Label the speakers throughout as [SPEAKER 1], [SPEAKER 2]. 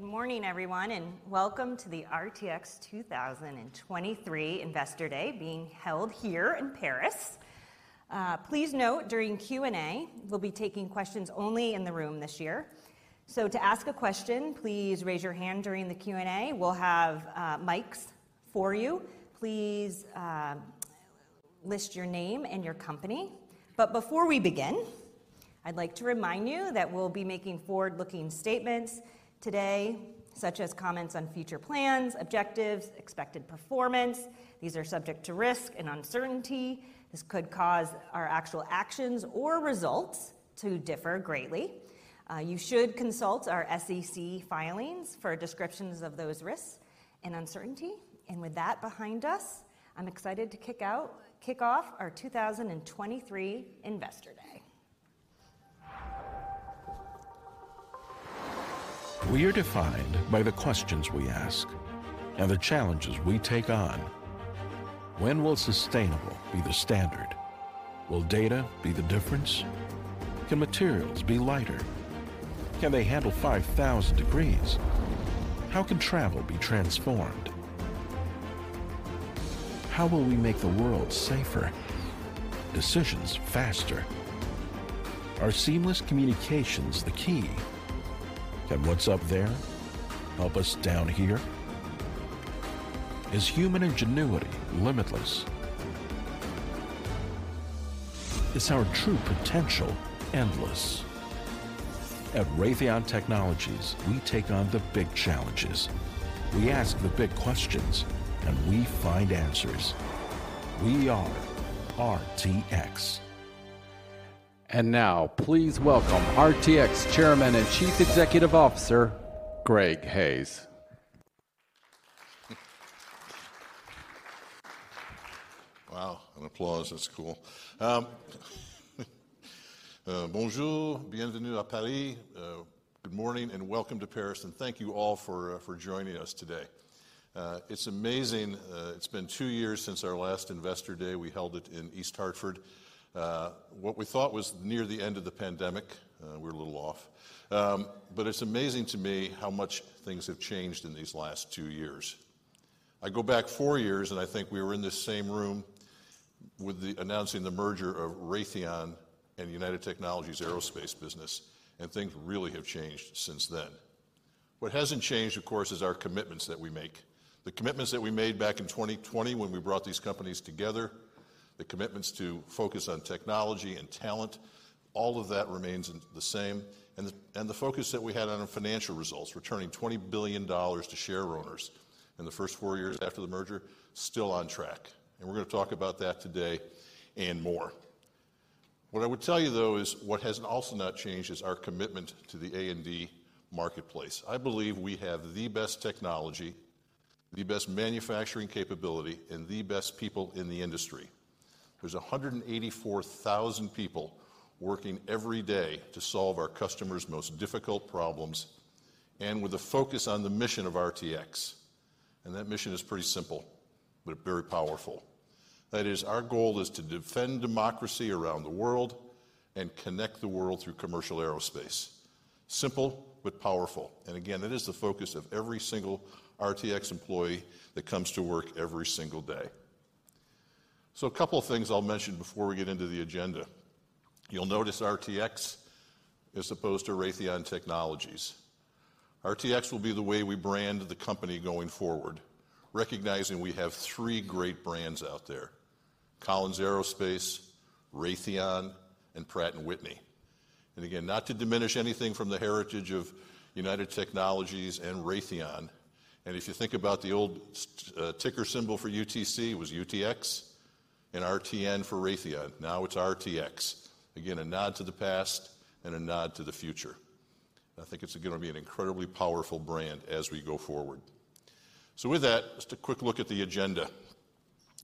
[SPEAKER 1] Good morning, everyone, and welcome to the RTX 2023 Investor Day being held here in Paris. Please note during Q&A, we'll be taking questions only in the room this year. To ask a question, please raise your hand during the Q&A. We'll have mics for you. Please list your name and your company. Before we begin, I'd like to remind you that we'll be making forward-looking statements today, such as comments on future plans, objectives, expected performance. These are subject to risk and uncertainty. This could cause our actual actions or results to differ greatly. You should consult our SEC filings for descriptions of those risks and uncertainty. With that behind us, I'm excited to kick off our 2023 Investor Day.
[SPEAKER 2] We are defined by the questions we ask and the challenges we take on. When will sustainable be the standard? Will data be the difference? Can materials be lighter? Can they handle 5,000 degrees? How can travel be transformed? How will we make the world safer, decisions faster? Are seamless communications the key? Can what's up there help us down here? Is human ingenuity limitless? Is our true potential endless? At RTX, we take on the big challenges, we ask the big questions, and we find answers. We are RTX.
[SPEAKER 3] Now, please welcome RTX Chairman and Chief Executive Officer, Greg Hayes.
[SPEAKER 4] Wow, an applause, that's cool. Bonjour, bienvenue à Paris. Good morning, and welcome to Paris, and thank you all for joining us today. It's amazing, it's been 2 years since our last Investor Day. We held it in East Hartford, what we thought was near the end of the pandemic, we were a little off. It's amazing to me how much things have changed in these last 2 years. I go back 4 years, and I think we were in this same room with the announcing the merger of Raytheon and United Technologies' aerospace business, and things really have changed since then. What hasn't changed, of course, is our commitments that we make. The commitments that we made back in 2020 when we brought these companies together, the commitments to focus on technology and talent, all of that remains the same. The, and the focus that we had on our financial results, returning $20 billion to share owners in the first 4 years after the merger, still on track. We're gonna talk about that today and more. What I would tell you, though, is what has also not changed is our commitment to the A&D marketplace. I believe we have the best technology, the best manufacturing capability, and the best people in the industry. There's 184,000 people working every day to solve our customers' most difficult problems, and with a focus on the mission of RTX. That mission is pretty simple, but very powerful. That is, our goal is to defend democracy around the world and connect the world through commercial aerospace. Simple, powerful, again, it is the focus of every single RTX employee that comes to work every single day. A couple of things I'll mention before we get into the agenda. You'll notice RTX as opposed to Raytheon Technologies. RTX will be the way we brand the company going forward, recognizing we have 3 great brands out there: Collins Aerospace, Raytheon, and Pratt & Whitney. Again, not to diminish anything from the heritage of United Technologies and Raytheon, if you think about the old ticker symbol for UTC, it was UTX, and RTN for Raytheon. Now it's RTX. Again, a nod to the past and a nod to the future. I think it's going to be an incredibly powerful brand as we go forward. With that, just a quick look at the agenda.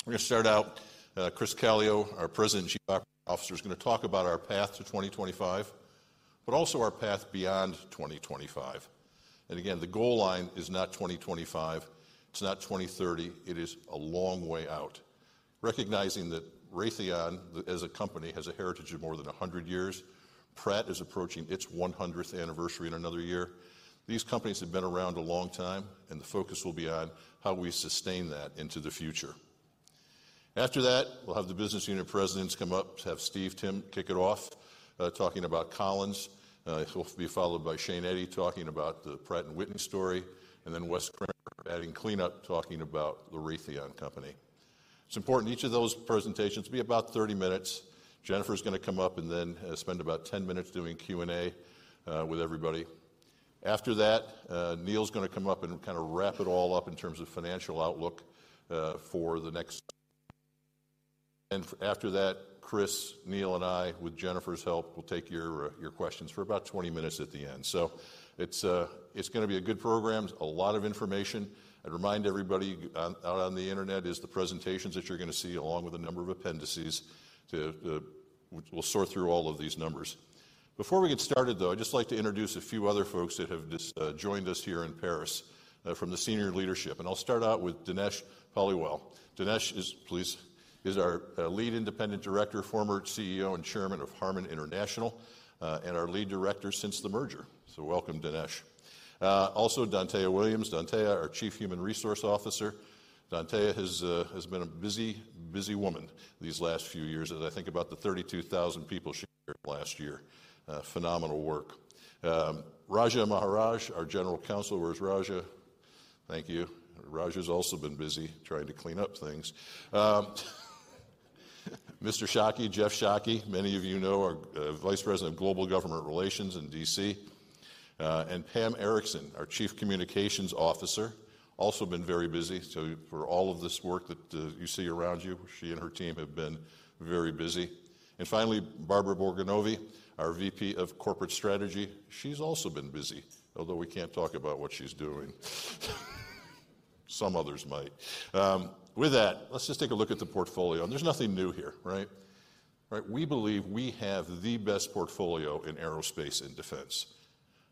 [SPEAKER 4] We're going to start out, Chris Calio, our President and Chief Operating Officer, is going to talk about our path to 2025, also our path beyond 2025. Again, the goal line is not 2025, it's not 2030, it is a long way out. Recognizing that Raytheon, as a company, has a heritage of more than 100 years, Pratt is approaching its 100th anniversary in another year. These companies have been around a long time, the focus will be on how we sustain that into the future. After that, we'll have the business unit presidents come up, to have Steve Timm kick it off, talking about Collins. He'll be followed by Shane Eddy, talking about the Pratt & Whitney story, and then Wes Kremer adding cleanup, talking about the Raytheon company. It's important each of those presentations be about 30 minutes. Jennifer's going to come up and then spend about 10 minutes doing Q&A with everybody. After that, Neil's going to come up and kind of wrap it all up in terms of financial outlook for the next... After that, Chris, Neil, and I, with Jennifer's help, will take your questions for about 20 minutes at the end. It's gonna be a good program, a lot of information. I'd remind everybody, out on the internet is the presentations that you're gonna see, along with a number of appendices to, we'll sort through all of these numbers. Before we get started, though, I'd just like to introduce a few other folks that have just joined us here in Paris from the senior leadership. I'll start out with Dinesh Paliwal. Dinesh is our lead independent director, former CEO and Chairman of Harman International, our lead director since the merger. Welcome, Dinesh. Also Dantaya Williams. Dantaya, our Chief Human Resources Officer. Dantaya has been a busy woman these last few years, as I think about the 32,000 people she hired last year. Phenomenal work. Raja Maharajh, our General Counsel. Where's Raja? Thank you. Raja's also been busy trying to clean up things. Jeff Shockey, many of you know, our Vice President of Global Government Relations in D.C. Pam Erickson, our Chief Communications Officer, also been very busy. For all of this work that you see around you, she and her team have been very busy. Finally, Barbara Borgonovi, our VP of Corporate Strategy. She's also been busy, although we can't talk about what she's doing. Some others might. With that, let's just take a look at the portfolio, there's nothing new here, right? Right, we believe we have the best portfolio in aerospace and defense.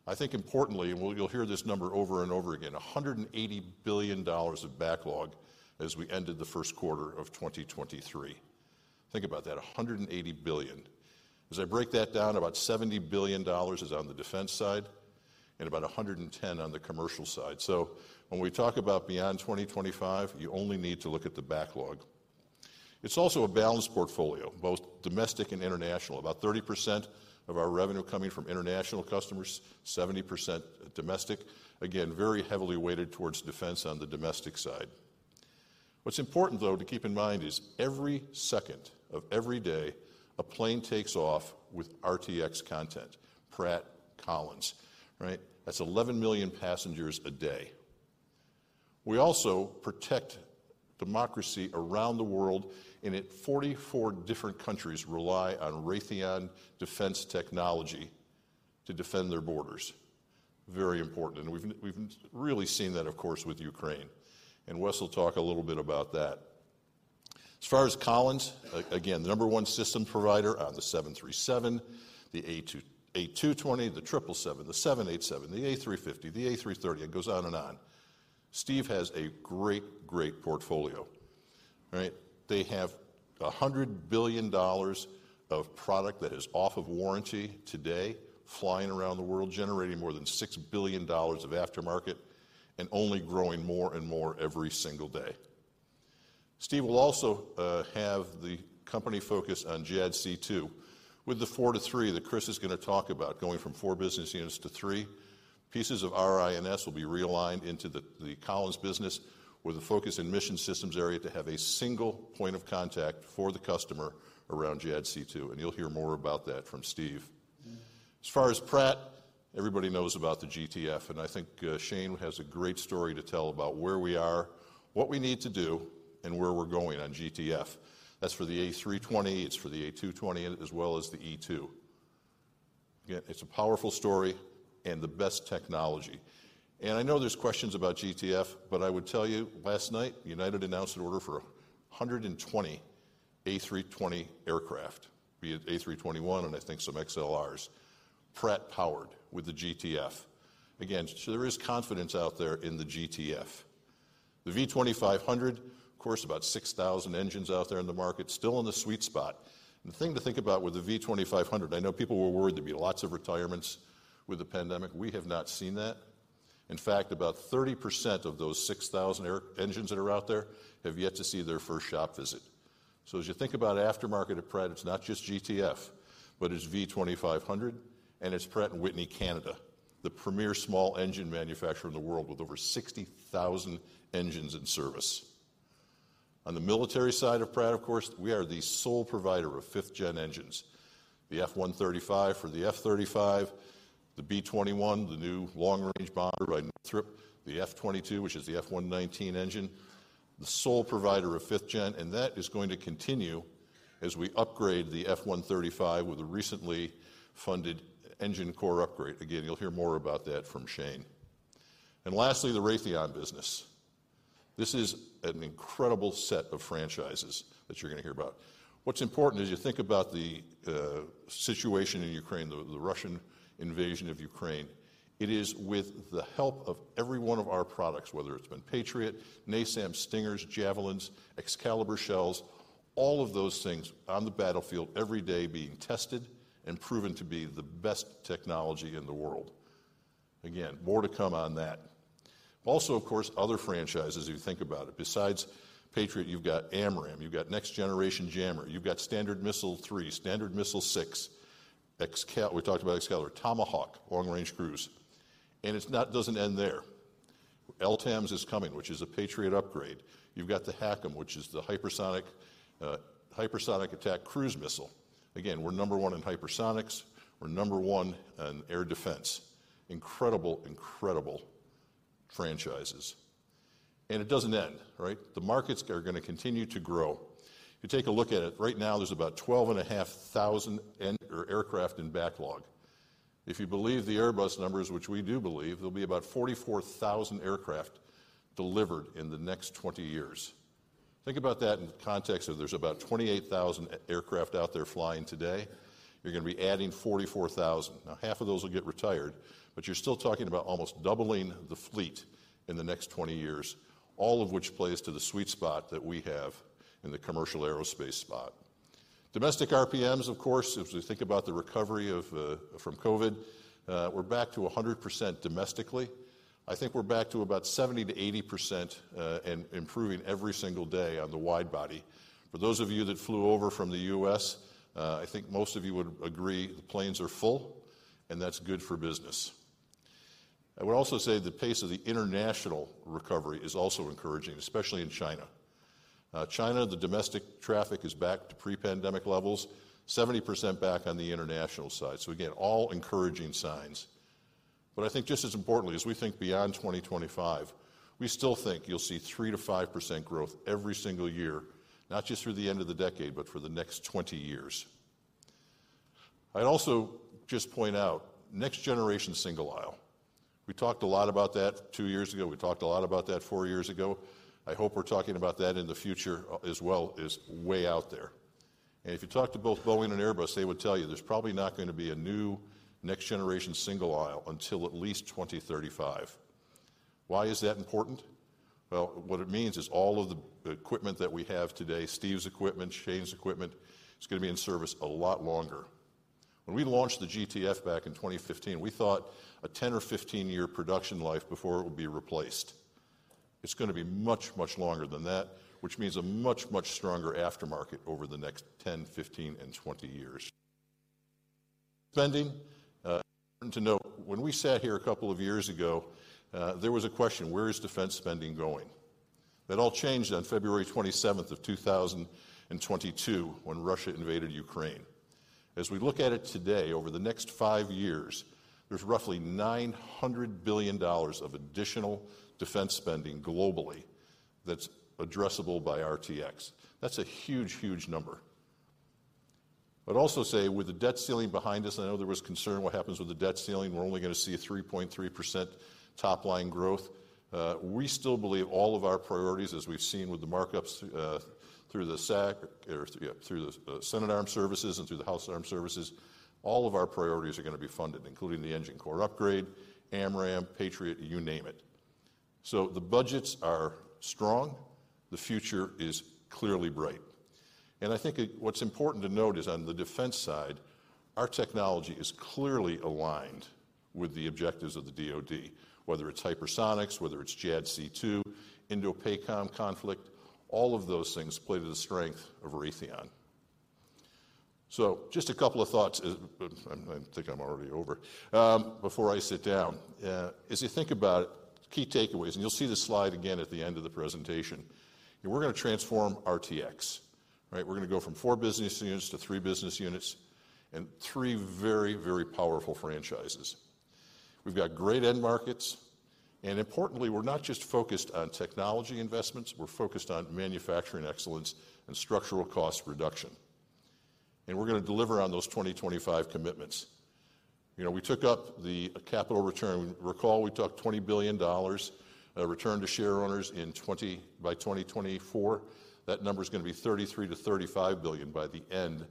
[SPEAKER 4] I think importantly, well, you'll hear this number over and over again, $180 billion of backlog as we ended the Q1 of 2023. Think about that, $180 billion. As I break that down, about $70 billion is on the defense side and about $110 billion on the commercial side. When we talk about beyond 2025, you only need to look at the backlog. It's also a balanced portfolio, both domestic and international. About 30% of our revenue coming from international customers, 70% domestic. Very heavily weighted towards defense on the domestic side. What's important, though, to keep in mind is every second of every day, a plane takes off with RTX content, Pratt, Collins. Right? That's 11 million passengers a day. We also protect democracy around the world, 44 different countries rely on Raytheon defense technology to defend their borders. Very important, we've really seen that, of course, with Ukraine. Wes will talk a little bit about that. As far as Collins, again, the number one system provider on the 737, the A220, the 777, the 787, the A350, the A330, it goes on and on. Steve has a great portfolio. Right? They have $100 billion of product that is off of warranty today, flying around the world, generating more than $6 billion of aftermarket and only growing more and more every single day. Steve will also have the company focus on JADC2 with the 4 to 3 that Chris is going to talk about, going from 4 business units to 3. Pieces of RIS will be realigned into the Collins business, with a focus in mission systems area to have a single point of contact for the customer around JADC2, and you'll hear more about that from Steve. As far as Pratt, everybody knows about the GTF, and I think Shane has a great story to tell about where we are, what we need to do, and where we're going on GTF. That's for the A320, it's for the A220, as well as the E2. It's a powerful story and the best technology. I know there's questions about GTF, but I would tell you, last night, United announced an order for 120 A320 aircraft, be it A321 and I think some XLRs, Pratt powered with the GTF. There is confidence out there in the GTF. The V2500, of course, about 6,000 engines out there in the market, still in the sweet spot. The thing to think about with the V2500, I know people were worried there'd be lots of retirements with the pandemic. We have not seen that. In fact, about 30% of those 6,000 engines that are out there have yet to see their first shop visit. As you think about aftermarket at Pratt, it's not just GTF, but it's V2500, and it's Pratt & Whitney Canada, the premier small engine manufacturer in the world with over 60,000 engines in service. On the military side of Pratt, of course, we are the sole provider of fifth-gen engines. The F135 for the F-35, the B-21, the new long-range bomber, the F-22, which is the F119 engine, the sole provider of fifth-gen, and that is going to continue as we upgrade the F135 with a recently funded Engine Core Upgrade. Again, you'll hear more about that from Shane. Lastly, the Raytheon business. This is an incredible set of franchises that you're going to hear about. What's important as you think about the situation in Ukraine, the Russian invasion of Ukraine, it is with the help of every one of our products, whether it's been Patriot, NASAMS, Stingers, Javelins, Excalibur shells, all of those things on the battlefield every day being tested and proven to be the best technology in the world. More to come on that. Of course, other franchises, if you think about it. Besides Patriot, you've got AMRAAM, you've got Next Generation Jammer, you've got Standard Missile-3, Standard Missile-6, we talked about Excalibur, Tomahawk Long Range Cruise, it doesn't end there. LTAMDS is coming, which is a Patriot upgrade. You've got the HACM, which is the hypersonic Hypersonic Attack Cruise Missile. We're number one in hypersonics. We're number one in air defense. Incredible, incredible franchises. It doesn't end, right? The markets are gonna continue to grow. If you take a look at it, right now, there's about 12,500 end or aircraft in backlog. If you believe the Airbus numbers, which we do believe, there'll be about 44,000 aircraft delivered in the next 20 years. Think about that in context of there's about 28,000 aircraft out there flying today. You're going to be adding 44,000. Now, half of those will get retired, but you're still talking about almost doubling the fleet in the next 20 years, all of which plays to the sweet spot that we have in the commercial aerospace spot. Domestic RPMs, of course, as we think about the recovery from COVID, we're back to 100% domestically. I think we're back to about 70%-80%, and improving every single day on the wide body. For those of you that flew over from the U.S., I think most of you would agree, the planes are full, and that's good for business. I would also say the pace of the international recovery is also encouraging, especially in China. China, the domestic traffic is back to pre-pandemic levels, 70% back on the international side, again, all encouraging signs. I think just as importantly, as we think beyond 2025, we still think you'll see 3%-5% growth every single year, not just through the end of the decade, but for the next 20 years. I'd also just point out, next generation single aisle. We talked a lot about that two years ago, we talked a lot about that four years ago. I hope we're talking about that in the future, as well as way out there. If you talk to both Boeing and Airbus, they would tell you there's probably not going to be a new next-generation single aisle until at least 2035. Why is that important? Well, what it means is all of the equipment that we have today, Steve Timm's equipment, Shane Eddy's equipment, is going to be in service a lot longer. When we launched the GTF back in 2015, we thought a 10- or 15-year production life before it would be replaced. It's going to be much, much longer than that, which means a much, much stronger aftermarket over the next 10, 15, and 20 years. Spending to note, when we sat here a couple of five years ago, there was a question: where is defense spending going? That all changed on February 27, 2022, when Russia invaded Ukraine. As we look at it today, over the next five years, there's roughly $900 billion of additional defense spending globally that's addressable by RTX. That's a huge, huge number. I'd also say, with the debt ceiling behind us, I know there was concern what happens with the debt ceiling, we're only going to see a 3.3% top-line growth. We still believe all of our priorities, as we've seen with the markups, through the SASC, or through the Senate Armed Services and through the House Armed Services, all of our priorities are going to be funded, including the Engine Core Upgrade, AMRAAM, Patriot, you name it. The budgets are strong, the future is clearly bright. I think what's important to note is on the defense side, our technology is clearly aligned with the objectives of the DoD, whether it's hypersonics, whether it's JADC2, Indo-PACOM conflict, all of those things play to the strength of Raytheon. just a couple of thoughts, I think I'm already over before I sit down. As you think about it, key takeaways, you'll see this slide again at the end of the presentation. We're going to transform RTX, right? We're going to go from 4 business units to 3 business units and 3 very, very powerful franchises. We've got great end markets, importantly, we're not just focused on technology investments, we're focused on manufacturing excellence and structural cost reduction. We're going to deliver on those 2025 commitments. You know, we took up the capital return. Recall, we took $20 billion return to shareowners by 2024. That number is going to be $33 billion-$35 billion by the end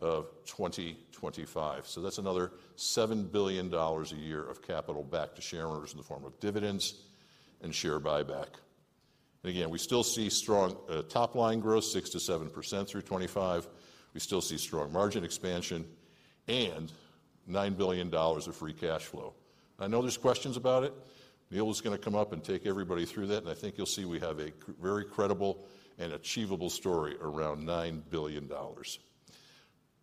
[SPEAKER 4] of 2025. That's another $7 billion a year of capital back to shareowners in the form of dividends and share buyback. Again, we still see strong top-line growth, 6%-7% through 2025. We still see strong margin expansion and $9 billion of free cash flow. I know there's questions about it. Neil is going to come up and take everybody through that, and I think you'll see we have a very credible and achievable story around $9 billion.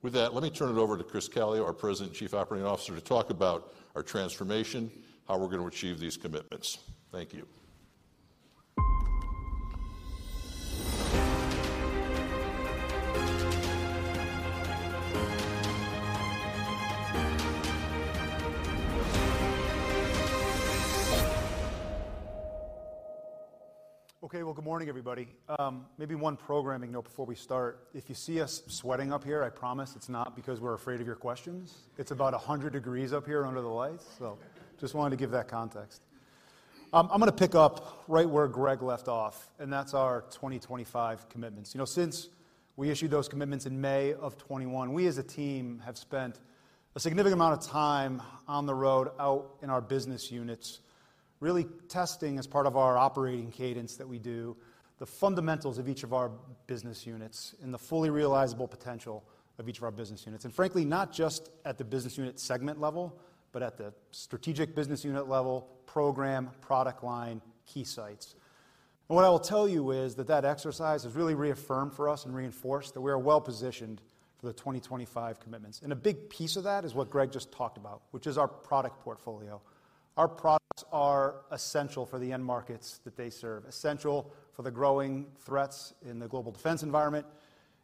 [SPEAKER 4] With that, let me turn it over to Chris Calio, our President and Chief Operating Officer, to talk about our transformation, how we're going to achieve these commitments. Thank you.
[SPEAKER 5] Okay, well, good morning, everybody. Maybe one programming note before we start. If you see us sweating up here, I promise it's not because we're afraid of your questions. It's about 100 degrees up here under the lights, so just wanted to give that context. I'm going to pick up right where Greg left off, and that's our 2025 commitments. You know, since we issued those commitments in May of 2021, we as a team have spent a significant amount of time on the road out in our business units, really testing as part of our operating cadence that we do, the fundamentals of each of our business units and the fully realizable potential of each of our business units. Frankly, not just at the business unit segment level, but at the strategic business unit level, program, product line, key sites. What I will tell you is that exercise has really reaffirmed for us and reinforced that we are well-positioned for the 2025 commitments. A big piece of that is what Greg just talked about, which is our product portfolio. Our products are essential for the end markets that they serve, essential for the growing threats in the global defense environment,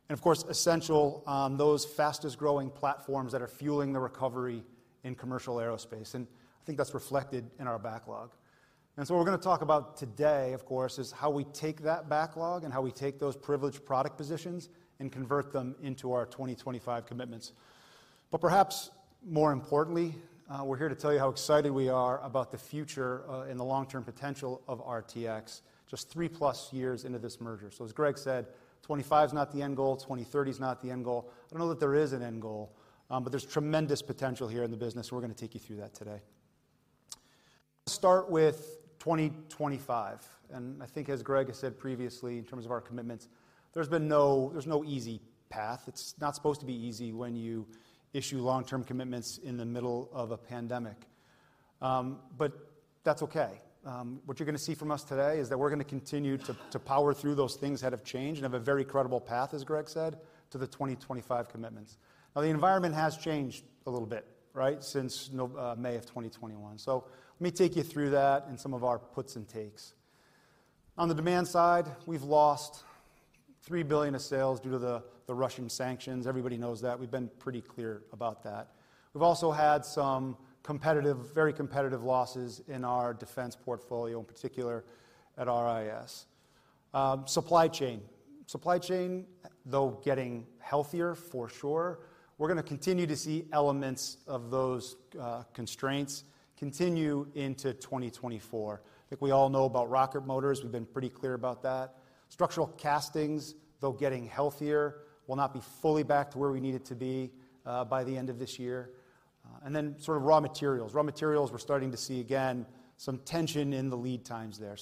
[SPEAKER 5] and of course, essential on those fastest-growing platforms that are fueling the recovery in commercial aerospace. I think that's reflected in our backlog. What we're going to talk about today, of course, is how we take that backlog and how we take those privileged product positions and convert them into our 2025 commitments. Perhaps more importantly, we're here to tell you how excited we are about the future, and the long-term potential of RTX just three-plus years into this merger. As Greg said, 2025 is not the end goal, 2030 is not the end goal. I don't know that there is an end goal, but there's tremendous potential here in the business, and we're going to take you through that today. Start with 2025, and I think as Greg has said previously, in terms of our commitments, there's no easy path. It's not supposed to be easy when you issue long-term commitments in the middle of a pandemic. That's okay. What you're going to see from us today is that we're going to continue to power through those things that have changed and have a very credible path, as Greg said, to the 2025 commitments. The environment has changed a little bit, right, since May of 2021. Let me take you through that and some of our puts and takes. On the demand side, we've lost $3 billion of sales due to the Russian sanctions. Everybody knows that. We've been pretty clear about that. We've also had some competitive, very competitive losses in our defense portfolio, in particular at RIS. Supply chain. Supply chain, though getting healthier for sure, we're going to continue to see elements of those constraints continue into 2024. I think we all know about rocket motors. We've been pretty clear about that. Structural castings, though getting healthier, will not be fully back to where we need it to be, by the end of this year. sort of raw materials. Raw materials, we're starting to see again, some tension in the lead times there.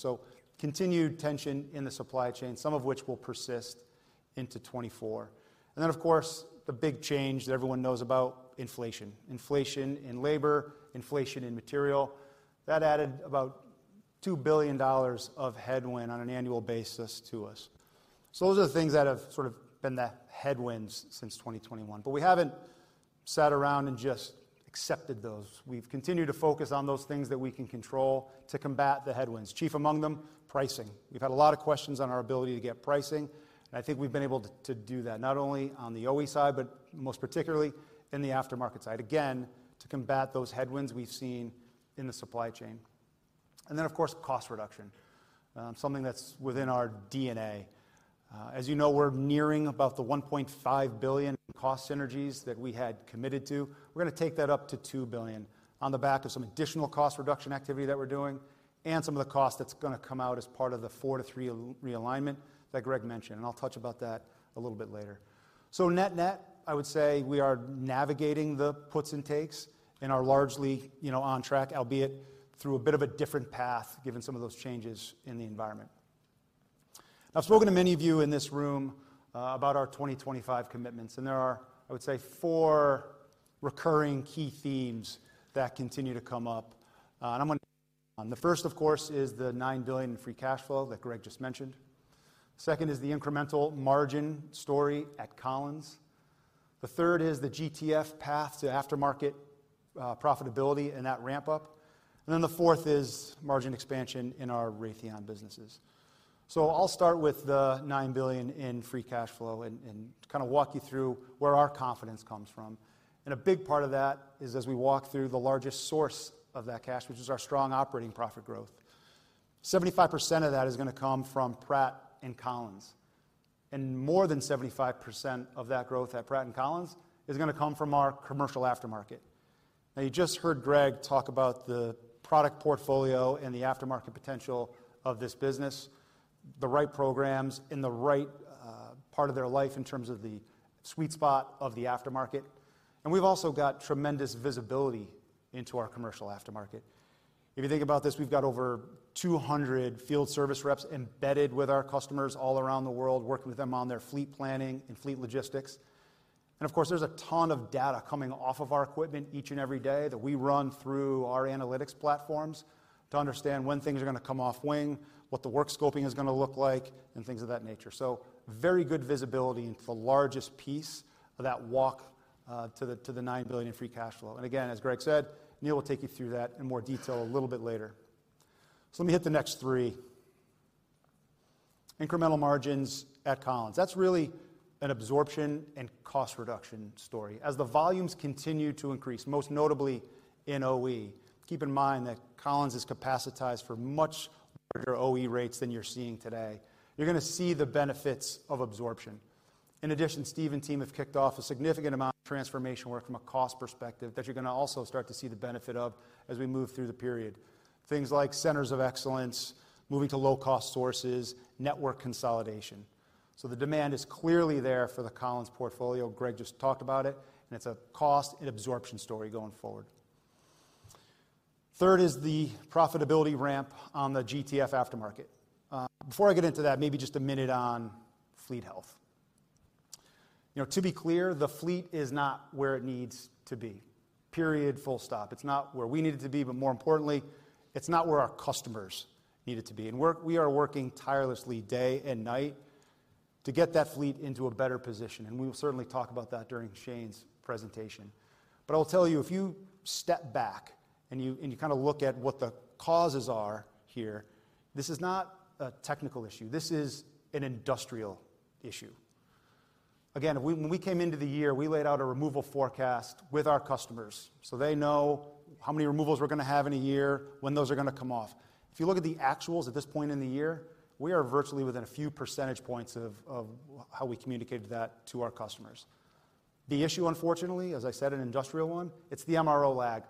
[SPEAKER 5] Continued tension in the supply chain, some of which will persist into 2024. Of course, the big change that everyone knows about, inflation. Inflation in labor, inflation in material. That added about $2 billion of headwind on an annual basis to us. Those are the things that have sort of been the headwinds since 2021, but we haven't sat around and just accepted those. We've continued to focus on those things that we can control to combat the headwinds, chief among them, pricing. We've had a lot of questions on our ability to do that, not only on the OE side, but most particularly in the aftermarket side, again, to combat those headwinds we've seen in the supply chain. Of course, cost reduction, something that's within our DNA. As you know, we're nearing about the $1.5 billion in cost synergies that we had committed to. We're going to take that up to $2 billion on the back of some additional cost reduction activity that we're doing and some of the cost that's going to come out as part of the 4 to 3 realignment that Greg mentioned. I'll touch about that a little bit later. Net-net, I would say we are navigating the puts and takes and are largely, you know, on track, albeit through a bit of a different path, given some of those changes in the environment. I've spoken to many of you in this room about our 2025 commitments, and there are, I would say, four recurring key themes that continue to come up. The first, of course, is the $9 billion in free cash flow that Greg just mentioned. Second is the incremental margin story at Collins. The third is the GTF path to aftermarket profitability and that ramp-up. The fourth is margin expansion in our Raytheon businesses. I'll start with the $9 billion in free cash flow and kind of walk you through where our confidence comes from. A big part of that is as we walk through the largest source of that cash, which is our strong operating profit growth. 75% of that is going to come from Pratt and Collins, and more than 75% of that growth at Pratt and Collins is going to come from our commercial aftermarket. You just heard Greg talk about the product portfolio and the aftermarket potential of this business, the right programs in the right part of their life in terms of the sweet spot of the aftermarket. We've also got tremendous visibility into our commercial aftermarket. If you think about this, we've got over 200 field service reps embedded with our customers all around the world, working with them on their fleet planning and fleet logistics. Of course, there's a ton of data coming off of our equipment each and every day that we run through our analytics platforms to understand when things are going to come off wing, what the work scoping is going to look like, and things of that nature. Very good visibility into the largest piece of that walk to the $9 billion in free cash flow. Again, as Greg said, Neil will take you through that in more detail a little bit later. Let me hit the next 3. Incremental margins at Collins. That's really an absorption and cost reduction story. As the volumes continue to increase, most notably in OE, keep in mind that Collins is capacitized for much larger OE rates than you're seeing today. You're going to see the benefits of absorption. In addition, Steve and team have kicked off a significant amount of transformation work from a cost perspective that you're going to also start to see the benefit of as we move through the period. Things like centers of excellence, moving to low-cost sources, network consolidation. The demand is clearly there for the Collins portfolio. Greg just talked about it, and it's a cost and absorption story going forward. Third is the profitability ramp on the GTF aftermarket. Before I get into that, maybe just a minute on fleet health. You know, to be clear, the fleet is not where it needs to be. Period, full stop. It's not where we need it to be, but more importantly, it's not where our customers need it to be. We are working tirelessly day and night to get that fleet into a better position, and we will certainly talk about that during Shane's presentation. I'll tell you, if you step back and you kind of look at what the causes are here, this is not a technical issue. This is an industrial issue. When we came into the year, we laid out a removal forecast with our customers, so they know how many removals we're going to have in a year, when those are going to come off. If you look at the actuals at this point in the year, we are virtually within a few percentage points of how we communicated that to our customers. The issue, unfortunately, as I said, an industrial one, it's the MRO lag.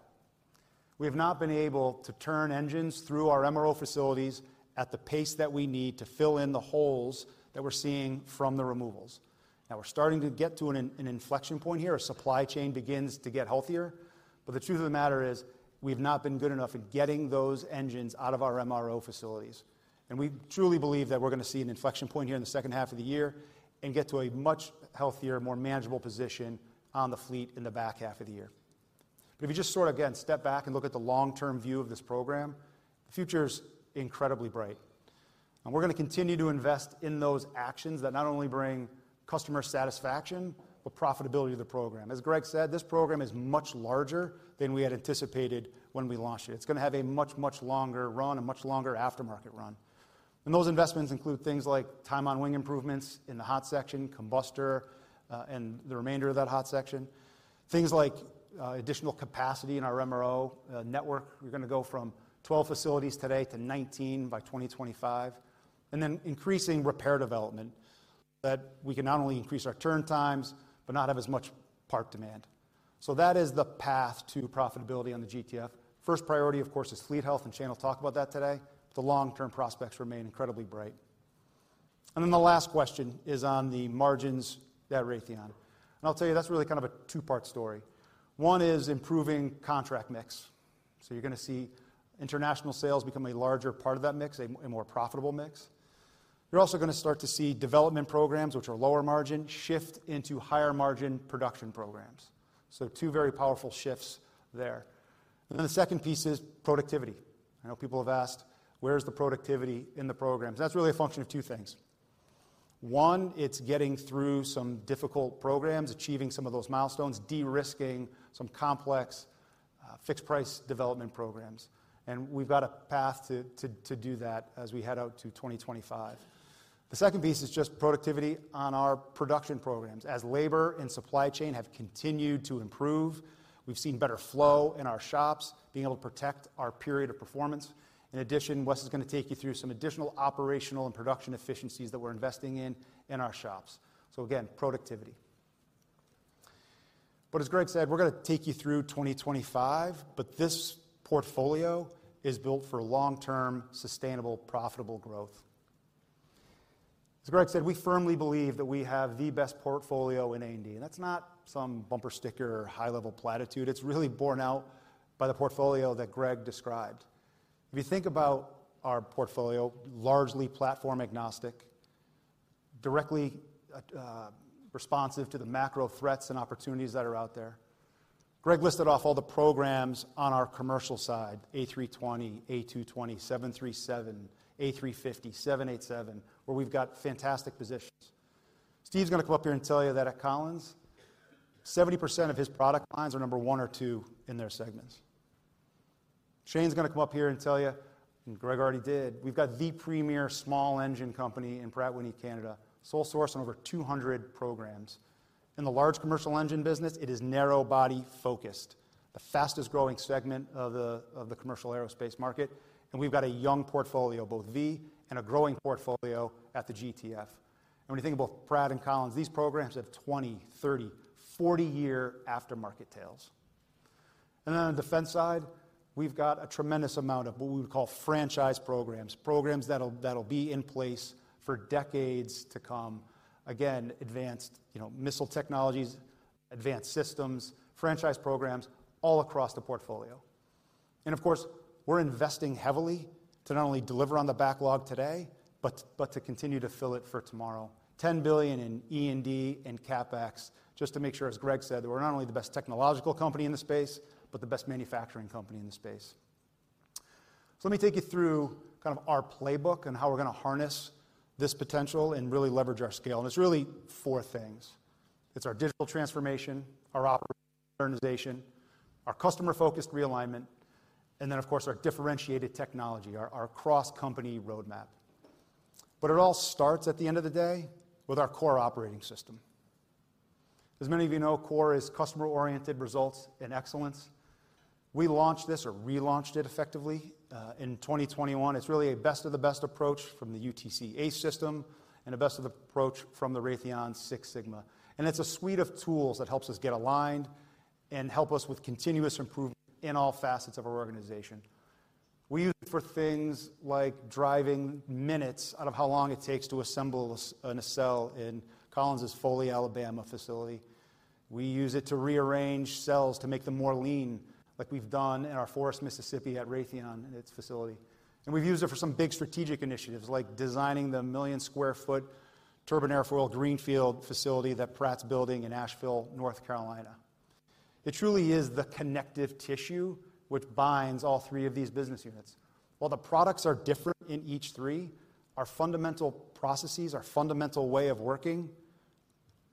[SPEAKER 5] We have not been able to turn engines through our MRO facilities at the pace that we need to fill in the holes that we're seeing from the removals. We're starting to get to an inflection point here, as supply chain begins to get healthier. The truth of the matter is, we've not been good enough in getting those engines out of our MRO facilities. We truly believe that we're going to see an inflection point here in the H2 of the year and get to a much healthier, more manageable position on the fleet in the back half of the year. If you just sort of, again, step back and look at the long-term view of this program, the future is incredibly bright. We're going to continue to invest in those actions that not only bring customer satisfaction, but profitability of the program. As Greg said, this program is much larger than we had anticipated when we launched it. It's going to have a much, much longer run and much longer aftermarket run. Those investments include things like time on wing improvements in the hot section, combustor, and the remainder of that hot section. Things like additional capacity in our MRO network. We're going to go from 12 facilities today to 19 by 2025. Then increasing repair development, that we can not only increase our turn times, but not have as much part demand. That is the path to profitability on the GTF. First priority, of course, is fleet health, and Shane will talk about that today. The long-term prospects remain incredibly bright. Then the last question is on the margins at Raytheon. I'll tell you, that's really kind of a two-part story. One is improving contract mix. You're going to see international sales become a larger part of that mix, a more profitable mix. You're also going to start to see development programs, which are lower margin, shift into higher margin production programs. Two very powerful shifts there. Then the second piece is productivity. I know people have asked, where's the productivity in the programs? That's really a function of two things. One, it's getting through some difficult programs, achieving some of those milestones, de-risking some complex, fixed price development programs. We've got a path to do that as we head out to 2025. The second piece is just productivity on our production programs. Labor and supply chain have continued to improve, we've seen better flow in our shops, being able to protect our period of performance. In addition, Wes Kremer is going to take you through some additional operational and production efficiencies that we're investing in our shops. Again, productivity. As Greg Hayes said, we're going to take you through 2025, but this portfolio is built for long-term, sustainable, profitable growth. As Greg Hayes said, we firmly believe that we have the best portfolio in A&D. That's not some bumper sticker or high-level platitude. It's really borne out by the portfolio that Greg Hayes described. If you think about our portfolio, largely platform-agnostic, directly responsive to the macro threats and opportunities that are out there. Greg Hayes listed off all the programs on our commercial side: A320, A220, 737, A350, 787, where we've got fantastic positions. Steve's going to come up here and tell you that at Collins Aerospace, 70% of his product lines are number 1 or 2 in their segments. Shane's going to come up here and tell you, and Greg already did, we've got the premier small engine company in Pratt & Whitney Canada, sole source on over 200 programs. In the large commercial engine business, it is narrow-body focused, the fastest-growing segment of the commercial aerospace market, and we've got a young portfolio, both V and a growing portfolio at the GTF. When you think about Pratt & Whitney and Collins Aerospace, these programs have 20, 30, 40-year aftermarket tails. On the defense side, we've got a tremendous amount of what we would call franchise programs that'll be in place for decades to come. Again, advanced, you know, missile technologies, advanced systems, franchise programs all across the portfolio. Of course, we're investing heavily to not only deliver on the backlog today, but to continue to fill it for tomorrow. $10 billion in E&D and CapEx, just to make sure, as Greg said, that we're not only the best technological company in the space, but the best manufacturing company in the space. Let me take you through kind of our playbook and how we're going to harness this potential and really leverage our scale. It's really four things. It's our digital transformation, our operational modernization, our customer-focused realignment, and then, of course, our differentiated technology, our cross-company roadmap. It all starts at the end of the day with our CORE operating system. As many of you know, CORE is Customer-Oriented Results and Excellence. We launched this, or relaunched it effectively, in 2021. It's really a best of the best approach from the UTC ACE system and a best of approach from the Raytheon Six Sigma. It's a suite of tools that helps us get aligned and help us with continuous improvement in all facets of our organization. We use it for things like driving minutes out of how long it takes to assemble a cell in Collins' Foley, Alabama, facility. We use it to rearrange cells to make them more lean, like we've done in our Forest, Mississippi, at Raytheon in its facility. We've used it for some big strategic initiatives, like designing the million-square-foot turbine airfoil greenfield facility that Pratt's building in Asheville, North Carolina. It truly is the connective tissue which binds all three of these business units. While the products are different in each three, our fundamental processes, our fundamental way of working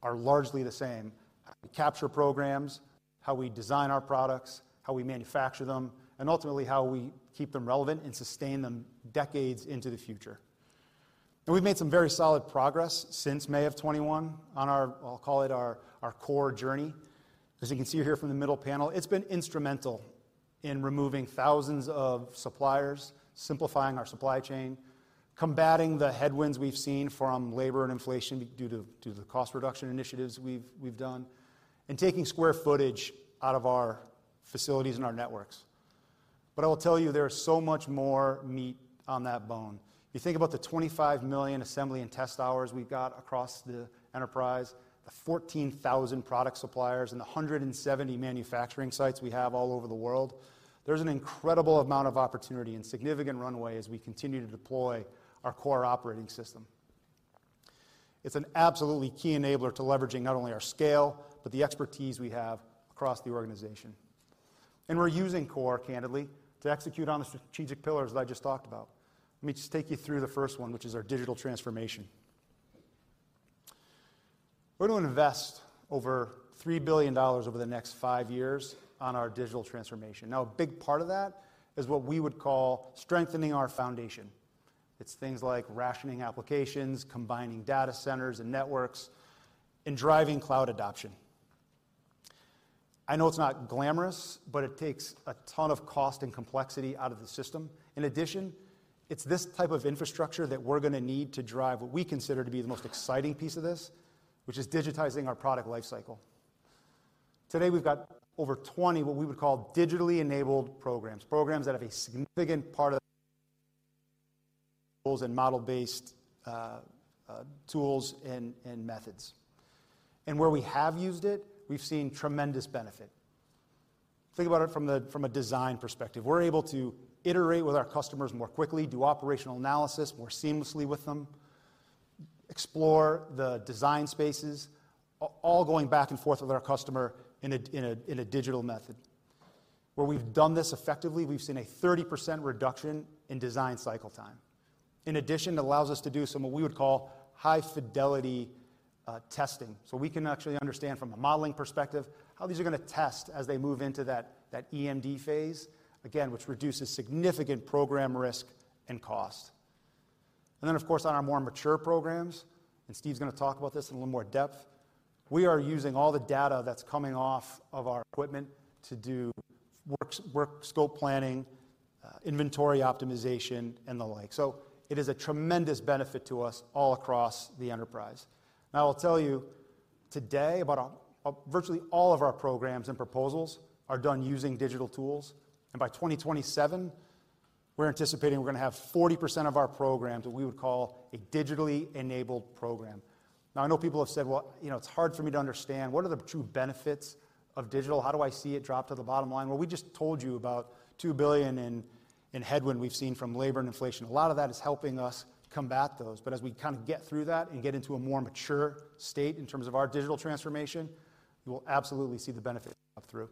[SPEAKER 5] are largely the same. How we capture programs, how we design our products, how we manufacture them, and ultimately, how we keep them relevant and sustain them decades into the future. We've made some very solid progress since May of 2021 on our, I'll call it our CORE journey. As you can see here from the middle panel, it's been instrumental in removing thousands of suppliers, simplifying our supply chain. combating the headwinds we've seen from labor and inflation due to the cost reduction initiatives we've done, and taking square footage out of our facilities and our networks. I will tell you, there is so much more meat on that bone. You think about the 25 million assembly and test hours we've got across the enterprise, the 14,000 product suppliers, and the 170 manufacturing sites we have all over the world. There's an incredible amount of opportunity and significant runway as we continue to deploy our CORE operating system. It's an absolutely key enabler to leveraging not only our scale, but the expertise we have across the organization. We're using CORE candidly, to execute on the strategic pillars that I just talked about. Let me just take you through the first one, which is our digital transformation. We're going to invest over $3 billion over the next five years on our digital transformation. Now, a big part of that is what we would call strengthening our foundation. It's things like rationing applications, combining data centers and networks, and driving cloud adoption. I know it's not glamorous, but it takes a ton of cost and complexity out of the system. In addition, it's this type of infrastructure that we're gonna need to drive what we consider to be the most exciting piece of this, which is digitizing our product lifecycle. Today, we've got over 20, what we would call digitally enabled programs that have a significant part of and model-based tools and methods. Where we have used it, we've seen tremendous benefit. Think about it from a design perspective. We're able to iterate with our customers more quickly, do operational analysis more seamlessly with them, explore the design spaces, all going back and forth with our customer in a, in a, in a digital method. Where we've done this effectively, we've seen a 30% reduction in design cycle time. In addition, it allows us to do some, what we would call high fidelity testing. We can actually understand from a modeling perspective, how these are gonna test as they move into that EMD phase, again, which reduces significant program risk and cost. Then, of course, on our more mature programs, and Steve's gonna talk about this in a little more depth, we are using all the data that's coming off of our equipment to do work scope planning, inventory optimization, and the like. It is a tremendous benefit to us all across the enterprise. I will tell you, today, about virtually all of our programs and proposals are done using digital tools, and by 2027, we're anticipating we're gonna have 40% of our programs that we would call a digitally enabled program. I know people have said, "Well, you know, it's hard for me to understand what are the true benefits of digital? How do I see it drop to the bottom line?" We just told you about $2 billion in headwind we've seen from labor and inflation. A lot of that is helping us combat those. As we get through that and get into a more mature state in terms of our digital transformation, you will absolutely see the benefit through.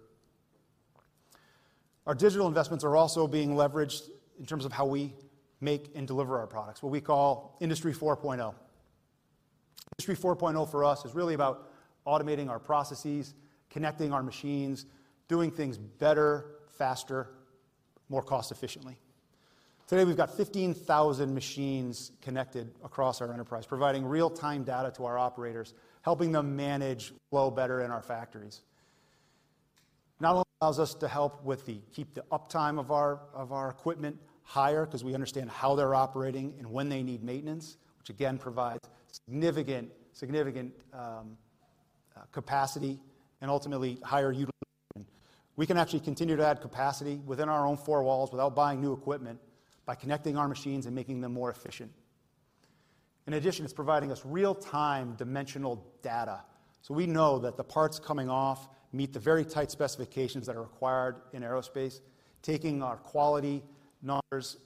[SPEAKER 5] Our digital investments are also being leveraged in terms of how we make and deliver our products, what we call Industry 4.0. Industry 4.0, for us, is really about automating our processes, connecting our machines, doing things better, faster, more cost efficiently. Today, we've got 15,000 machines connected across our enterprise, providing real-time data to our operators, helping them manage flow better in our factories. Not only allows us to help with the uptime of our equipment higher, 'cause we understand how they're operating and when they need maintenance, which again, provides significant capacity and ultimately higher utilization. We can actually continue to add capacity within our own four walls without buying new equipment by connecting our machines and making them more efficient. It's providing us real-time dimensional data, so we know that the parts coming off meet the very tight specifications that are required in aerospace, taking our quality numbers,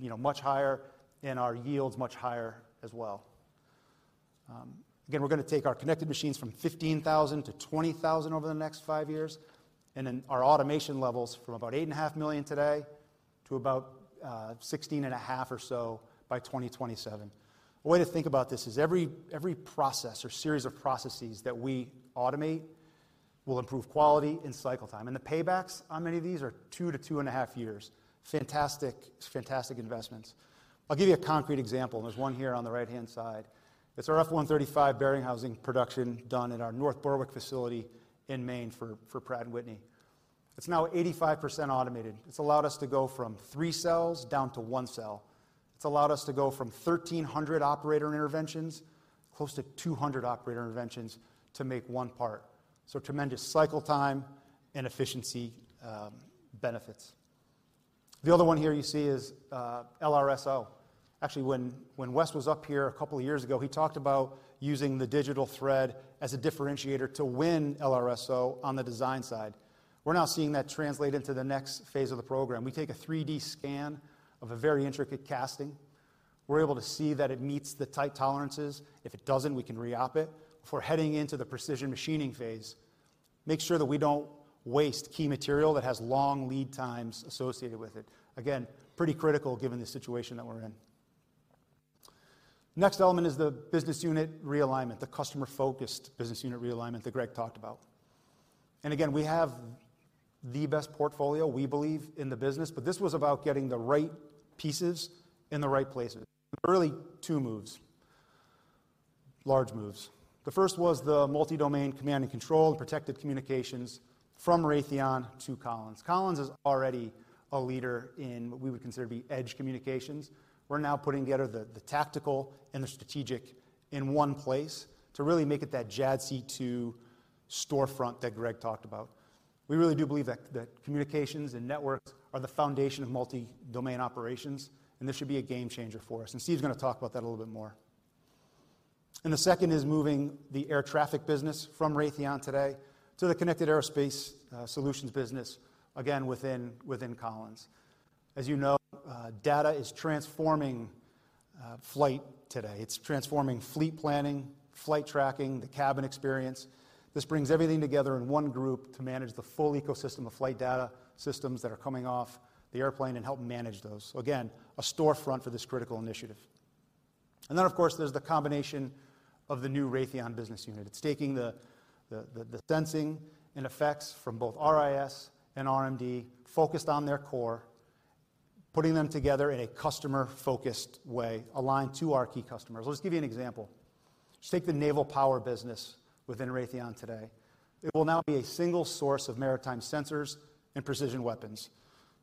[SPEAKER 5] you know, much higher and our yields much higher as well. Again, we're gonna take our connected machines from 15,000 to 20,000 over the next 5 years, our automation levels from about 8.5 million today to about 16.5 or so by 2027. A way to think about this is every process or series of processes that we automate will improve quality and cycle time, the paybacks on many of these are 2 to 2.5 years. Fantastic. It's fantastic investments. I'll give you a concrete example. There's one here on the right-hand side. It's our F135 bearing housing production done at our North Berwick facility in Maine for Pratt & Whitney. It's now 85% automated. It's allowed us to go from 3 cells down to 1 cell. It's allowed us to go from 1,300 operator interventions, close to 200 operator interventions to make one part. Tremendous cycle time and efficiency benefits. The other one here you see is LRSO. Actually, when Wes was up here a couple of years ago, he talked about using the digital thread as a differentiator to win LRSO on the design side. We're now seeing that translate into the next phase of the program. We take a 3D scan of a very intricate casting. We're able to see that it meets the tight tolerances. If it doesn't, we can re-op it. Before heading into the precision machining phase, make sure that we don't waste key material that has long lead times associated with it. Again, pretty critical given the situation that we're in. Next element is the business unit realignment, the customer-focused business unit realignment that Greg talked about. Again, we have the best portfolio, we believe in the business, but this was about getting the right pieces in the right places. Really, two moves. Large moves. The first was the multi-domain command and control and protected communications from Raytheon to Collins. Collins is already a leader in what we would consider to be edge communications. We're now putting together the tactical and the strategic in one place to really make it that JADC2 storefront that Greg talked about. We really do believe that communications and networks are the foundation of multi-domain operations, and this should be a game changer for us, Steve's gonna talk about that a little bit more. The second is moving the air traffic business from Raytheon today to the Connected Aviation Solutions business, again within Collins. As you know, data is transforming flight today. It's transforming fleet planning, flight tracking, the cabin experience. This brings everything together in one group to manage the full ecosystem of flight data systems that are coming off the airplane and help manage those. Again, a storefront for this critical initiative. Of course, there's the combination of the new Raytheon business unit. It's taking the sensing and effects from both RIS and RMD, focused on their core, putting them together in a customer-focused way, aligned to our key customers. Let me just give you an example. Just take the naval power business within Raytheon today. It will now be a single source of maritime sensors and precision weapons.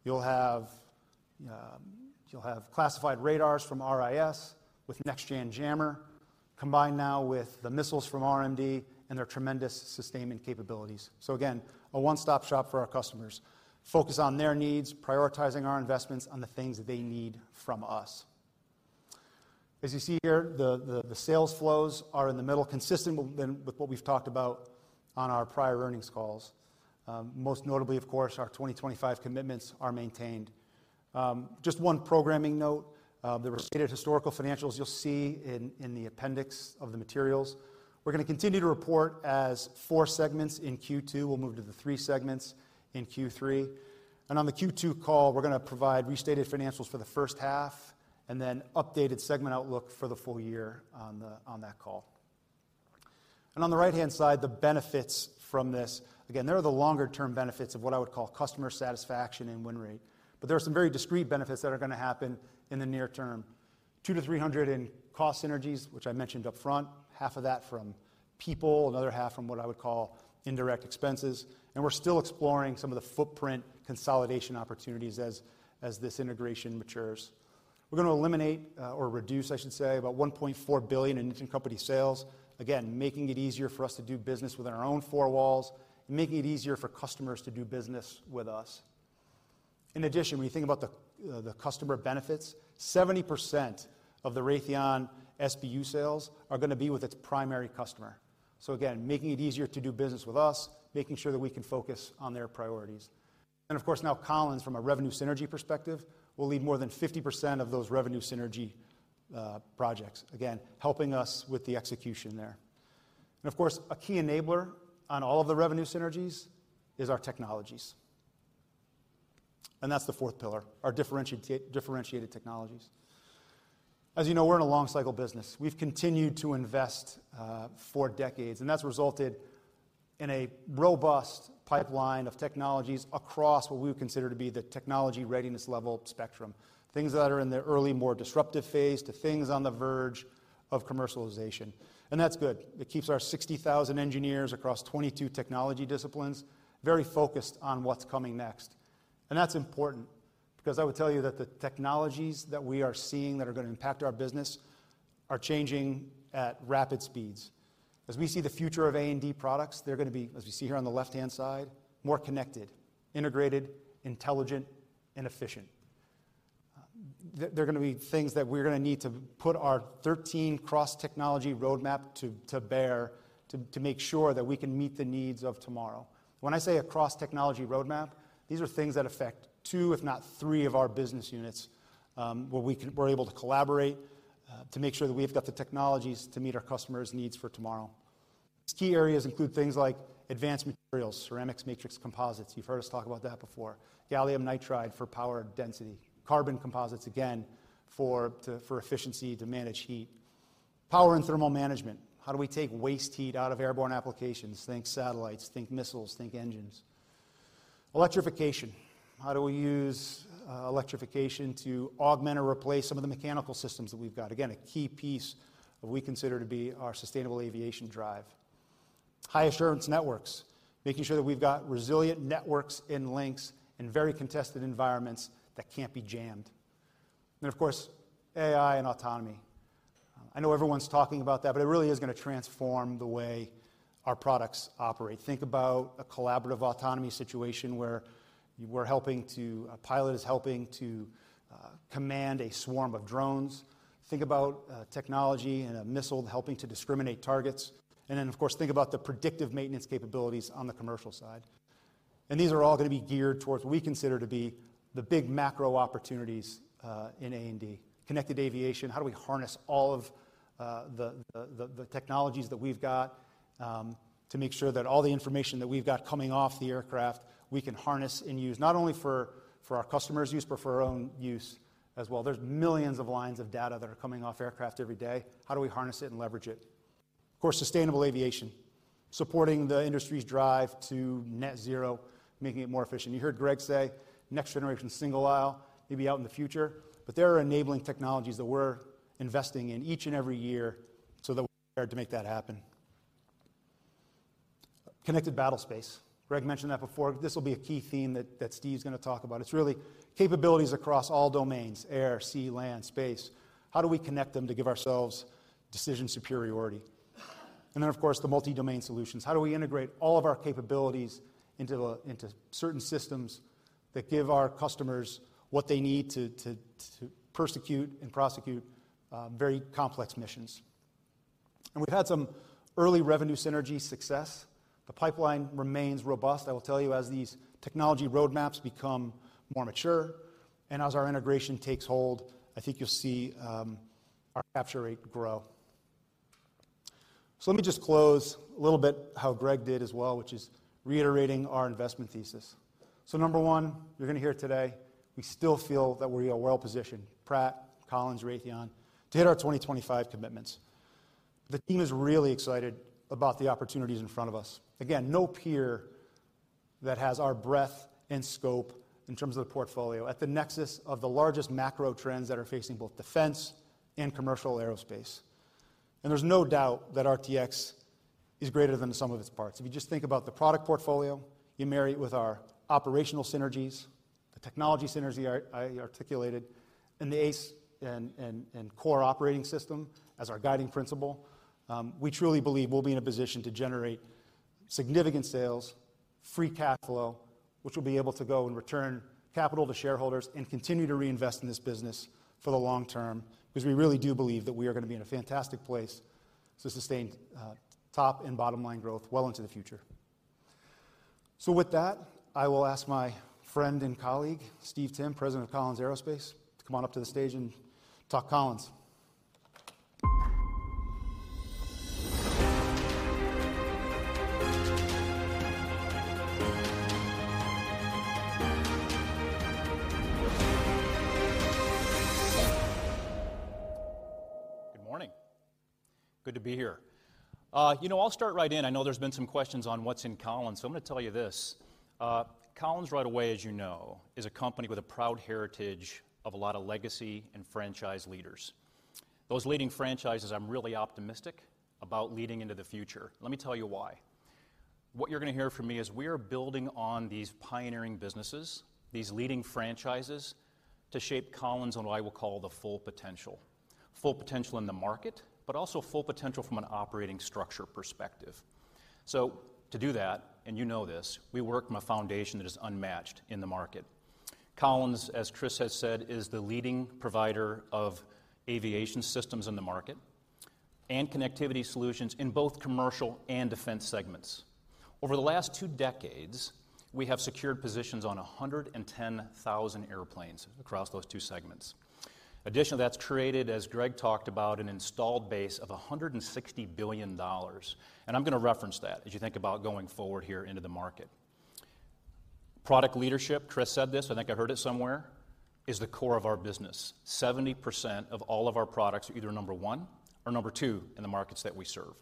[SPEAKER 5] You'll have classified radars from RIS with Next-Gen Jammer, combined now with the missiles from RMD and their tremendous sustainment capabilities. Again, a one-stop shop for our customers. Focus on their needs, prioritizing our investments on the things that they need from us. As you see here, the sales flows are in the middle, consistent with what we've talked about on our prior earnings calls. Most notably, of course, our 2025 commitments are maintained. Just one programming note, the restated historical financials you'll see in the appendix of the materials. We're gonna continue to report as 4 segments in Q2. We'll move to the 3 segments in Q3. On the Q2 call, we're gonna provide restated financials for the H1, and then updated segment outlook for the full year on that call. On the right-hand side, the benefits from this. Again, there are the longer-term benefits of what I would call customer satisfaction and win rate, but there are some very discrete benefits that are gonna happen in the near term. $200-$300 in cost synergies, which I mentioned up front, half of that from people, another half from what I would call indirect expenses, and we're still exploring some of the footprint consolidation opportunities as this integration matures. We're gonna eliminate or reduce, I should say, about $1.4 billion in company sales, again, making it easier for us to do business within our own four walls and making it easier for customers to do business with us. In addition, when you think about the customer benefits, 70% of the Raytheon SBU sales are gonna be with its primary customer. Again, making it easier to do business with us, making sure that we can focus on their priorities. Of course, now Collins, from a revenue synergy perspective, will lead more than 50% of those revenue synergy projects, again, helping us with the execution there. Of course, a key enabler on all of the revenue synergies is our technologies. That's the fourth pillar, our differentiated technologies. As you know, we're in a long cycle business. We've continued to invest for decades, and that's resulted in a robust pipeline of technologies across what we would consider to be the technology readiness level spectrum. Things that are in the early, more disruptive phase, to things on the verge of commercialization, and that's good. It keeps our 60,000 engineers across 22 technology disciplines very focused on what's coming next. That's important, because I would tell you that the technologies that we are seeing that are gonna impact our business are changing at rapid speeds. As we see the future of A&D products, they're gonna be, as we see here on the left-hand side, more connected, integrated, intelligent, and efficient. They're gonna be things that we're gonna need to put our 13 cross-technology roadmap to bear, to make sure that we can meet the needs of tomorrow. When I say a cross-technology roadmap, these are things that affect two, if not three of our business units, where we're able to collaborate to make sure that we've got the technologies to meet our customers' needs for tomorrow. These key areas include things like advanced materials, ceramic matrix composites. You've heard us talk about that before. gallium nitride for power density. Carbon composites, again, for efficiency, to manage heat. Power and thermal management. How do we take waste heat out of airborne applications? Think satellites, think missiles, think engines. Electrification. How do we use electrification to augment or replace some of the mechanical systems that we've got? Again, a key piece that we consider to be our sustainable aviation drive. High-assurance networks, making sure that we've got resilient networks and links in very contested environments that can't be jammed. Of course, AI and autonomy. I know everyone's talking about that, but it really is gonna transform the way our products operate. Think about a collaborative autonomy situation where a pilot is helping to command a swarm of drones. Think about technology and a missile helping to discriminate targets. Of course, think about the predictive maintenance capabilities on the commercial side. These are all gonna be geared towards what we consider to be the big macro opportunities in A&D. Connected aviation, how do we harness all of the technologies that we've got to make sure that all the information that we've got coming off the aircraft, we can harness and use, not only for our customers' use, but for our own use as well. There's millions of lines of data that are coming off aircraft every day. How do we harness it and leverage it? Of course, sustainable aviation, supporting the industry's drive to net zero, making it more efficient. You heard Greg say, next generation single aisle, maybe out in the future, but there are enabling technologies that we're investing in each and every year so that we're prepared to make that happen. Connected battlespace. Greg mentioned that before. This will be a key theme that Steve's going to talk about. It's really capabilities across all domains: air, sea, land, space. How do we connect them to give ourselves decision superiority? Of course, the multi-domain solutions. How do we integrate all of our capabilities into certain systems that give our customers what they need to persecute and prosecute very complex missions? We've had some early revenue synergy success. The pipeline remains robust. I will tell you, as these technology roadmaps become more mature and as our integration takes hold, I think you'll see our capture rate grow. Let me just close a little bit how Greg did as well, which is reiterating our investment thesis. Number one, you're going to hear it today, we still feel that we are well-positioned, Pratt, Collins, Raytheon, to hit our 2025 commitments. The team is really excited about the opportunities in front of us. Again, no peer that has our breadth and scope in terms of the portfolio at the nexus of the largest macro trends that are facing both defense and commercial aerospace. There's no doubt that RTX is greater than the sum of its parts. If you just think about the product portfolio, you marry it with our operational synergies, the technology synergy I articulated, and the ACE and CORE operating system as our guiding principle, we truly believe we'll be in a position to generate significant sales, free cash flow, which we'll be able to go and return capital to shareholders and continue to reinvest in this business for the long term, because we really do believe that we are going to be in a fantastic place to sustain top and bottom line growth well into the future. With that, I will ask my friend and colleague, Stephen Timm, President of Collins Aerospace, to come on up to the stage and talk Collins.
[SPEAKER 6] Good morning. Good to be here. you know, I'll start right in. I know there's been some questions on what's in Collins. I'm going to tell you this. Collins, right away, as you know, is a company with a proud heritage of a lot of legacy and franchise leaders. Those leading franchises, I'm really optimistic about leading into the future. Let me tell you why. What you're going to hear from me is we are building on these pioneering businesses, these leading franchises, to shape Collins on what I will call the full potential. Full potential in the market. Also full potential from an operating structure perspective. To do that, and you know this, we work from a foundation that is unmatched in the market. Collins, as Chris has said, is the leading provider of aviation systems in the market and connectivity solutions in both commercial and defense segments. Over the last two decades, we have secured positions on 110,000 airplanes across those two segments. Additionally, that's created, as Greg talked about, an installed base of $160 billion, and I'm going to reference that as you think about going forward here into the market. Product leadership, Chris said this, I think I heard it somewhere, is the core of our business. 70% of all of our products are either number 1 or number 2 in the markets that we serve.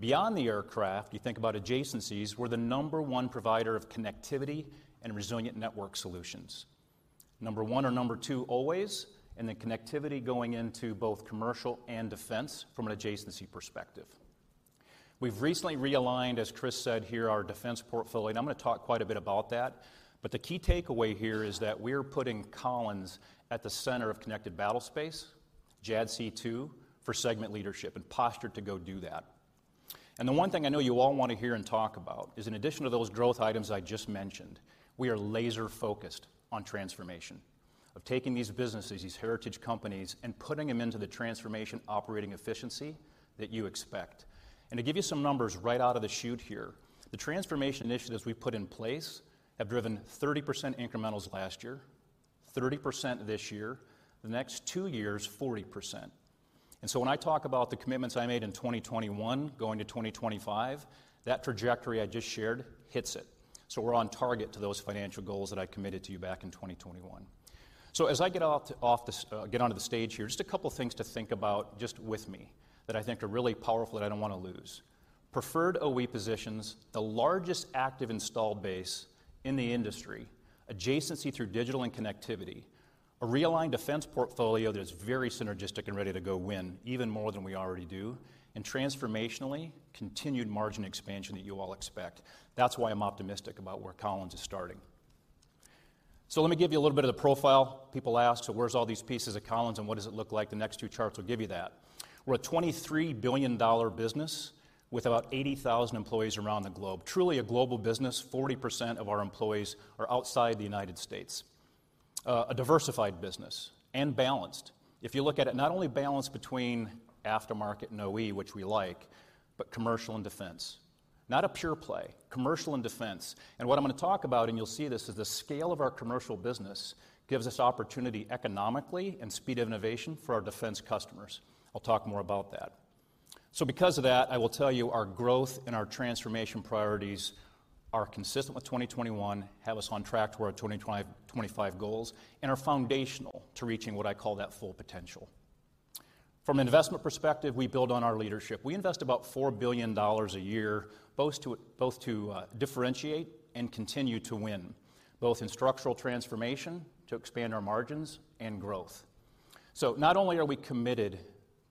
[SPEAKER 6] Beyond the aircraft, you think about adjacencies, we're the number 1 provider of connectivity and resilient network solutions. Number one or number two, always, the connectivity going into both commercial and defense from an adjacency perspective. We've recently realigned, as Chris said here, our defense portfolio, and I'm going to talk quite a bit about that, but the key takeaway here is that we're putting Collins at the center of connected battlespace, JADC2, for segment leadership and postured to go do that. The one thing I know you all want to hear and talk about is in addition to those growth items I just mentioned, we are laser-focused on transformation, of taking these businesses, these heritage companies, and putting them into the transformation operating efficiency that you expect. To give you some numbers right out of the chute here, the transformation initiatives we've put in place have driven 30% incrementals last year, 30% this year, the next 2 years, 40%. When I talk about the commitments I made in 2021 going to 2025, that trajectory I just shared hits it. We're on target to those financial goals that I committed to you back in 2021. As I get onto the stage here, just a couple of things to think about just with me that I think are really powerful, that I don't want to lose. Preferred OE positions, the largest active installed base in the industry, adjacency through digital and connectivity, a realigned defense portfolio that is very synergistic and ready to go win even more than we already do, and transformationally, continued margin expansion that you all expect. That's why I'm optimistic about where Collins is starting. Let me give you a little bit of the profile. People ask: Where's all these pieces of Collins and what does it look like? The next two charts will give you that. We're a $23 billion business with about 80,000 employees around the globe. Truly a global business. 40% of our employees are outside the United States. A diversified business and balanced. If you look at it, not only balanced between aftermarket and OE, which we like, but commercial and defense. Not a pure play, commercial and defense. What I'm going to talk about, and you'll see this, is the scale of our commercial business gives us opportunity economically and speed of innovation for our defense customers. I'll talk more about that. Because of that, I will tell you, our growth and our transformation priorities are consistent with 2021, have us on track toward our 2025 goals, and are foundational to reaching what I call that full potential. From an investment perspective, we build on our leadership. We invest about $4 billion a year, both to differentiate and continue to win, both in structural transformation, to expand our margins, and growth. Not only are we committed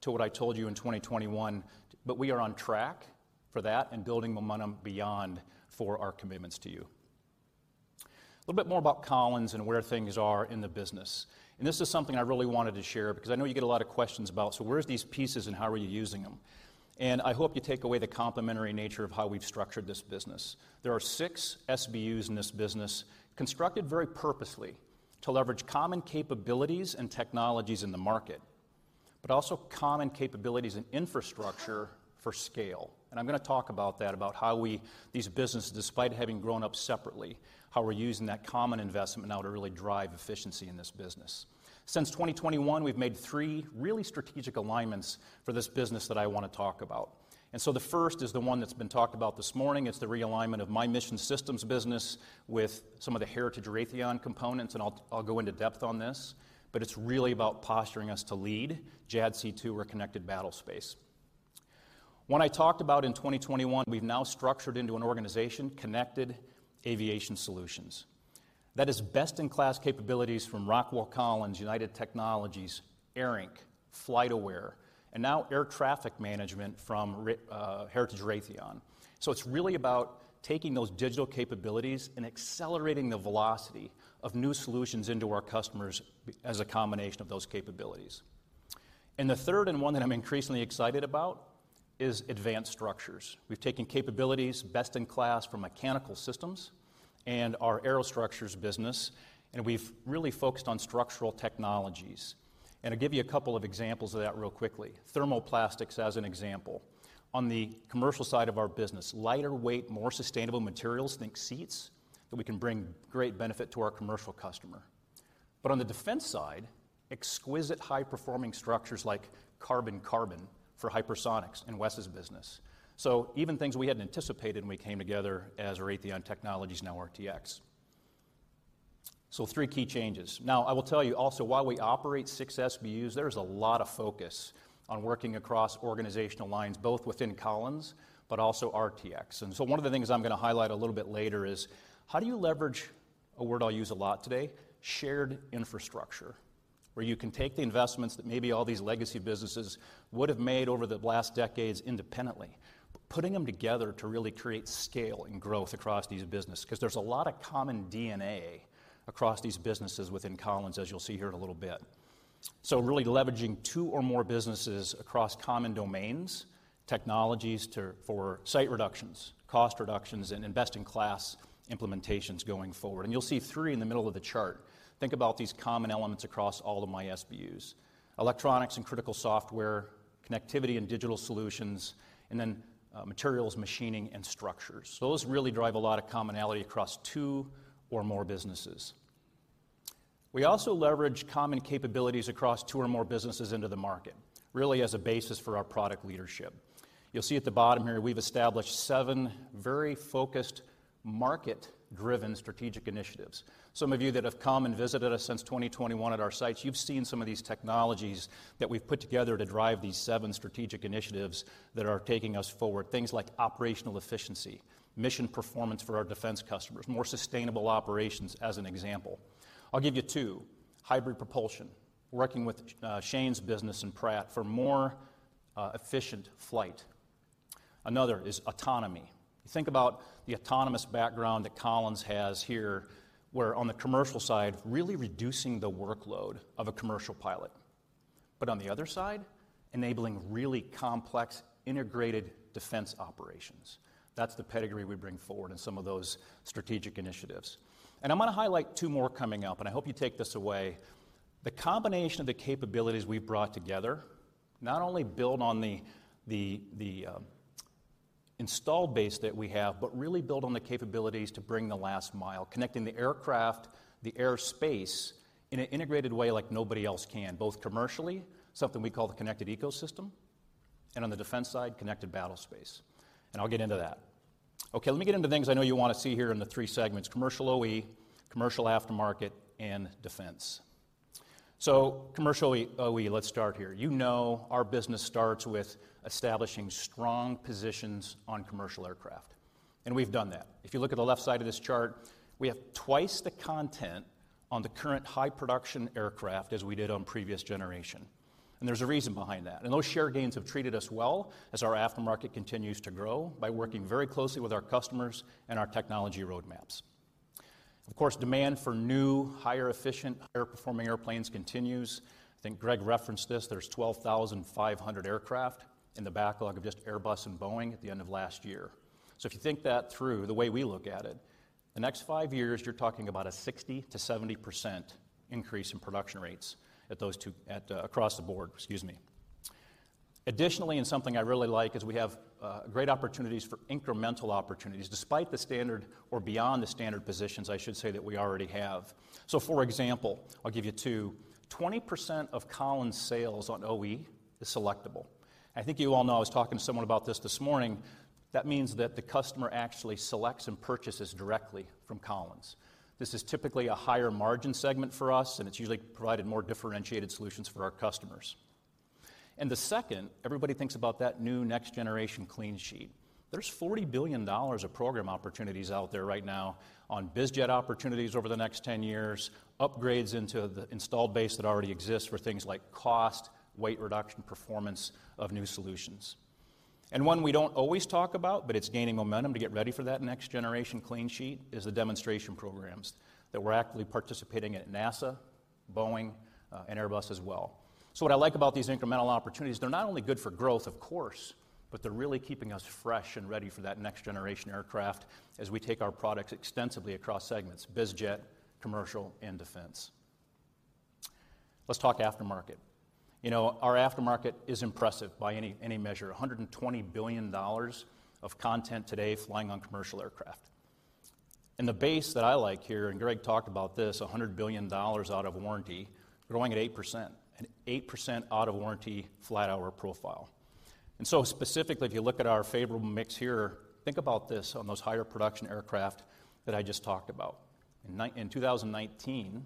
[SPEAKER 6] to what I told you in 2021, but we are on track for that and building momentum beyond for our commitments to you. A little bit more about Collins and where things are in the business. This is something I really wanted to share because I know you get a lot of questions about, "So where's these pieces and how are you using them?" I hope you take away the complementary nature of how we've structured this business. There are 6 SBUs in this business, constructed very purposely to leverage common capabilities and technologies in the market, but also common capabilities and infrastructure for scale. I'm going to talk about that, about these businesses, despite having grown up separately, how we're using that common investment now to really drive efficiency in this business. Since 2021, we've made 3 really strategic alignments for this business that I want to talk about. The first is the one that's been talked about this morning. It's the realignment of my Mission Systems business with some of the heritage Raytheon components, I'll go into depth on this, but it's really about posturing us to lead JADC2 or connected battlespace. One I talked about in 2021, we've now structured into an organization, Connected Aviation Solutions. That is best-in-class capabilities from Rockwell Collins, United Technologies, ARINC, FlightAware, and now air traffic management from heritage Raytheon. It's really about taking those digital capabilities and accelerating the velocity of new solutions into our customers as a combination of those capabilities. The third, and one that I'm increasingly excited about, is advanced structures. We've taken capabilities, best-in-class from mechanical systems and our aerostructures business, and we've really focused on structural technologies. I'll give you a couple of examples of that real quickly. Thermoplastics, as an example. On the commercial side of our business, lighter weight, more sustainable materials, think seats, that we can bring great benefit to our commercial customer. On the defense side, exquisite high-performing structures like carbon-carbon for hypersonics in Wes's business. Even things we hadn't anticipated when we came together as Raytheon Technologies, now RTX. Three key changes. I will tell you also, while we operate six SBUs, there is a lot of focus on working across organizational lines, both within Collins, but also RTX. One of the things I'm going to highlight a little bit later is, how do you leverage, a word I'll use a lot today, shared infrastructure, where you can take the investments that maybe all these legacy businesses would have made over the last decades independently, but putting them together to really create scale and growth across these business? There's a lot of common DNA across these businesses within Collins, as you'll see here in a little bit. Really leveraging two or more businesses across common domains, technologies for site reductions, cost reductions, and best-in-class implementations going forward. You'll see three in the middle of the chart. Think about these common elements across all of my SBUs. Electronics and critical software, connectivity and digital solutions, and then, materials, machining, and structures. Those really drive a lot of commonality across two or more businesses. We also leverage common capabilities across two or more businesses into the market, really as a basis for our product leadership. You'll see at the bottom here, we've established seven very focused, market-driven strategic initiatives. Some of you that have come and visited us since 2021 at our sites, you've seen some of these technologies that we've put together to drive these seven strategic initiatives that are taking us forward. Things like operational efficiency, mission performance for our defense customers, more sustainable operations, as an example. I'll give you two. Hybrid propulsion, working with Shane's business in Pratt for more efficient flight. Another is autonomy. You think about the autonomous background that Collins has here, where on the commercial side, really reducing the workload of a commercial pilot, but on the other side, enabling really complex, integrated defense operations. That's the pedigree we bring forward in some of those strategic initiatives. I'm going to highlight two more coming up, and I hope you take this away. The combination of the capabilities we've brought together not only build on the installed base that we have, but really build on the capabilities to bring the last mile, connecting the aircraft, the airspace, in an integrated way like nobody else can, both commercially, something we call the connected ecosystem, and on the defense side, connected battlespace. I'll get into that. Okay, let me get into the things I know you want to see here in the 3 segments: commercial OE, commercial aftermarket, and defense. Commercial OE, let's start here. You know, our business starts with establishing strong positions on commercial aircraft, and we've done that. If you look at the left side of this chart, we have twice the content on the current high production aircraft as we did on previous generation. There's a reason behind that. Those share gains have treated us well as our aftermarket continues to grow by working very closely with our customers and our technology roadmaps. Of course, demand for new, higher efficient, higher performing airplanes continues. I think Greg referenced this, there's 12,500 aircraft in the backlog of just Airbus and Boeing at the end of last year. If you think that through, the way we look at it, the next five years, you're talking about a 60%-70% increase in production rates at those two, across the board, excuse me. Additionally, and something I really like, is we have great opportunities for incremental opportunities, despite the standard or beyond the standard positions, I should say, that we already have. For example, I'll give you two. 20% of Collins sales on OE is selectable. I think you all know, I was talking to someone about this this morning, that means that the customer actually selects and purchases directly from Collins. This is typically a higher margin segment for us, it's usually provided more differentiated solutions for our customers. The second, everybody thinks about that new next generation clean sheet. There's $40 billion of program opportunities out there right now on biz jet opportunities over the next 10 years, upgrades into the installed base that already exists for things like cost, weight reduction, performance of new solutions. One we don't always talk about, but it's gaining momentum to get ready for that next generation clean sheet, is the demonstration programs that we're actively participating at NASA, Boeing, and Airbus as well. What I like about these incremental opportunities, they're not only good for growth, of course, but they're really keeping us fresh and ready for that next generation aircraft as we take our products extensively across segments, biz jet, commercial, and defense. Let's talk aftermarket. You know, our aftermarket is impressive by any measure, $120 billion of content today flying on commercial aircraft. The base that I like here, and Greg talked about this, $100 billion out of warranty, growing at 8%. An 8% out-of-warranty flat hour profile. Specifically, if you look at our favorable mix here, think about this on those higher production aircraft that I just talked about. In 2019,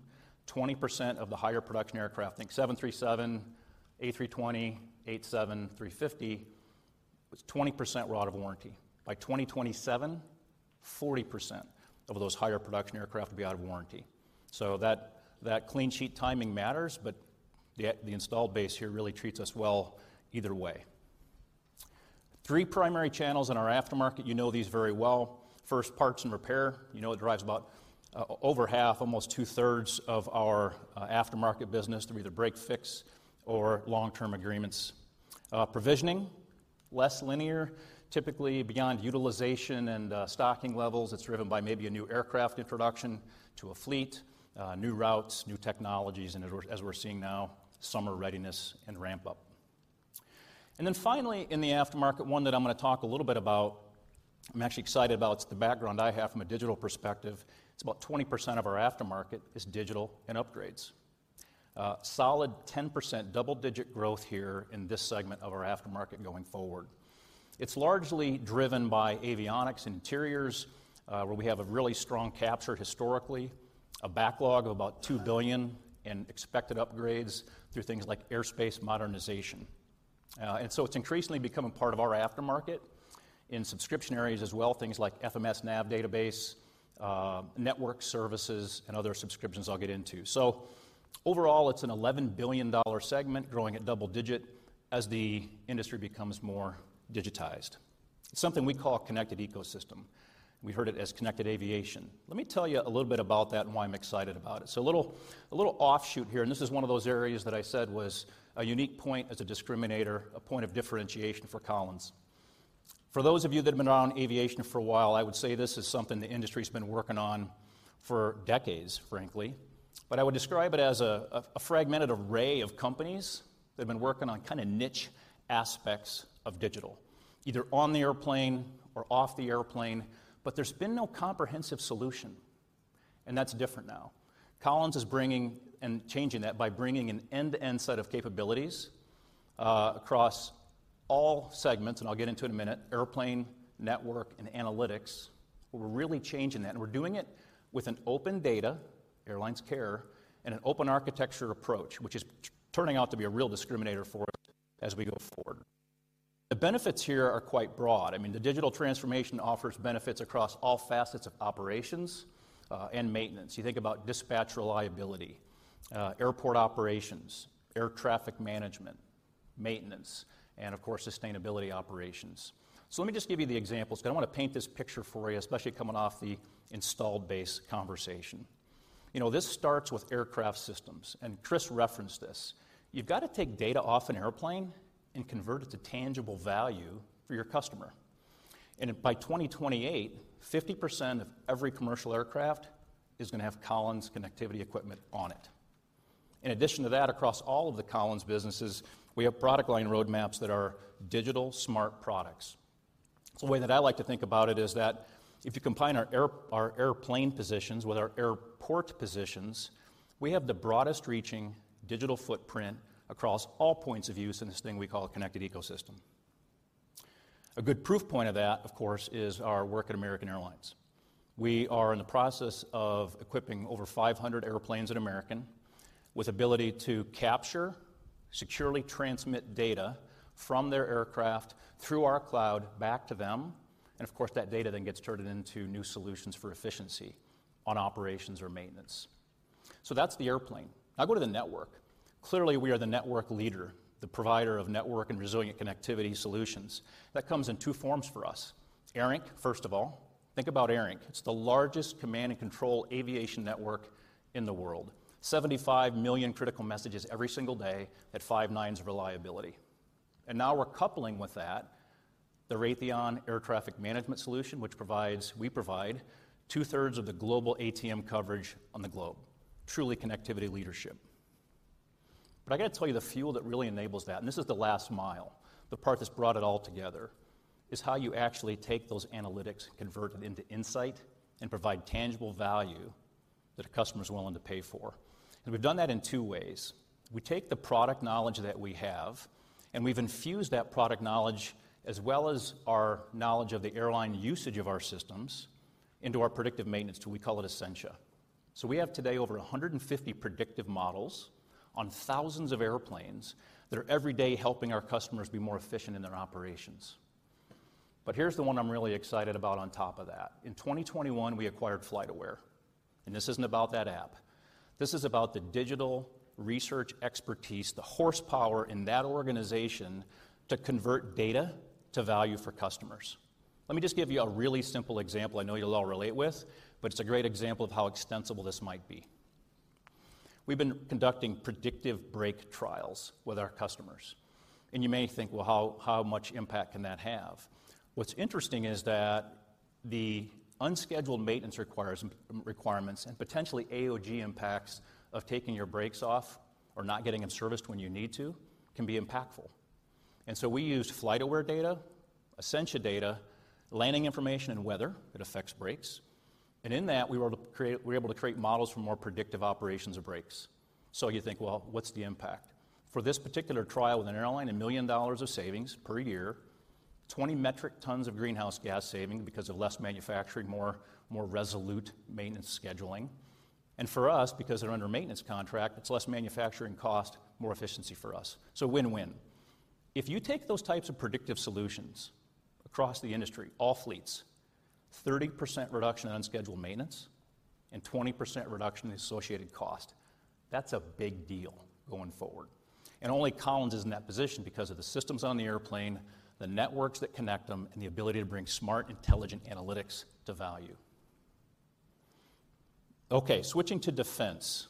[SPEAKER 6] 20% of the higher production aircraft, think 737, A320, A350, were out of warranty. By 2027, 40% of those higher production aircraft will be out of warranty. That clean sheet timing matters, but the installed base here really treats us well either way. Three primary channels in our aftermarket, you know these very well. First, parts and repair, you know it drives about over half, almost two-thirds of our aftermarket business through either break-fix or long-term agreements. Provisioning, less linear, typically beyond utilization and stocking levels. It's driven by maybe a new aircraft introduction to a fleet, new routes, new technologies, and as we're seeing now, summer readiness and ramp up. Finally, in the aftermarket, one that I'm going to talk a little bit about, I'm actually excited about, it's the background I have from a digital perspective. It's about 20% of our aftermarket is digital and upgrades. Solid 10% double-digit growth here in this segment of our aftermarket going forward. It's largely driven by avionics and interiors, where we have a really strong capture historically, a backlog of about $2 billion in expected upgrades through things like airspace modernization. It's increasingly becoming part of our aftermarket in subscription areas as well, things like FMS nav database, network services, and other subscriptions I'll get into. Overall, it's an $11 billion segment growing at double digit as the industry becomes more digitized. Something we call connected ecosystem. We heard it as connected aviation. Let me tell you a little bit about that and why I'm excited about it. A little offshoot here. This is one of those areas that I said was a unique point as a discriminator, a point of differentiation for Collins. For those of you that have been around aviation for a while, I would say this is something the industry's been working on for decades, frankly. I would describe it as a fragmented array of companies that have been working on kinda niche aspects of digital, either on the airplane or off the airplane, but there's been no comprehensive solution. That's different now. Collins is bringing and changing that by bringing an end-to-end set of capabilities across all segments, and I'll get into in a minute, airplane, network, and analytics. We're really changing that, and we're doing it with an open data, airlines care, and an open architecture approach, which is turning out to be a real discriminator for us as we go forward. The benefits here are quite broad. I mean, the digital transformation offers benefits across all facets of operations and maintenance. You think about dispatch reliability, airport operations, air traffic management, maintenance, and of course, sustainability operations. Let me just give you the examples, because I want to paint this picture for you, especially coming off the installed base conversation. You know, this starts with aircraft systems, and Chris referenced this. You've got to take data off an airplane and convert it to tangible value for your customer. By 2028, 50% of every commercial aircraft is going to have Collins connectivity equipment on it. In addition to that, across all of the Collins businesses, we have product line roadmaps that are digital smart products. The way that I like to think about it is that if you combine our air, our airplane positions with our airport positions, we have the broadest reaching digital footprint across all points of use in this thing we call a connected ecosystem. A good proof point of that, of course, is our work at American Airlines. We are in the process of equipping over 500 airplanes at American with ability to capture, securely transmit data from their aircraft through our cloud back to them, and of course, that data then gets turned into new solutions for efficiency on operations or maintenance. That's the airplane. Go to the network. Clearly, we are the network leader, the provider of network and resilient connectivity solutions. That comes in two forms for us. ARINC, first of all, think about ARINC. It's the largest command and control aviation network in the world. 75 million critical messages every single day at five nines reliability. Now we're coupling with that the Raytheon Air Traffic Management Solution, which provides, we provide two-thirds of the global ATM coverage on the globe. Truly connectivity leadership. I got to tell you, the fuel that really enables that, and this is the last mile, the part that's brought it all together, is how you actually take those analytics, convert it into insight, and provide tangible value that a customer is willing to pay for. We've done that in two ways: We take the product knowledge that we have, and we've infused that product knowledge, as well as our knowledge of the airline usage of our systems, into our predictive maintenance tool, we call it Ascensia. We have today over 150 predictive models on thousands of airplanes that are every day helping our customers be more efficient in their operations. Here's the one I'm really excited about on top of that. In 2021, we acquired FlightAware. This isn't about that app. This is about the digital research expertise, the horsepower in that organization to convert data to value for customers. Let me just give you a really simple example I know you'll all relate with, but it's a great example of how extensible this might be. We've been conducting predictive brake trials with our customers. You may think, well, how much impact can that have? What's interesting is that the unscheduled maintenance requirements and potentially AOG impacts of taking your brakes off or not getting them serviced when you need to, can be impactful. We used FlightAware data, Ascensia data, landing information, and weather that affects brakes, and in that, we're able to create models for more predictive operations of brakes. You think, well, what's the impact? For this particular trial with an airline, $1 million of savings per year, 20 metric tons of greenhouse gas saving because of less manufacturing, more resolute maintenance scheduling. For us, because they're under a maintenance contract, it's less manufacturing cost, more efficiency for us. Win-win. If you take those types of predictive solutions across the industry, all fleets, 30% reduction in unscheduled maintenance and 20% reduction in associated cost, that's a big deal going forward. Only Collins is in that position because of the systems on the airplane, the networks that connect them, and the ability to bring smart, intelligent analytics to value. Okay, switching to defense.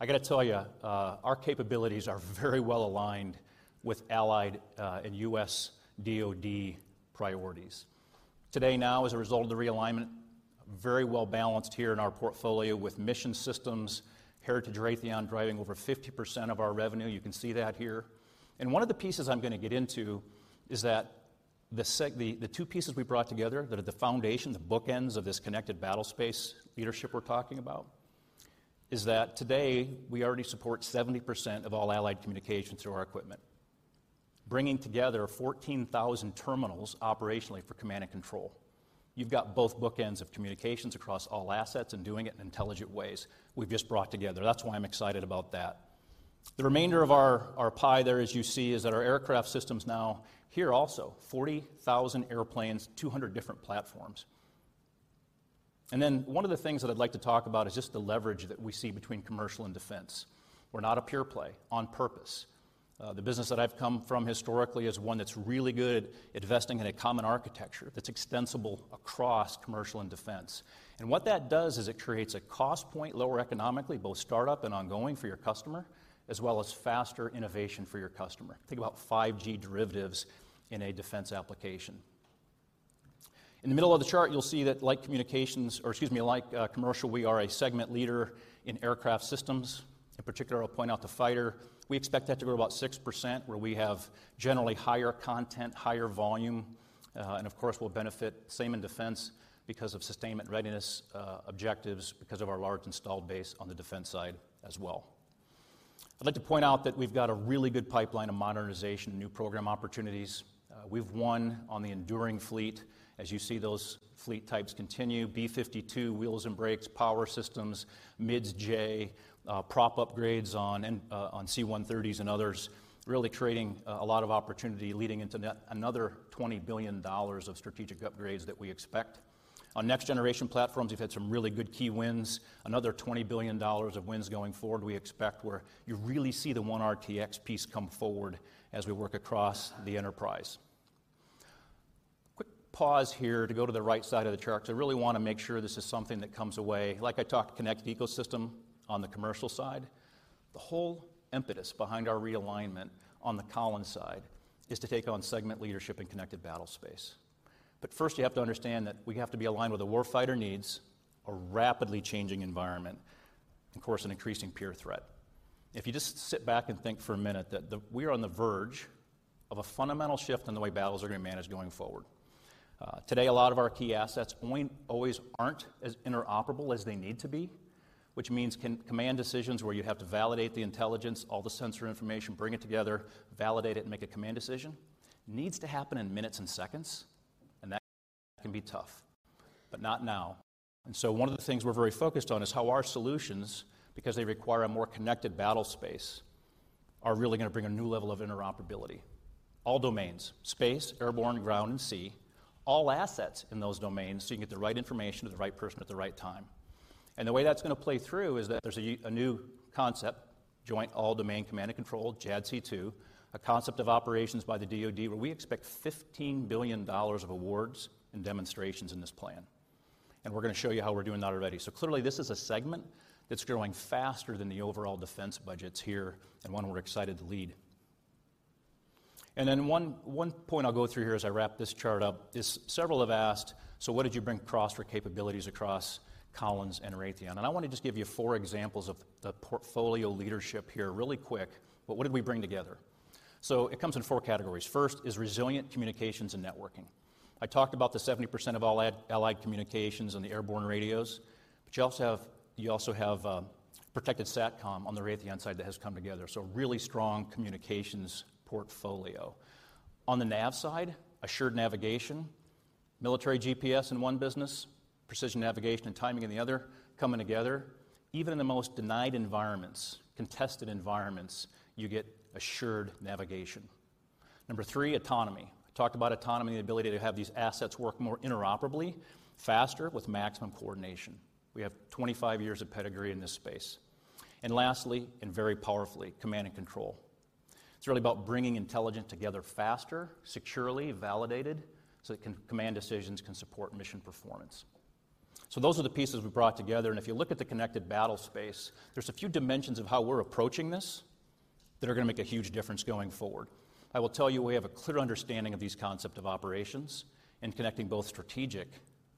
[SPEAKER 6] I got to tell you, our capabilities are very well aligned with Allied and U.S. DoD priorities. Today, now, as a result of the realignment, very well balanced here in our portfolio with mission systems, heritage Raytheon, driving over 50% of our revenue. You can see that here. One of the pieces I'm going to get into is that the two pieces we brought together that are the foundation, the bookends of this connected battlespace leadership we're talking about, is that today, we already support 70% of all allied communications through our equipment, bringing together 14,000 terminals operationally for command and control. You've got both bookends of communications across all assets and doing it in intelligent ways. We've just brought together. That's why I'm excited about that. The remainder of our pie there, as you see, is that our aircraft systems now here also, 40,000 airplanes, 200 different platforms. One of the things that I'd like to talk about is just the leverage that we see between commercial and defense. We're not a pure play on purpose. The business that I've come from historically is one that's really good at investing in a common architecture that's extensible across commercial and defense. What that does is it creates a cost point, lower economically, both startup and ongoing for your customer, as well as faster innovation for your customer. Think about 5G derivatives in a defense application. In the middle of the chart, you'll see that like communications, or excuse me, like commercial, we are a segment leader in aircraft systems. In particular, I'll point out the fighter. We expect that to grow about 6%, where we have generally higher content, higher volume, and of course, will benefit same in defense because of sustainment readiness objectives, because of our large installed base on the defense side as well. I'd like to point out that we've got a really good pipeline of modernization, new program opportunities. We've won on the enduring fleet. As you see, those fleet types continue, B-52, wheels and brakes, power systems, MIDS J, prop upgrades on C-130s and others, really creating a lot of opportunity leading into another $20 billion of strategic upgrades that we expect. On next generation platforms, we've had some really good key wins, another $20 billion of wins going forward, we expect, where you really see the one RTX piece come forward as we work across the enterprise. Quick pause here to go to the right side of the chart, because I really want to make sure this is something that comes away. Like I talked, connected ecosystem on the commercial side, the whole impetus behind our realignment on the Collins side is to take on segment leadership in connected battlespace. First, you have to understand that we have to be aligned with the warfighter needs, a rapidly changing environment, and of course, an increasing peer threat. If you just sit back and think for a minute that we are on the verge of a fundamental shift in the way battles are going to be managed going forward. Today, a lot of our key assets aren't always, aren't as interoperable as they need to be, which means command decisions where you have to validate the intelligence, all the sensor information, bring it together, validate it, and make a command decision, needs to happen in minutes and seconds, and that can be tough, but not now. One of the things we're very focused on is how our solutions, because they require a more connected battlespace, are really going to bring a new level of interoperability. All domains, space, airborne, ground, and sea, all assets in those domains, so you can get the right information to the right person at the right time. The way that's going to play through is that there's a new concept, Joint All-Domain Command and Control, JADC2, a concept of operations by the DoD, where we expect $15 billion of awards and demonstrations in this plan. We're going to show you how we're doing that already. Clearly, this is a segment that's growing faster than the overall defense budgets here and one we're excited to lead. One point I'll go through here as I wrap this chart up, is several have asked, "So what did you bring across for capabilities across Collins and Raytheon?" I want to just give you 4 examples of the portfolio leadership here really quick. What did we bring together? It comes in 4 categories. First is resilient communications and networking. I talked about the 70% of all allied communications and the airborne radios, but you also have protected SATCOM on the Raytheon side that has come together. Really strong communications portfolio. On the nav side, assured navigation, military GPS in one business, precision navigation and timing in the other, coming together. Even in the most denied environments, contested environments, you get assured navigation. Number 3, autonomy. I talked about autonomy, the ability to have these assets work more interoperably, faster, with maximum coordination. We have 25 years of pedigree in this space. Lastly, and very powerfully, command and control. It's really about bringing intelligence together faster, securely, validated, so that command decisions can support mission performance. Those are the pieces we brought together, and if you look at the connected battle space, there's a few dimensions of how we're approaching this that are going to make a huge difference going forward. I will tell you, we have a clear understanding of these concept of operations and connecting both strategic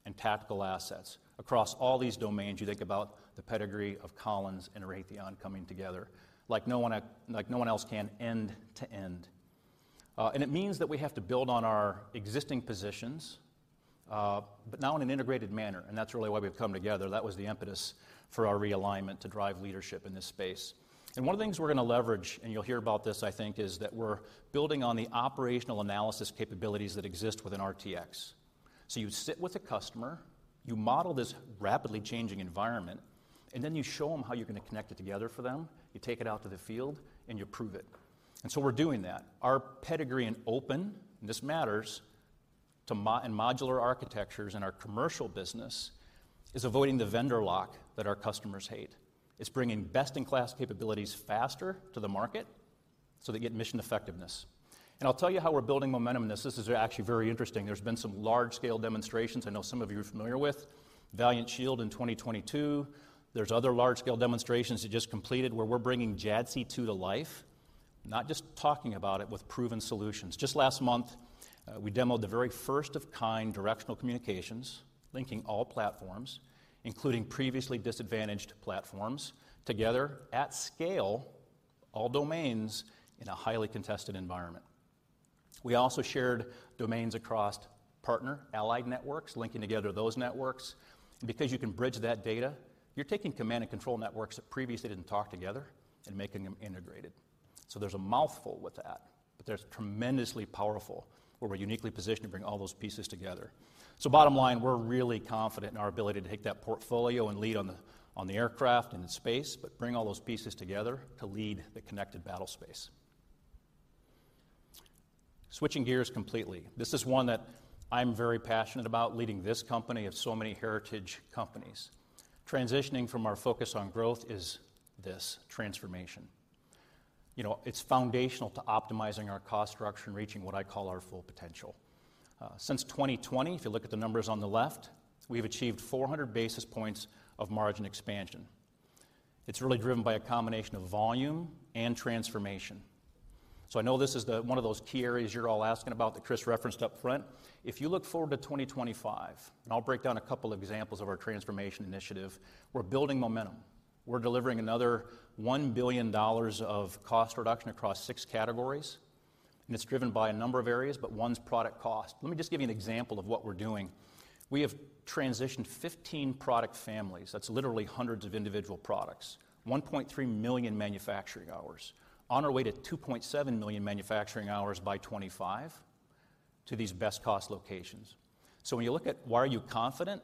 [SPEAKER 6] and tactical assets across all these domains. You think about the pedigree of Collins and Raytheon coming together like no one, like no one else can, end to end. It means that we have to build on our existing positions, but now in an integrated manner, and that's really why we've come together. That was the impetus for our realignment to drive leadership in this space. One of the things we're going to leverage, and you'll hear about this, I think, is that we're building on the operational analysis capabilities that exist within RTX. So you sit with a customer, you model this rapidly changing environment, and then you show them how you're going to connect it together for them, you take it out to the field, and you prove it. So we're doing that. Our pedigree in open, in modular architectures in our commercial business, is avoiding the vendor lock that our customers hate. It's bringing best-in-class capabilities faster to the market so they get mission effectiveness. I'll tell you how we're building momentum in this. This is actually very interesting. There's been some large-scale demonstrations. I know some of you are familiar with Valiant Shield in 2022. There's other large-scale demonstrations that just completed where we're bringing JADC2 to life, not just talking about it with proven solutions. Just last month, we demoed the very first-of-kind directional communications, linking all platforms, including previously disadvantaged platforms, together at scale, all domains, in a highly contested environment. We also shared domains across partner allied networks, linking together those networks. Because you can bridge that data, you're taking command and control networks that previously didn't talk together and making them integrated. So there's a mouthful with that, but they're tremendously powerful, where we're uniquely positioned to bring all those pieces together. Bottom line, we're really confident in our ability to take that portfolio and lead on the aircraft and in space, but bring all those pieces together to lead the connected battle space. Switching gears completely, this is one that I'm very passionate about leading this company of so many heritage companies. Transitioning from our focus on growth is this transformation. You know, it's foundational to optimizing our cost structure and reaching what I call our full potential. Since 2020, if you look at the numbers on the left, we've achieved 400 basis points of margin expansion. It's really driven by a combination of volume and transformation. I know this is one of those key areas you're all asking about that Chris referenced up front. If you look forward to 2025, I'll break down a couple of examples of our transformation initiative, we're building momentum. We're delivering another $1 billion of cost reduction across six categories, and it's driven by a number of areas, but one's product cost. Let me just give you an example of what we're doing. We have transitioned 15 product families, that's literally hundreds of individual products, 1.3 million manufacturing hours, on our way to 2.7 million manufacturing hours by 2025 to these best cost locations. When you look at why are you confident?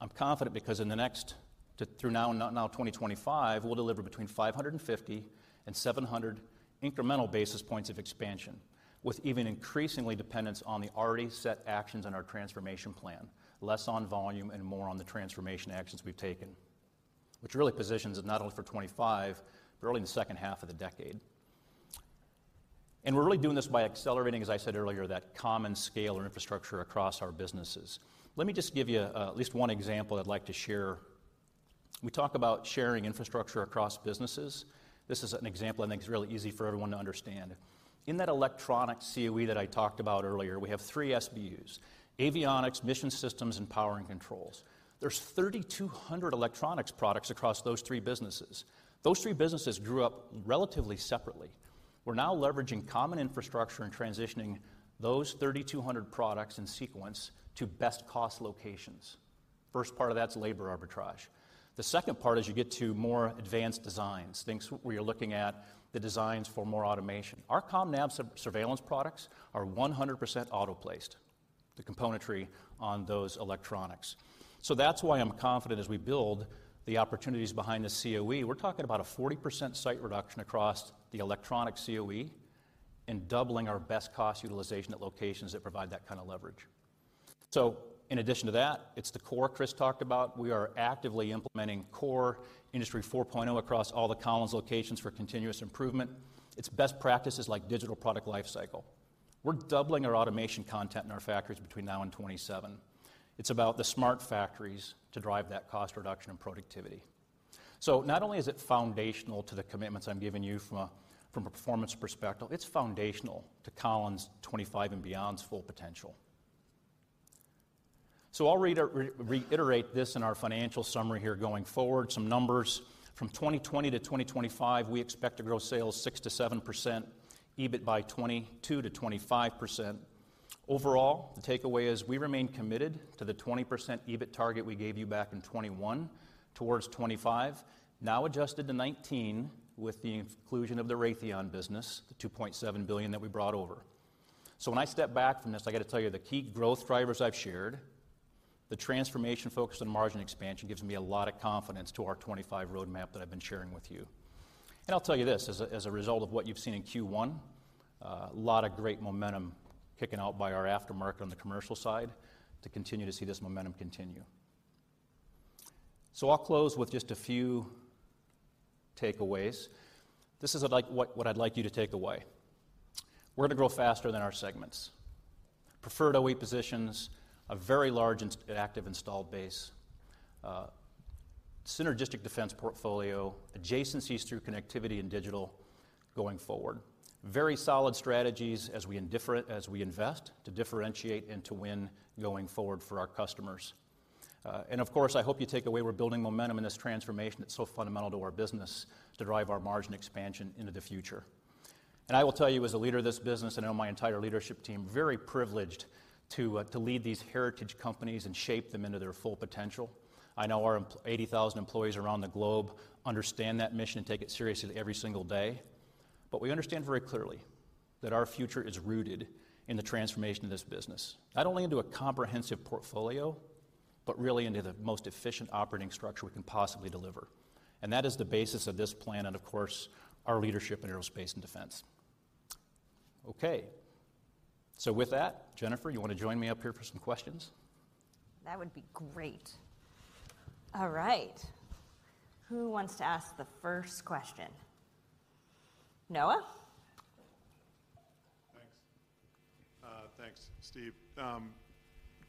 [SPEAKER 6] I'm confident because in the next to through now and now 2025, we'll deliver between 550 and 700 incremental basis points of expansion, with even increasingly dependence on the already set actions in our transformation plan, less on volume and more on the transformation actions we've taken, which really positions it not only for 25, but early in the H2 of the decade. We're really doing this by accelerating, as I said earlier, that common scale or infrastructure across our businesses. Let me just give you at least one example I'd like to share. We talk about sharing infrastructure across businesses. This is an example I think is really easy for everyone to understand. In that electronic COE that I talked about earlier, we have three SBUs: avionics, mission systems, and power and controls. There's 3,200 electronics products across those three businesses. Those three businesses grew up relatively separately. We're now leveraging common infrastructure and transitioning those 3,200 products in sequence to best cost locations. First part of that's labor arbitrage. The second part is you get to more advanced designs, things where you're looking at the designs for more automation. Our COMNAV surveillance products are 100% auto-placed, the componentry on those electronics. That's why I'm confident as we build the opportunities behind the COE, we're talking about a 40% site reduction across the electronic COE and doubling our best cost utilization at locations that provide that kind of leverage. In addition to that, it's the core Chris talked about. We are actively implementing core Industry 4.0 across all the Collins locations for continuous improvement. It's best practices like digital product lifecycle. We're doubling our automation content in our factories between now and 2027. It's about the smart factories to drive that cost reduction and productivity. Not only is it foundational to the commitments I'm giving you from a performance perspective, it's foundational to Collins' 2025 and beyond's full potential. I'll reiterate this in our financial summary here going forward, some numbers. From 2020 to 2025, we expect to grow sales 6%-7%, EBIT by 22%-25%. Overall, the takeaway is we remain committed to the 20% EBIT target we gave you back in 2021 towards 2025, now adjusted to 19% with the inclusion of the Raytheon business, the $2.7 billion that we brought over. When I step back from this, I gotta tell you, the key growth drivers I've shared, the transformation focused on margin expansion gives me a lot of confidence to our 2025 roadmap that I've been sharing with you. I'll tell you this, as a result of what you've seen in Q1, a lot of great momentum kicking out by our aftermarket on the commercial side to continue to see this momentum continue. I'll close with just a few takeaways. This is what I'd like you to take away. We're going to grow faster than our segments. Preferred OE positions, a very large active installed base, synergistic defense portfolio, adjacencies through connectivity and digital going forward. Very solid strategies as we invest to differentiate and to win going forward for our customers. Of course, I hope you take away we're building momentum in this transformation that's so fundamental to our business to drive our margin expansion into the future. I will tell you, as a leader of this business, I know my entire leadership team, very privileged to lead these heritage companies and shape them into their full potential. I know our 80,000 employees around the globe understand that mission and take it seriously every single day. We understand very clearly that our future is rooted in the transformation of this business, not only into a comprehensive portfolio, but really into the most efficient operating structure we can possibly deliver. That is the basis of this plan and, of course, our leadership in aerospace and defense. Okay. With that, Jennifer, you want to join me up here for some questions?
[SPEAKER 1] That would be great. All right. Who wants to ask the first question? Noah?
[SPEAKER 7] Thanks. Thanks, Steve.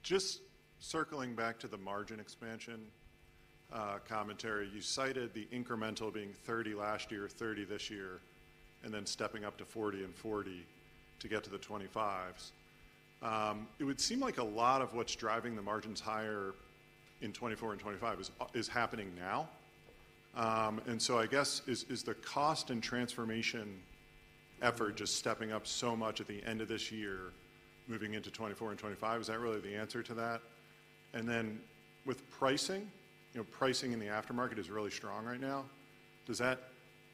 [SPEAKER 7] Just circling back to the margin expansion commentary, you cited the incremental being 30% last year, 30% this year, and then stepping up to 40% and 40% to get to the 2025s. It would seem like a lot of what's driving the margins higher in 2024 and 2025 is happening now. I guess, is the cost and transformation effort just stepping up so much at the end of this year, moving into 2024 and 2025? Is that really the answer to that? With pricing, you know, pricing in the aftermarket is really strong right now.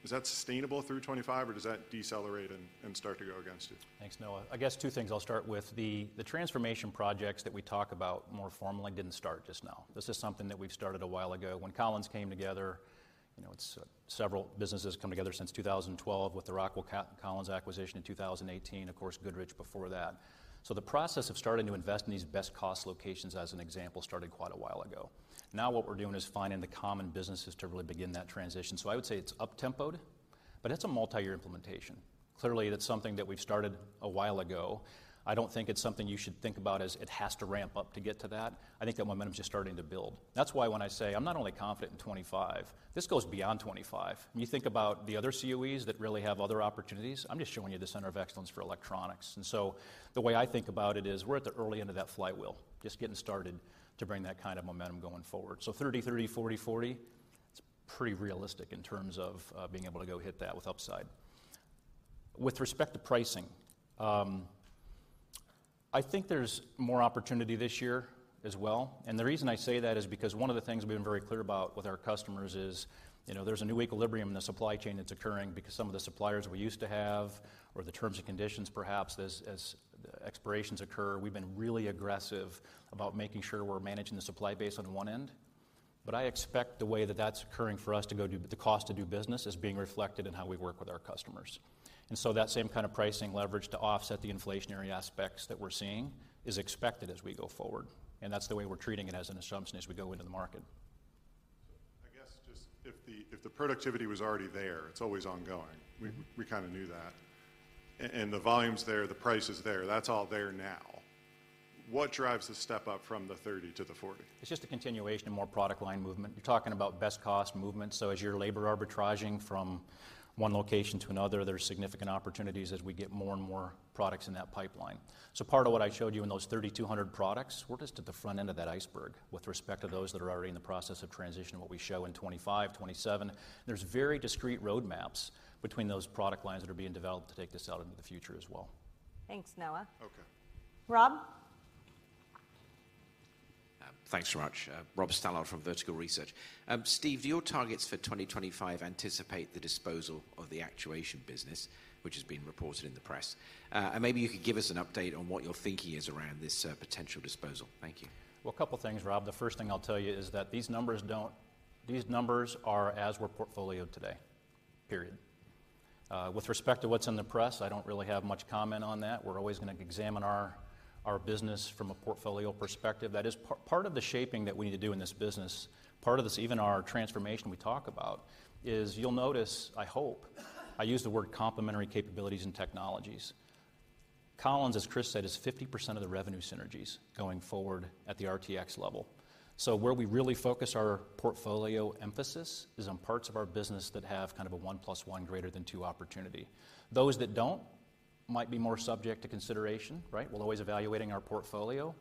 [SPEAKER 7] Is that sustainable through 2025, or does that decelerate and start to go against you?
[SPEAKER 6] Thanks, Noah. I guess 2 things. I'll start with the transformation projects that we talk about more formally didn't start just now. This is something that we've started a while ago. When Collins came together, you know, it's several businesses come together since 2012 with the Rockwell Collins acquisition in 2018, of course, Goodrich before that. The process of starting to invest in these best cost locations, as an example, started quite a while ago. Now, what we're doing is finding the common businesses to really begin that transition. I would say it's up-tempoed, but it's a multi-year implementation. Clearly, that's something that we've started a while ago. I don't think it's something you should think about as it has to ramp up to get to that. I think that momentum is just starting to build. That's why when I say I'm not only confident in 2025, this goes beyond 2025. When you think about the other COEs that really have other opportunities, I'm just showing you the Center of Excellence for electronics. The way I think about it is we're at the early end of that flywheel, just getting started to bring that kind of momentum going forward. 30%, 30%, 40%, 40%, it's pretty realistic in terms of being able to go hit that with upside. With respect to pricing, I think there's more opportunity this year as well. The reason I say that is because one of the things we've been very clear about with our customers is, you know, there's a new equilibrium in the supply chain that's occurring because some of the suppliers we used to have or the terms and conditions, perhaps, as expirations occur, we've been really aggressive about making sure we're managing the supply base on one end. I expect the way that that's occurring for us to go do the cost to do business is being reflected in how we work with our customers. That same kind of pricing leverage to offset the inflationary aspects that we're seeing is expected as we go forward, and that's the way we're treating it as an assumption as we go into the market.
[SPEAKER 7] I guess just if the productivity was already there, it's always ongoing. We kind of knew that. The volume's there, the price is there, that's all there now. What drives the step up from the 30 to the 40?
[SPEAKER 6] It's just a continuation of more product line movement. You're talking about best cost movement, so as you're labor arbitraging from one location to another, there's significant opportunities as we get more and more products in that pipeline. Part of what I showed you in those 3,200 products, we're just at the front end of that iceberg with respect to those that are already in the process of transitioning what we show in 2025, 2027. There's very discrete roadmaps between those product lines that are being developed to take this out into the future as well.
[SPEAKER 1] Thanks, Noah.
[SPEAKER 7] Okay.
[SPEAKER 1] Rob?
[SPEAKER 8] Thanks very much. Rob Stallard from Vertical Research. Steve, your targets for 2025 anticipate the disposal of the actuation business, which has been reported in the press. Maybe you could give us an update on what your thinking is around this, potential disposal. Thank you.
[SPEAKER 6] Well, a couple of things, Rob. The first thing I'll tell you is that these numbers are as we're portfolioed today, period. With respect to what's in the press, I don't really have much comment on that. We're always going to examine our business from a portfolio perspective. That is part of the shaping that we need to do in this business, part of this, even our transformation we talk about, is you'll notice, I hope, I use the word complementary capabilities and technologies. Collins, as Chris said, is 50% of the revenue synergies going forward at the RTX level. Where we really focus our portfolio emphasis is on parts of our business that have kind of a one plus one greater than two opportunity. Those that don't might be more subject to consideration, right? We're always evaluating our portfolio,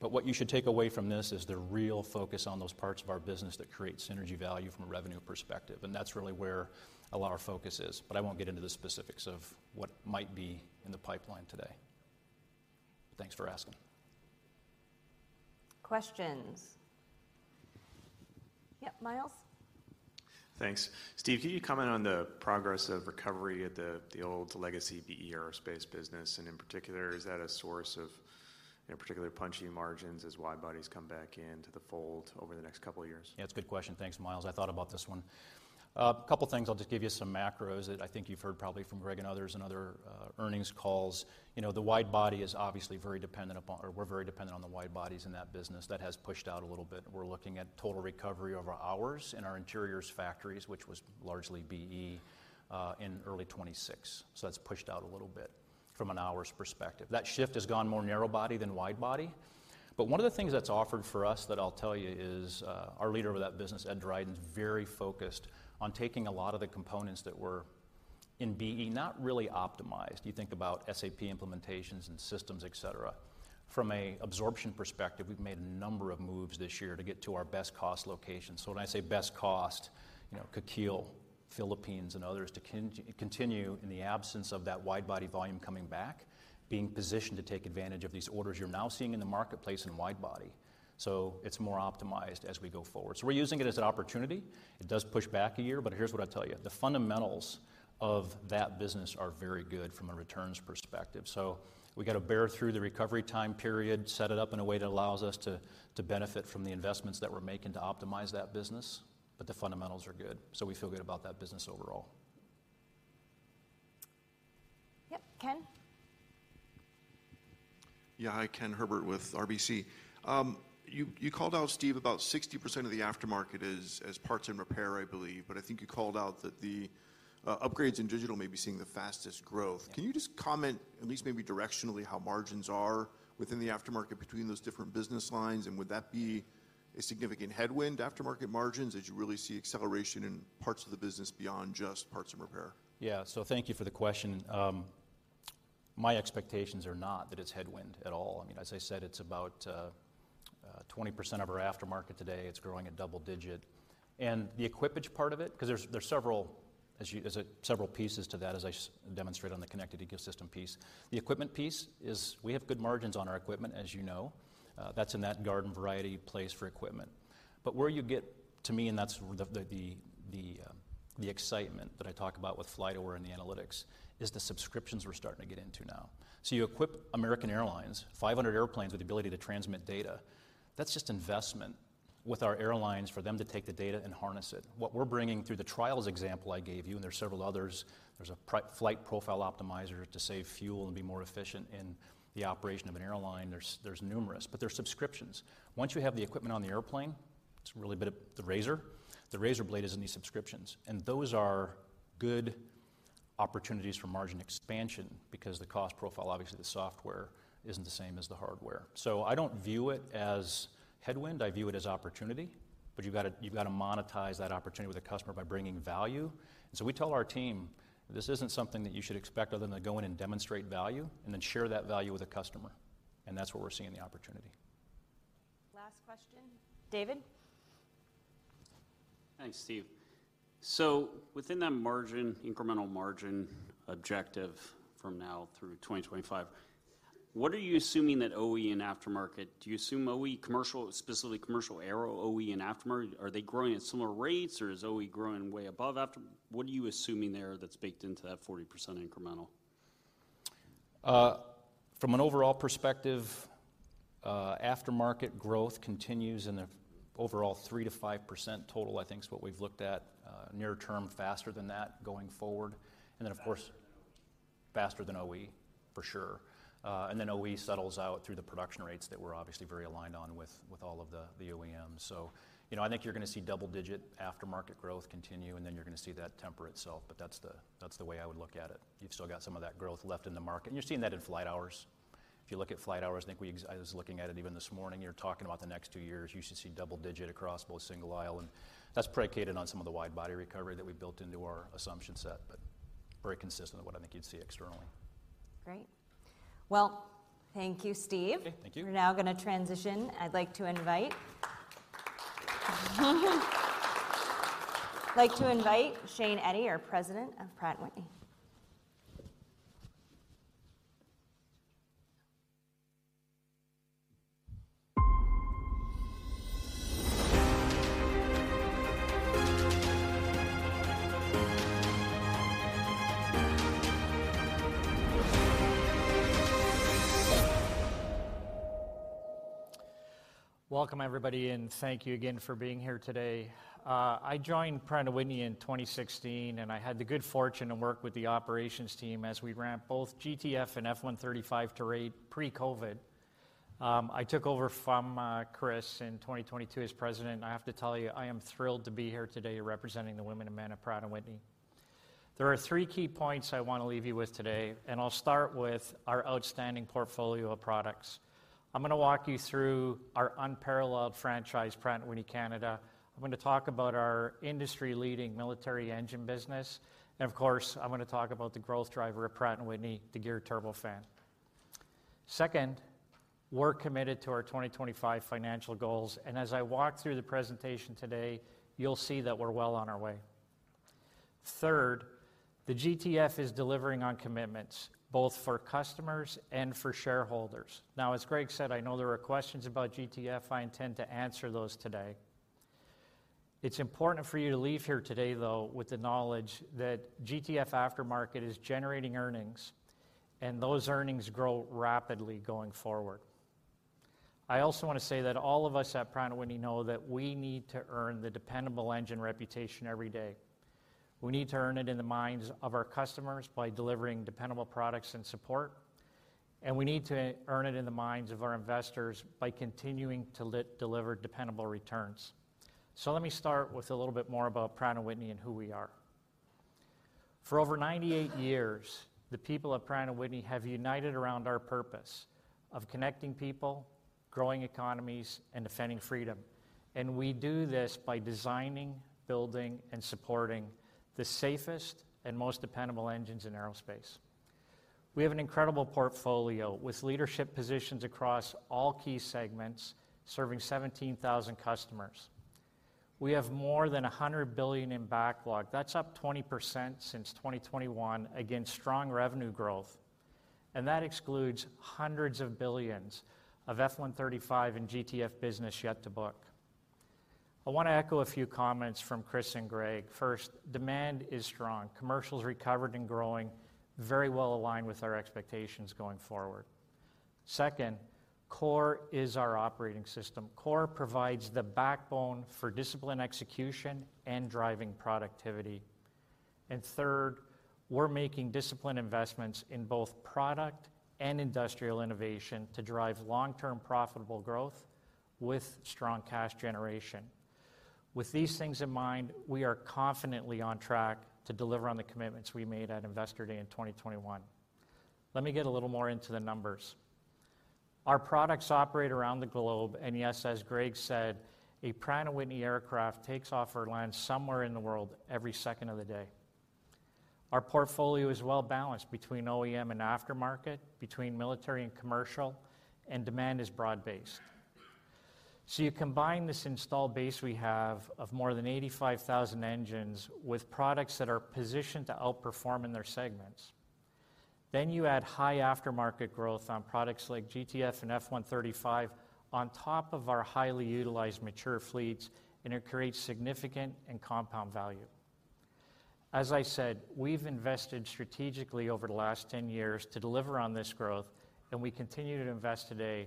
[SPEAKER 6] what you should take away from this is the real focus on those parts of our business that create synergy value from a revenue perspective, and that's really where a lot of our focus is. I won't get into the specifics of what might be in the pipeline today. Thanks for asking.
[SPEAKER 1] Questions? Yep, Myles.
[SPEAKER 9] Thanks. Steve, can you comment on the progress of recovery at the old legacy B/E Aerospace business, and in particular, is that a source of, you know, particularly punchy margins as wide-bodies come back into the fold over the next couple of years?
[SPEAKER 6] Yeah, it's a good question. Thanks, Myles. I thought about this one. A couple things, I'll just give you some macros that I think you've heard probably from Greg and others in other earnings calls. You know, the wide-body is obviously very dependent upon, or we're very dependent on the wide-bodies in that business. That has pushed out a little bit, and we're looking at total recovery over hours in our interiors factories, which was largely B/E, in early 2026. That's pushed out a little bit from an hours perspective. That shift has gone more narrow-body than wide-body, but one of the things that's offered for us, that I'll tell you, is, our leader of that business, Ed Dryden, is very focused on taking a lot of the components that were in B/E, not really optimized. You think about SAP implementations and systems, et cetera. From a absorption perspective, we've made a number of moves this year to get to our best cost location. When I say best cost, you know, Tanauan, Philippines, and others, to continue in the absence of that wide-body volume coming back, being positioned to take advantage of these orders you're now seeing in the marketplace in wide-body. It's more optimized as we go forward. We're using it as an opportunity. It does push back a year, here's what I'll tell you: the fundamentals of that business are very good from a returns perspective. We've got to bear through the recovery time period, set it up in a way that allows us to benefit from the investments that we're making to optimize that business. The fundamentals are good, we feel good about that business overall.
[SPEAKER 1] Yep, Ken?
[SPEAKER 10] Hi, Ken Herbert with RBC. you called out, Steve, about 60% of the aftermarket is, as parts and repair, I believe, but I think you called out that the upgrades in digital may be seeing the fastest growth.
[SPEAKER 6] Yeah.
[SPEAKER 10] Can you just comment, at least maybe directionally, how margins are within the aftermarket between those different business lines? Would that be a significant headwind to aftermarket margins as you really see acceleration in parts of the business beyond just parts and repair?
[SPEAKER 6] Thank you for the question. My expectations are not that it's headwind at all. I mean, as I said, it's about 20% of our aftermarket today. It's growing at double-digit. The equipage part of it, 'cause there's several, as you there's several pieces to that, as I demonstrated on the connected ecosystem piece. The equipment piece is. We have good margins on our equipment, as you know, that's in that garden variety place for equipment. Where you get to me, and that's the excitement that I talk about with FlightAware and the analytics, is the subscriptions we're starting to get into now. You equip American Airlines, 500 airplanes with the ability to transmit data. That's just investment with our airlines for them to take the data and harness it. What we're bringing through the trials example I gave you, and there are several others, there's a flight profile optimizer to save fuel and be more efficient in the operation of an airline. There's numerous, but they're subscriptions. Once you have the equipment on the airplane, it's really a bit of the razor. The razor blade is in these subscriptions, and those are good opportunities for margin expansion because the cost profile, obviously, the software isn't the same as the hardware. I don't view it as headwind, I view it as opportunity, but you've got to monetize that opportunity with a customer by bringing value. We tell our team, "This isn't something that you should expect other than to go in and demonstrate value, and then share that value with the customer." That's where we're seeing the opportunity.
[SPEAKER 1] Last question. David?
[SPEAKER 11] Thanks, Steve. Within that margin, incremental margin objective from now through 2025, do you assume OE commercial, specifically commercial aero OE and aftermarket, are they growing at similar rates, or is OE growing way above after? What are you assuming there that's baked into that 40% incremental?
[SPEAKER 6] From an overall perspective, aftermarket growth continues in the overall 3% to 5% total, I think is what we've looked at, near term, faster than that going forward. Of course.
[SPEAKER 11] Faster than OE.
[SPEAKER 6] Faster than OE, for sure. Then OE settles out through the production rates that we're obviously very aligned on with all of the OEMs. You know, I think you're going to see double-digit aftermarket growth continue, and then you're going to see that temper itself. That's the way I would look at it. You've still got some of that growth left in the market. You're seeing that in flight hours. If you look at flight hours, I think I was looking at it even this morning, you're talking about the next 2 years, you should see double-digit across both single-aisle. That's predicated on some of the wide-body recovery that we built into our assumption set, but very consistent with what I think you'd see externally.
[SPEAKER 1] Great. Well, thank you, Steve.
[SPEAKER 6] Okay, thank you.
[SPEAKER 1] We're now going to transition. I'd like to invite Shane Eddy, our President of Pratt & Whitney.
[SPEAKER 12] Welcome, everybody, thank you again for being here today. I joined Pratt & Whitney in 2016, I had the good fortune to work with the operations team as we ramped both GTF and F135 to rate pre-COVID. I took over from Chris in 2022 as president, I have to tell you, I am thrilled to be here today representing the women and men of Pratt & Whitney. There are three key points I want to leave you with today, I'll start with our outstanding portfolio of products. I'm going to walk you through our unparalleled franchise, Pratt & Whitney Canada. I'm going to talk about our industry-leading military engine business, of course, I'm going to talk about the growth driver of Pratt & Whitney, the Geared Turbofan. Second, we're committed to our 2025 financial goals. As I walk through the presentation today, you'll see that we're well on our way. Third, the GTF is delivering on commitments, both for customers and for shareholders. As Greg said, I know there are questions about GTF. I intend to answer those today. It's important for you to leave here today, though, with the knowledge that GTF aftermarket is generating earnings. Those earnings grow rapidly going forward. I also want to say that all of us at Pratt & Whitney know that we need to earn the dependable engine reputation every day. We need to earn it in the minds of our customers by delivering dependable products and support. We need to earn it in the minds of our investors by continuing to deliver dependable returns. Let me start with a little bit more about Pratt & Whitney and who we are. For over 98 years, the people at Pratt & Whitney have united around our purpose of connecting people, growing economies, and defending freedom, we do this by designing, building, and supporting the safest and most dependable engines in aerospace. We have an incredible portfolio with leadership positions across all key segments, serving 17,000 customers. We have more than $100 billion in backlog. That's up 20% since 2021 against strong revenue growth, that excludes $100s of billions of F135 and GTF business yet to book. I want to echo a few comments from Chris and Greg. First, demand is strong. Commercial's recovered and growing, very well aligned with our expectations going forward. Second, CORE is our operating system. CORE provides the backbone for disciplined execution and driving productivity. Third, we're making disciplined investments in both product and industrial innovation to drive long-term profitable growth with strong cash generation. With these things in mind, we are confidently on track to deliver on the commitments we made at Investor Day in 2021. Let me get a little more into the numbers. Our products operate around the globe, yes, as Greg said, a Pratt & Whitney aircraft takes off or lands somewhere in the world every second of the day. Our portfolio is well-balanced between OEM and aftermarket, between military and commercial, demand is broad-based. You combine this installed base we have of more than 85,000 engines with products that are positioned to outperform in their segments. You add high aftermarket growth on products like GTF and F135 on top of our highly utilized mature fleets, and it creates significant and compound value. As I said, we've invested strategically over the last 10 years to deliver on this growth, and we continue to invest today,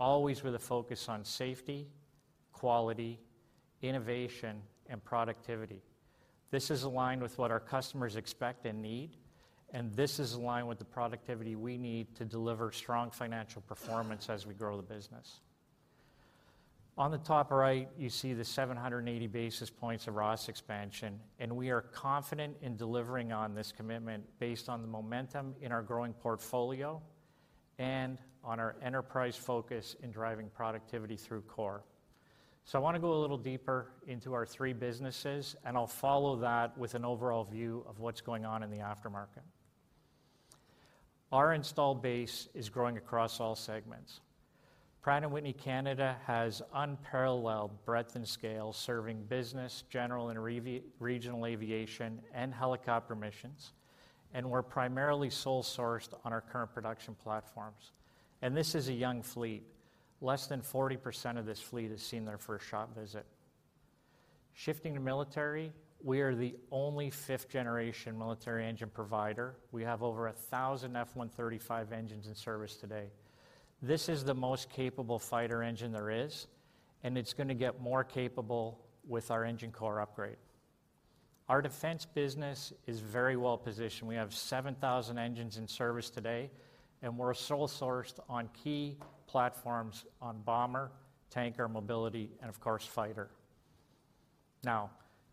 [SPEAKER 12] always with a focus on safety, quality, innovation, and productivity. This is aligned with what our customers expect and need, and this is aligned with the productivity we need to deliver strong financial performance as we grow the business. On the top right, you see the 780 basis points of ROS expansion, and we are confident in delivering on this commitment based on the momentum in our growing portfolio and on our enterprise focus in driving productivity through CORE. I want to go a little deeper into our three businesses, and I'll follow that with an overall view of what's going on in the aftermarket. Our installed base is growing across all segments. Pratt & Whitney Canada has unparalleled breadth and scale, serving business, general and regional aviation and helicopter missions, and we're primarily sole sourced on our current production platforms. This is a young fleet. Less than 40% of this fleet has seen their first shop visit. Shifting to military, we are the only fifth-generation military engine provider. We have over 1,000 F-135 engines in service today. This is the most capable fighter engine there is, and it's going to get more capable with our Engine Core Upgrade. Our defense business is very well positioned. We're 7,000 engines in service today, sole sourced on key platforms on bomber, tanker, mobility, and of course, fighter.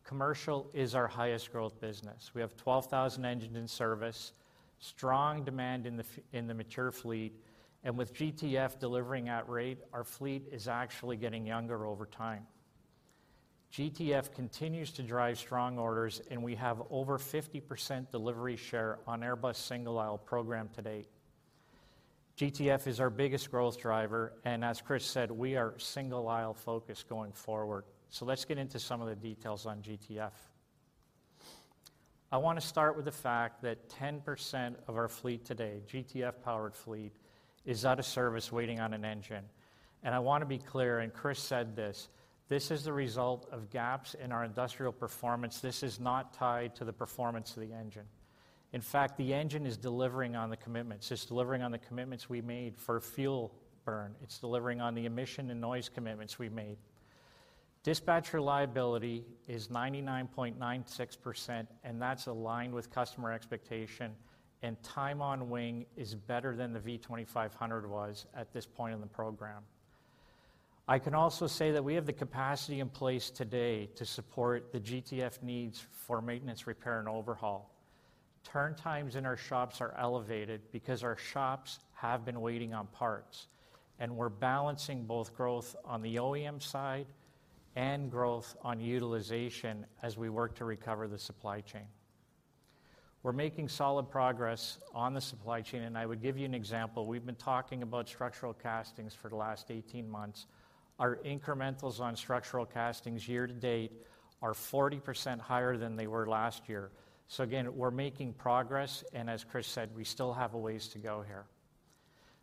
[SPEAKER 12] Commercial is our highest growth business. We have 12,000 engines in service, strong demand in the mature fleet, with GTF delivering at rate, our fleet is actually getting younger over time. GTF continues to drive strong orders, we have over 50% delivery share on Airbus single-aisle program to date. GTF is our biggest growth driver, as Chris said, we are single-aisle focused going forward. Let's get into some of the details on GTF. I want to start with the fact that 10% of our fleet today, GTF-powered fleet, is out of service, waiting on an engine. I want to be clear, Chris said this is the result of gaps in our industrial performance. This is not tied to the performance of the engine. The engine is delivering on the commitments. It's delivering on the commitments we made for fuel burn. It's delivering on the emission and noise commitments we made. Dispatch reliability is 99.96%. That's aligned with customer expectation. Time on wing is better than the V2500 was at this point in the program. I can also say that we have the capacity in place today to support the GTF needs for maintenance, repair, and overhaul. Turn times in our shops are elevated because our shops have been waiting on parts. We're balancing both growth on the OEM side and growth on utilization as we work to recover the supply chain. We're making solid progress on the supply chain. I would give you an example. We've been talking about structural castings for the last 18 months. Our incrementals on structural castings year-to-date are 40% higher than they were last year. Again, we're making progress, and as Chris said, we still have a ways to go here.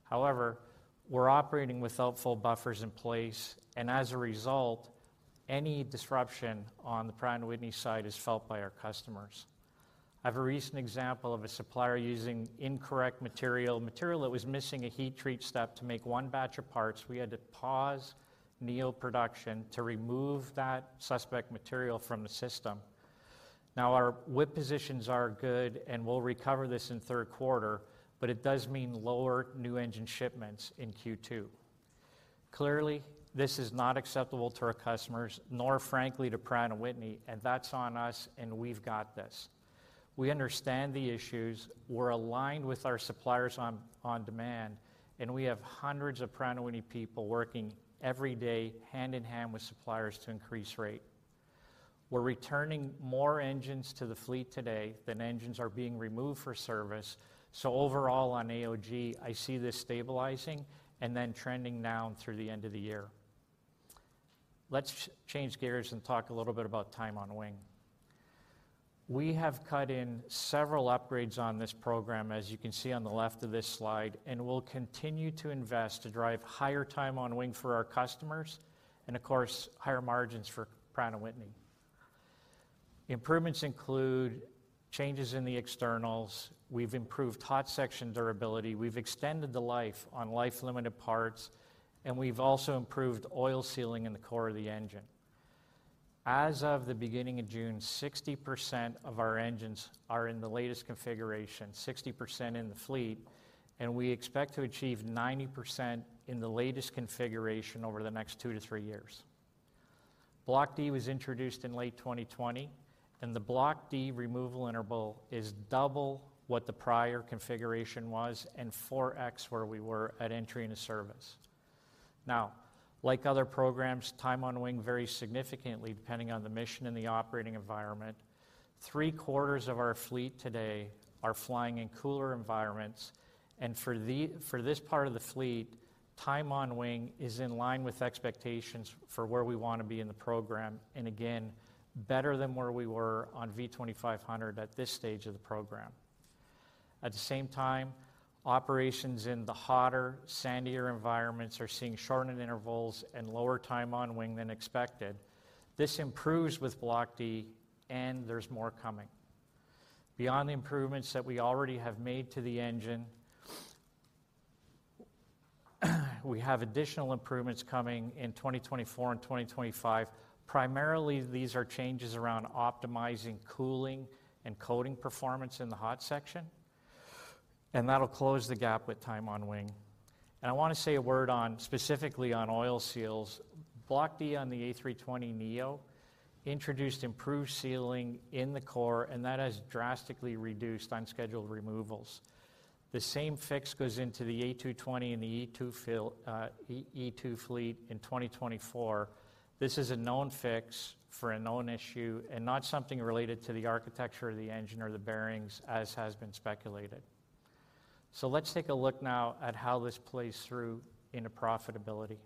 [SPEAKER 12] However, we're operating without full buffers in place, and as a result, any disruption on the Pratt & Whitney side is felt by our customers. I have a recent example of a supplier using incorrect material that was missing a heat treat step to make 1 batch of parts. We had to pause Neo production to remove that suspect material from the system. Our WIP positions are good, and we'll recover this in Q3, but it does mean lower new engine shipments in Q2. Clearly, this is not acceptable to our customers, nor frankly, to Pratt & Whitney, and that's on us, and we've got this. We understand the issues, we're aligned with our suppliers on demand, and we have hundreds of Pratt & Whitney people working every day, hand in hand with suppliers to increase rate. We're returning more engines to the fleet today than engines are being removed for service, so overall on AOG, I see this stabilizing and then trending down through the end of the year. Let's change gears and talk a little bit about time on wing. We have cut in several upgrades on this program, as you can see on the left of this slide, and we'll continue to invest to drive higher time on wing for our customers and of course, higher margins for Pratt & Whitney. Improvements include changes in the externals. We've improved hot section durability, we've extended the life on life-limited parts, and we've also improved oil sealing in the core of the engine. As of the beginning of June, 60% of our engines are in the latest configuration, 60% in the fleet, and we expect to achieve 90% in the latest configuration over the next 2-3 years. Block D was introduced in late 2020, and the Block D removal interval is double what the prior configuration was, and 4x where we were at entry into service. Now, like other programs, time on wing varies significantly depending on the mission and the operating environment. Three-quarters of our fleet today are flying in cooler environments. For this part of the fleet, time on wing is in line with expectations for where we want to be in the program, again, better than where we were on V2500 at this stage of the program. At the same time, operations in the hotter, sandier environments are seeing shortened intervals and lower time on wing than expected. This improves with Block D. There's more coming. Beyond the improvements that we already have made to the engine, we have additional improvements coming in 2024 and 2025. Primarily, these are changes around optimizing, cooling, and coding performance in the hot section, that'll close the gap with time on wing. I want to say a word on, specifically on oil seals. Block D on the A320neo introduced improved sealing in the core, and that has drastically reduced unscheduled removals. The same fix goes into the A220 and the E2 fleet in 2024. This is a known fix for a known issue and not something related to the architecture of the engine or the bearings, as has been speculated. Let's take a look now at how this plays through into profitability.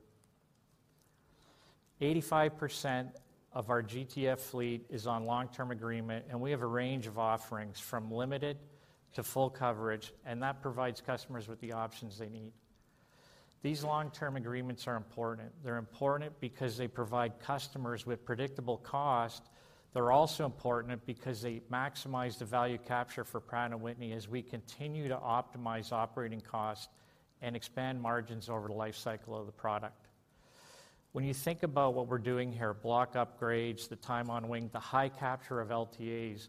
[SPEAKER 12] 85% of our GTF fleet is on long-term agreement, and we have a range of offerings from limited to full coverage, and that provides customers with the options they need. These long-term agreements are important. They're important because they provide customers with predictable cost. They're also important because they maximize the value capture for Pratt & Whitney as we continue to optimize operating costs and expand margins over the life cycle of the product. When you think about what we're doing here, block upgrades, the time on wing, the high capture of LTAs,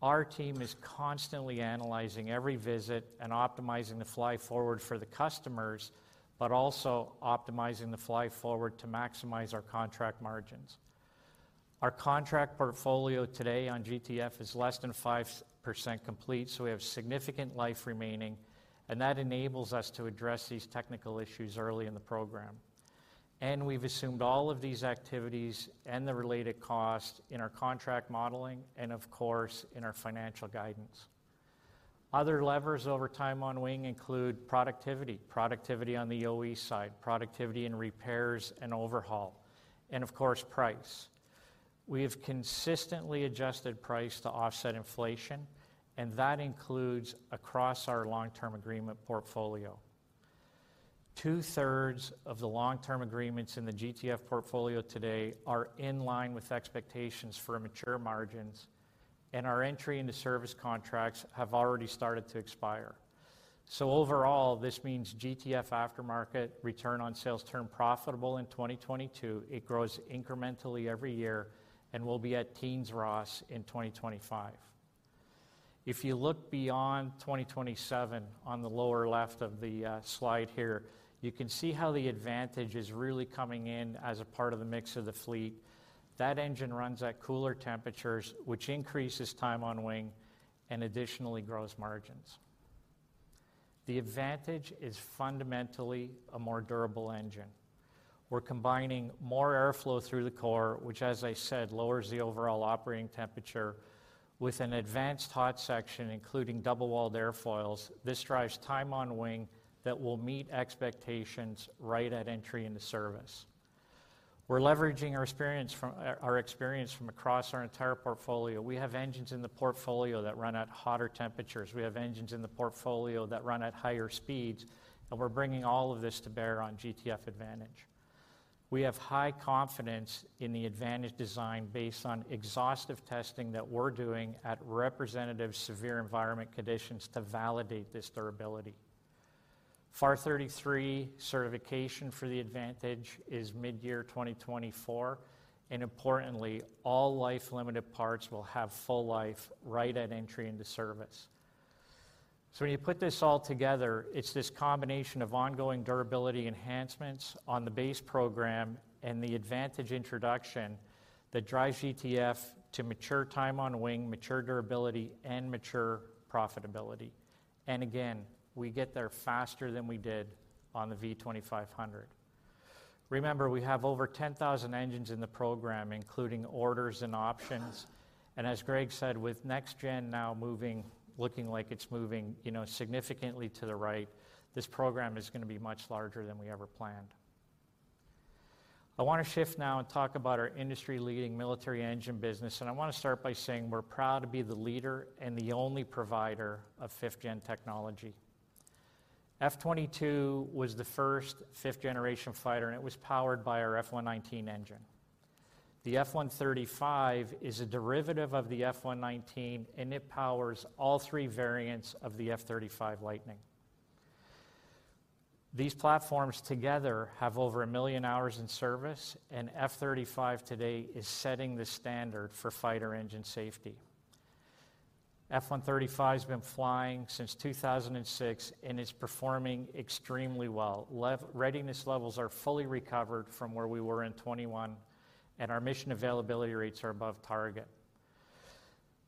[SPEAKER 12] our team is constantly analyzing every visit and optimizing the fly forward for the customers, but also optimizing the fly forward to maximize our contract margins. Our contract portfolio today on GTF is less than 5% complete, so we have significant life remaining, and that enables us to address these technical issues early in the program. We've assumed all of these activities and the related costs in our contract modeling and of course, in our financial guidance. Other levers over time on wing include productivity on the OE side, productivity in repairs and overhaul, and of course, price. We have consistently adjusted price to offset inflation, that includes across our long-term agreement portfolio. Two-thirds of the long-term agreements in the GTF portfolio today are in line with expectations for mature margins, and our entry into service contracts have already started to expire. Overall, this means GTF aftermarket return on sales turned profitable in 2022. It grows incrementally every year and will be at teens ROS in 2025. If you look beyond 2027 on the lower left of the slide here, you can see how the Advantage is really coming in as a part of the mix of the fleet. That engine runs at cooler temperatures, which increases time on wing and additionally grows margins. The Advantage is fundamentally a more durable engine. We're combining more airflow through the core, which, as I said, lowers the overall operating temperature with an advanced hot section, including double-walled airfoils. This drives time on wing that will meet expectations right at entry into service. We're leveraging our experience from across our entire portfolio. We have engines in the portfolio that run at hotter temperatures. We have engines in the portfolio that run at higher speeds, and we're bringing all of this to bear on GTF Advantage. We have high confidence in the Advantage design based on exhaustive testing that we're doing at representative severe environment conditions to validate this durability. FAR Part 33 certification for the Advantage is mid-year 2024, and importantly, all life-limited parts will have full life right at entry into service. When you put this all together, it's this combination of ongoing durability enhancements on the base program and the Advantage introduction that drives GTF to mature time on wing, mature durability, and mature profitability. Again, we get there faster than we did on the V2500. Remember, we have over 10,000 engines in the program, including orders and options. As Greg said, with next gen now moving-- looking like it's moving, you know, significantly to the right, this program is going to be much larger than we ever planned. I want to shift now and talk about our industry-leading military engine business, and I want to start by saying we're proud to be the leader and the only provider of fifth-gen technology. F-22 was the first fifth-generation fighter, and it was powered by our F119 engine. The F135 is a derivative of the F119, and it powers all three variants of the F-35 Lightning. These platforms together have over a million hours in service, and F-35 today is setting the standard for fighter engine safety. F135's been flying since 2006, and it's performing extremely well. Readiness levels are fully recovered from where we were in 21, and our mission availability rates are above target.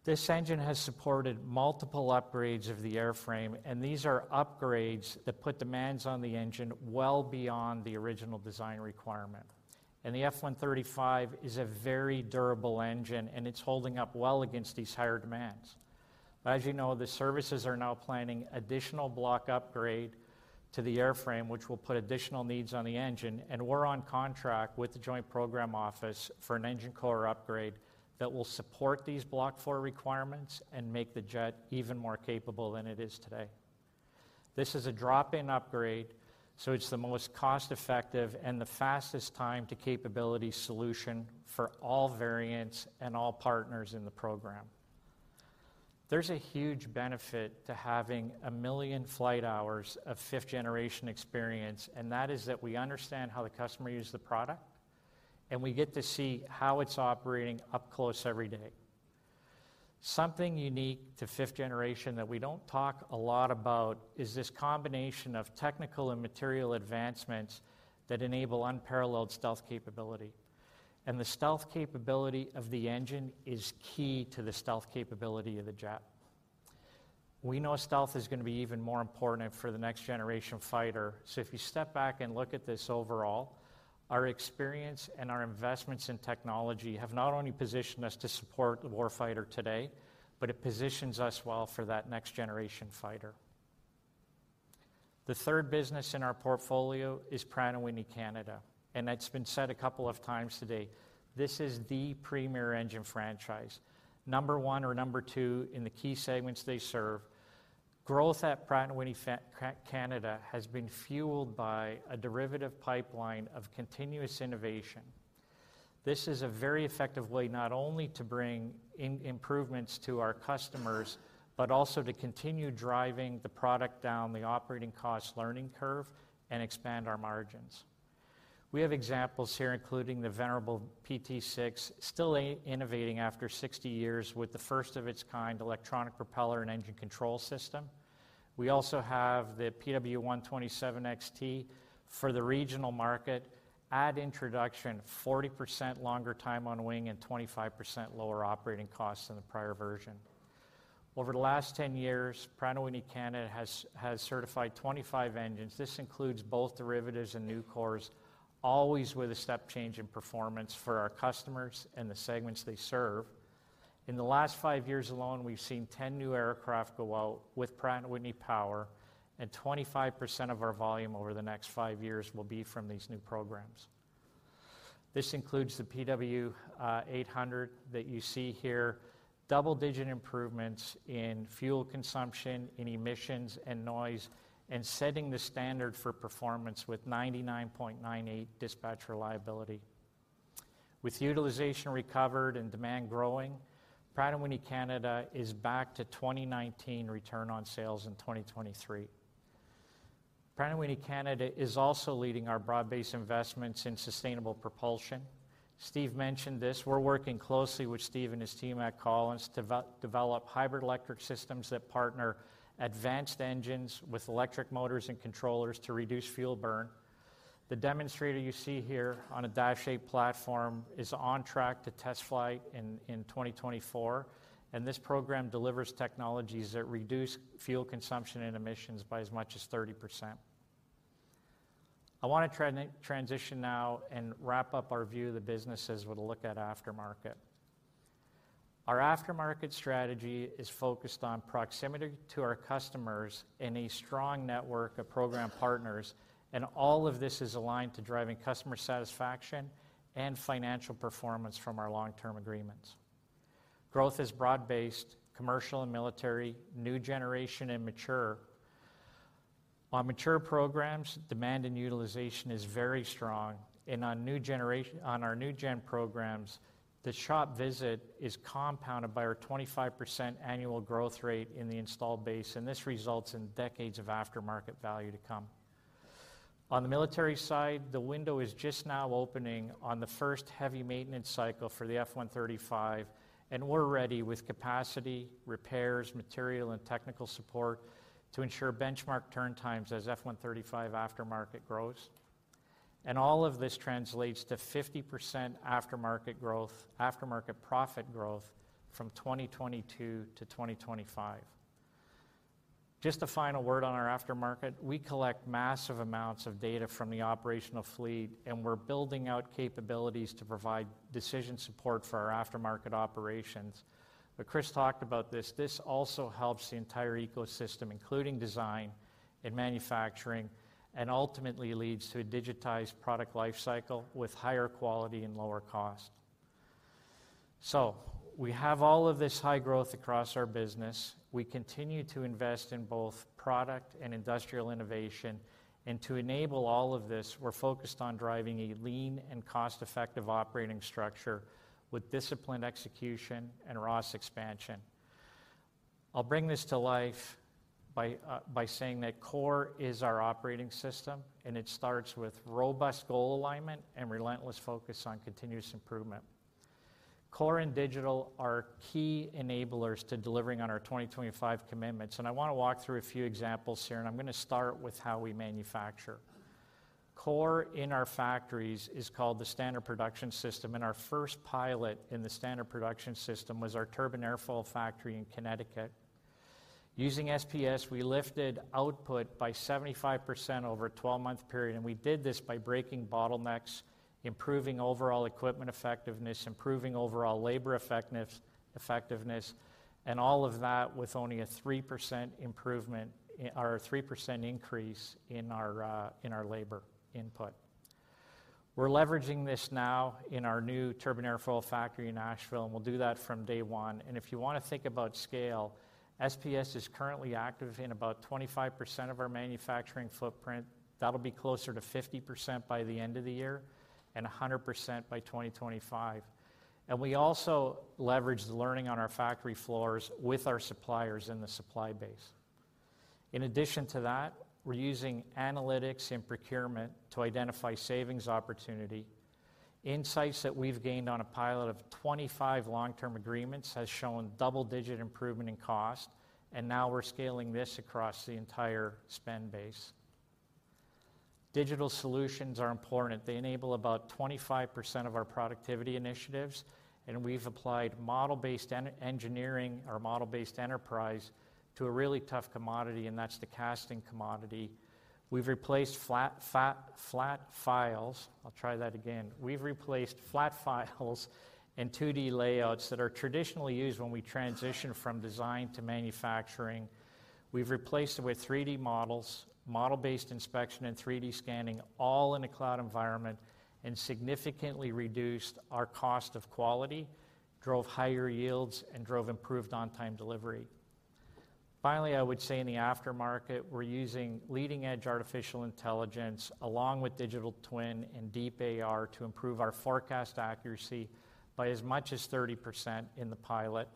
[SPEAKER 12] This engine has supported multiple upgrades of the airframe, and these are upgrades that put demands on the engine well beyond the original design requirement. The F135 is a very durable engine, and it's holding up well against these higher demands. As you know, the services are now planning additional block upgrade to the airframe, which will put additional needs on the engine, and we're on contract with the Joint Program Office for an Engine Core Upgrade that will support these block four requirements and make the jet even more capable than it is today. This is a drop-in upgrade, it's the most cost-effective and the fastest time to capability solution for all variants and all partners in the program. There's a huge benefit to having 1 million flight hours of fifth-generation experience, that is that we understand how the customer uses the product, and we get to see how it's operating up close every day. Something unique to fifth-generation that we don't talk a lot about is this combination of technical and material advancements that enable unparalleled stealth capability. The stealth capability of the engine is key to the stealth capability of the jet. We know stealth is going to be even more important for the next-generation fighter. If you step back and look at this overall, our experience and our investments in technology have not only positioned us to support the warfighter today, but it positions us well for that next-generation fighter. The third business in our portfolio is Pratt & Whitney Canada, and that's been said a couple of times today. This is the premier engine franchise, number one or number two in the key segments they serve. Growth at Pratt & Whitney Canada has been fueled by a derivative pipeline of continuous innovation. This is a very effective way, not only to bring in improvements to our customers, but also to continue driving the product down the operating cost learning curve and expand our margins. We have examples here, including the venerable PT6, still innovating after 60 years with the first of its kind electronic propeller and engine control system. We also have the PW127XT for the regional market. At introduction, 40% longer time on wing and 25% lower operating costs than the prior version. Over the last 10 years, Pratt & Whitney Canada has certified 25 engines. This includes both derivatives and new cores, always with a step change in performance for our customers and the segments they serve. In the last 5 years alone, we've seen 10 new aircraft go out with Pratt & Whitney Power, and 25% of our volume over the next 5 years will be from these new programs. This includes the PW800 that you see here, double-digit improvements in fuel consumption, in emissions and noise, and setting the standard for performance with 99.98 dispatch reliability. With utilization recovered and demand growing, Pratt & Whitney Canada is back to 2019 return on sales in 2023. Pratt & Whitney Canada is also leading our broad-based investments in sustainable propulsion. Steve mentioned this. We're working closely with Steve and his team at Collins to develop hybrid electric systems that partner advanced engines with electric motors and controllers to reduce fuel burn. The demonstrator you see here on a Dash 8 platform is on track to test flight in 2024. This program delivers technologies that reduce fuel consumption and emissions by as much as 30%. I want to transition now and wrap up our view of the businesses with a look at aftermarket. Our aftermarket strategy is focused on proximity to our customers and a strong network of program partners. All of this is aligned to driving customer satisfaction and financial performance from our long-term agreements. Growth is broad-based, commercial and military, new generation and mature. On mature programs, demand and utilization is very strong, on our new gen programs, the shop visit is compounded by our 25% annual growth rate in the installed base. This results in decades of aftermarket value to come. On the military side, the window is just now opening on the first heavy maintenance cycle for the F135. We're ready with capacity, repairs, material, and technical support to ensure benchmark turn times as F135 aftermarket grows. All of this translates to 50% aftermarket profit growth from 2022 to 2025. A final word on our aftermarket, we collect massive amounts of data from the operational fleet, we're building out capabilities to provide decision support for our aftermarket operations. Chris talked about this. This also helps the entire ecosystem, including design and manufacturing, ultimately leads to a digitized product life cycle with higher quality and lower cost. We have all of this high growth across our business. We continue to invest in both product and industrial innovation, to enable all of this, we're focused on driving a lean and cost-effective operating structure with disciplined execution and ROS expansion. I'll bring this to life by saying that CORE is our operating system, it starts with robust goal alignment and relentless focus on continuous improvement. Core and digital are key enablers to delivering on our 2025 commitments, I want to walk through a few examples here, I'm going to start with how we manufacture. Core in our factories is called the Standard Production System, Our first pilot in the Standard Production System was our turbine airfoil factory in Connecticut. Using SPS, we lifted output by 75% over a 12-month period, We did this by breaking bottlenecks, improving overall equipment effectiveness, improving overall labor effectiveness, All of that with only a 3% improvement, or a 3% increase in our in our labor input. We're leveraging this now in our new turbine airfoil factory in Asheville, We'll do that from day one. If you want to think about scale, SPS is currently active in about 25% of our manufacturing footprint. That'll be closer to 50% by the end of the year and 100% by 2025. We also leverage the learning on our factory floors with our suppliers in the supply base. In addition to that, we're using analytics and procurement to identify savings opportunity. Insights that we've gained on a pilot of 25 long-term agreements has shown double-digit improvement in cost, and now we're scaling this across the entire spend base. Digital solutions are important. They enable about 25% of our productivity initiatives, and we've applied model-based engineering or model-based enterprise to a really tough commodity, and that's the casting commodity. We've replaced flat files and 2D layouts that are traditionally used when we transition from design to manufacturing. We've replaced them with 3D models, model-based inspection and 3D scanning, all in a cloud environment, and significantly reduced our cost of quality, drove higher yields, and drove improved on-time delivery. Finally, I would say in the aftermarket, we're using leading-edge artificial intelligence along with digital twin and deep AR to improve our forecast accuracy by as much as 30% in the pilot.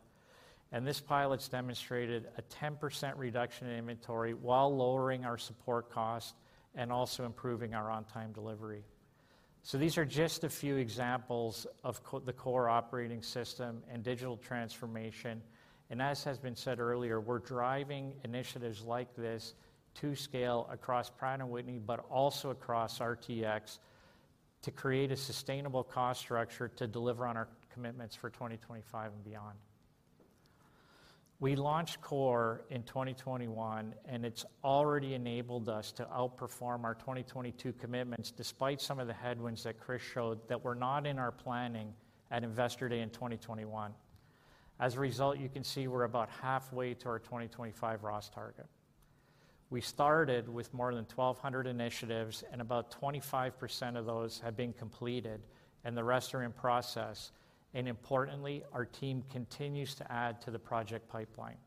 [SPEAKER 12] This pilot's demonstrated a 10% reduction in inventory while lowering our support cost and also improving our on-time delivery. So these are just a few examples of the CORE operating system and digital transformation. As has been said earlier, we're driving initiatives like this to scale across Pratt & Whitney, but also across RTX to create a sustainable cost structure to deliver on our commitments for 2025 and beyond. We launched CORE in 2021, and it's already enabled us to outperform our 2022 commitments, despite some of the headwinds that Chris showed that were not in our planning at Investor Day in 2021. As a result, you can see we're about halfway to our 2025 ROS target. We started with more than 1,200 initiatives, and about 25% of those have been completed, and the rest are in process. Importantly, our team continues to add to the project pipeline.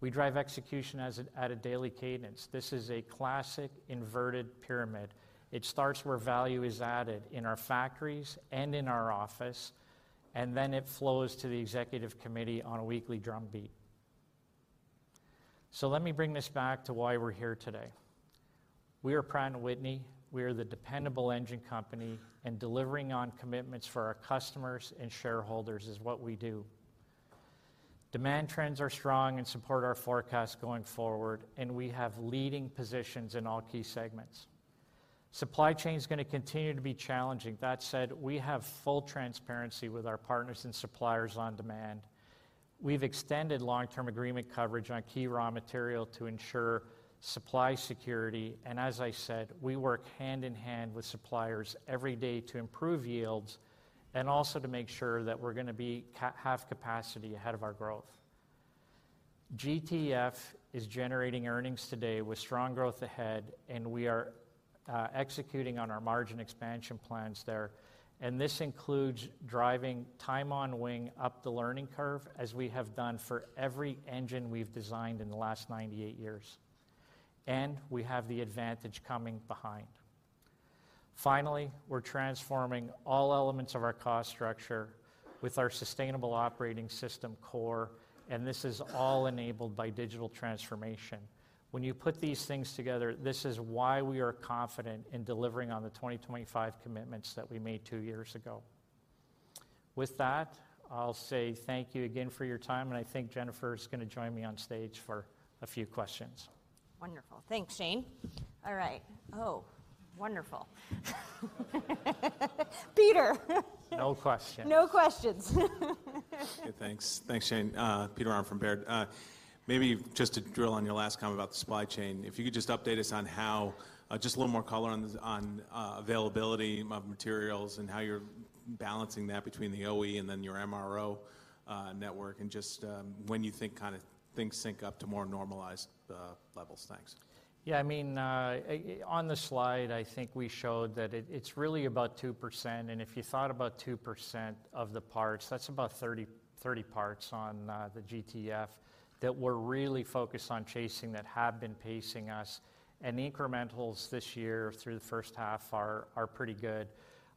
[SPEAKER 12] We drive execution at a daily cadence. This is a classic inverted pyramid. It starts where value is added in our factories and in our office, and then it flows to the executive committee on a weekly drum beat. Let me bring this back to why we're here today. We are Pratt & Whitney. We are the dependable engine company. Delivering on commitments for our customers and shareholders is what we do. Demand trends are strong and support our forecast going forward. We have leading positions in all key segments. Supply chain is going to continue to be challenging. That said, we have full transparency with our partners and suppliers on demand. We've extended long-term agreement coverage on key raw material to ensure supply security. As I said, we work hand in hand with suppliers every day to improve yields, and also to make sure that we're going to have capacity ahead of our growth. GTF is generating earnings today with strong growth ahead. We are executing on our margin expansion plans there, and this includes driving time on wing up the learning curve, as we have done for every engine we've designed in the last 98 years. We have the advantage coming behind. Finally, we're transforming all elements of our cost structure with our sustainable operating system CORE. This is all enabled by digital transformation. When you put these things together, this is why we are confident in delivering on the 2025 commitments that we made 2 years ago. With that, I'll say thank you again for your time. I think Jennifer is going to join me on stage for a few questions.
[SPEAKER 1] Wonderful. Thanks, Shane. All right. Oh, wonderful. Peter.
[SPEAKER 12] No questions.
[SPEAKER 1] No questions.
[SPEAKER 13] Thanks. Thanks, Shane. Peter Arment from Baird. Maybe just to drill on your last comment about the supply chain, if you could just update us on how, just a little more color on this, on, availability of materials and how you're balancing that between the OE and then your MRO network, and just, when you think kind of things sync up to more normalized levels? Thanks.
[SPEAKER 12] Yeah, I mean, on the slide, I think we showed that it's really about 2%, and if you thought about 2% of the parts, that's about 30 parts on the GTF that we're really focused on chasing that have been pacing us. The incrementals this year through the H1 are pretty good.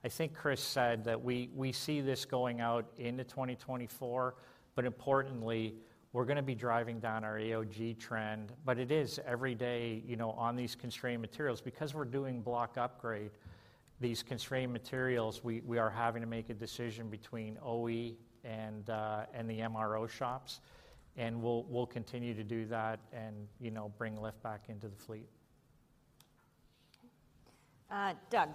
[SPEAKER 12] I think Chris said that we see this going out into 2024, but importantly, we're going to be driving down our AOG trend. It is every day, you know, on these constrained materials. Because we're doing block upgrade, these constrained materials, we are having to make a decision between OE and the MRO shops, and we'll continue to do that and, you know, bring lift back into the fleet.
[SPEAKER 1] Doug?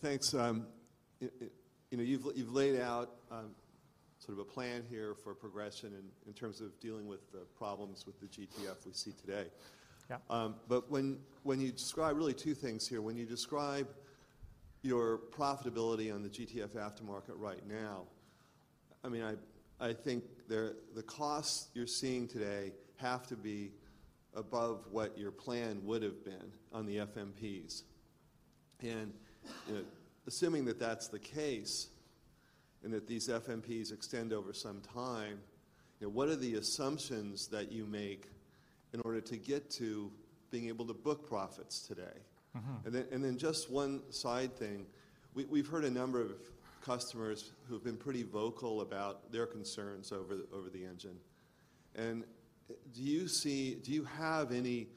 [SPEAKER 14] Thanks. You know, you've laid out a plan here for progression in terms of dealing with the problems with the GTF we see today.
[SPEAKER 12] Yeah.
[SPEAKER 14] When you describe really two things here, when you describe your profitability on the GTF aftermarket right now, I mean, I think the costs you're seeing today have to be above what your plan would have been on the FMPs. Assuming that that's the case, and that these FMPs extend over some time, you know, what are the assumptions that you make in order to get to being able to book profits today? Just one side thing, we've heard a number of customers who've been pretty vocal about their concerns over the engine. Do you have any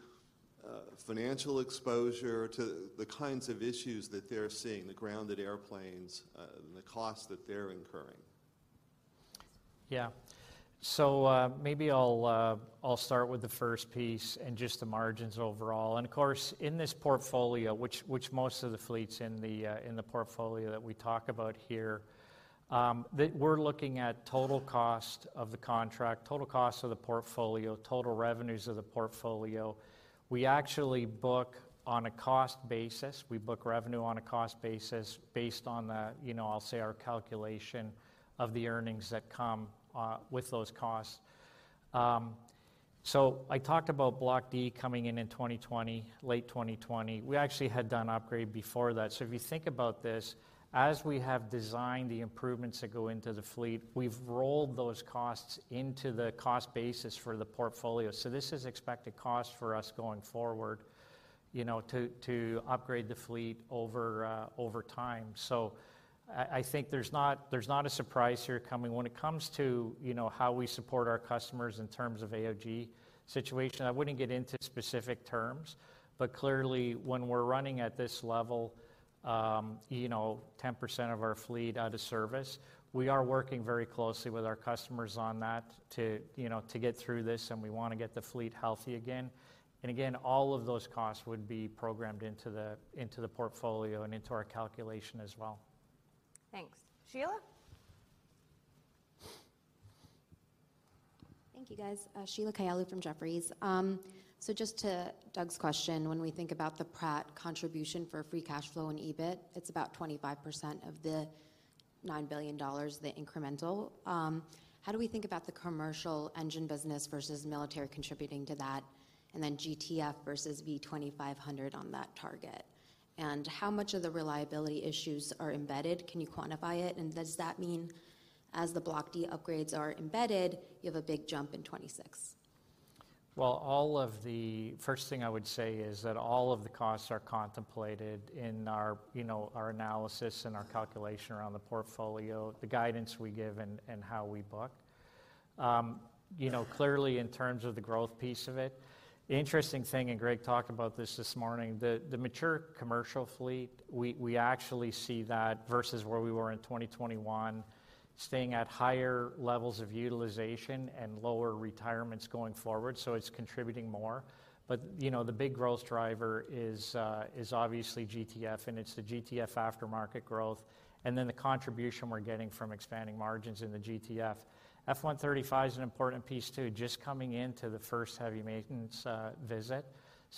[SPEAKER 14] financial exposure to the kinds of issues that they're seeing, the grounded airplanes, and the costs that they're incurring?
[SPEAKER 12] Maybe I'll start with the first piece and just the margins overall. Of course, in this portfolio, which most of the fleets in the portfolio that we talk about here, we're looking at total cost of the contract, total cost of the portfolio, total revenues of the portfolio. We actually book on a cost basis. We book revenue on a cost basis based on the, you know, I'll say, our calculation of the earnings that come with those costs. I talked about Block D coming in in 2020, late 2020. We actually had done an upgrade before that. If you think about this, as we have designed the improvements that go into the fleet, we've rolled those costs into the cost basis for the portfolio. This is expected cost for us going forward, you know, to upgrade the fleet over time. I think there's not a surprise here coming. When it comes to, you know, how we support our customers in terms of AOG situation, I wouldn't get into specific terms, but clearly when we're running at this level, you know, 10% of our fleet out of service, we are working very closely with our customers on that to, you know, to get through this, and we want to get the fleet healthy again. Again, all of those costs would be programmed into the portfolio and into our calculation as well.
[SPEAKER 1] Thanks. Sheila?
[SPEAKER 15] Thank you, guys. Sheila Kahyaoglu from Jefferies. Just to Doug's question, when we think about the Pratt contribution for free cash flow and EBIT, it's about 25% of the $9 billion, the incremental. How do we think about the commercial engine business versus military contributing to that, and then GTF versus V2500 on that target? How much of the reliability issues are embedded? Can you quantify it? Does that mean as the Block D upgrades are embedded, you have a big jump in 2026?
[SPEAKER 12] Well, all of the first thing I would say is that all of the costs are contemplated in our, you know, our analysis and our calculation around the portfolio, the guidance we give and how we book. you know, clearly, in terms of the growth piece of it, the interesting thing, and Greg talked about this this morning, the mature commercial fleet, we actually see that versus where we were in 2021, staying at higher levels of utilization and lower retirements going forward, so it's contributing more. you know, the big growth driver is obviously GTF, and it's the GTF aftermarket growth, and then the contribution we're getting from expanding margins in the GTF. F135 is an important piece, too, just coming into the first heavy maintenance visit.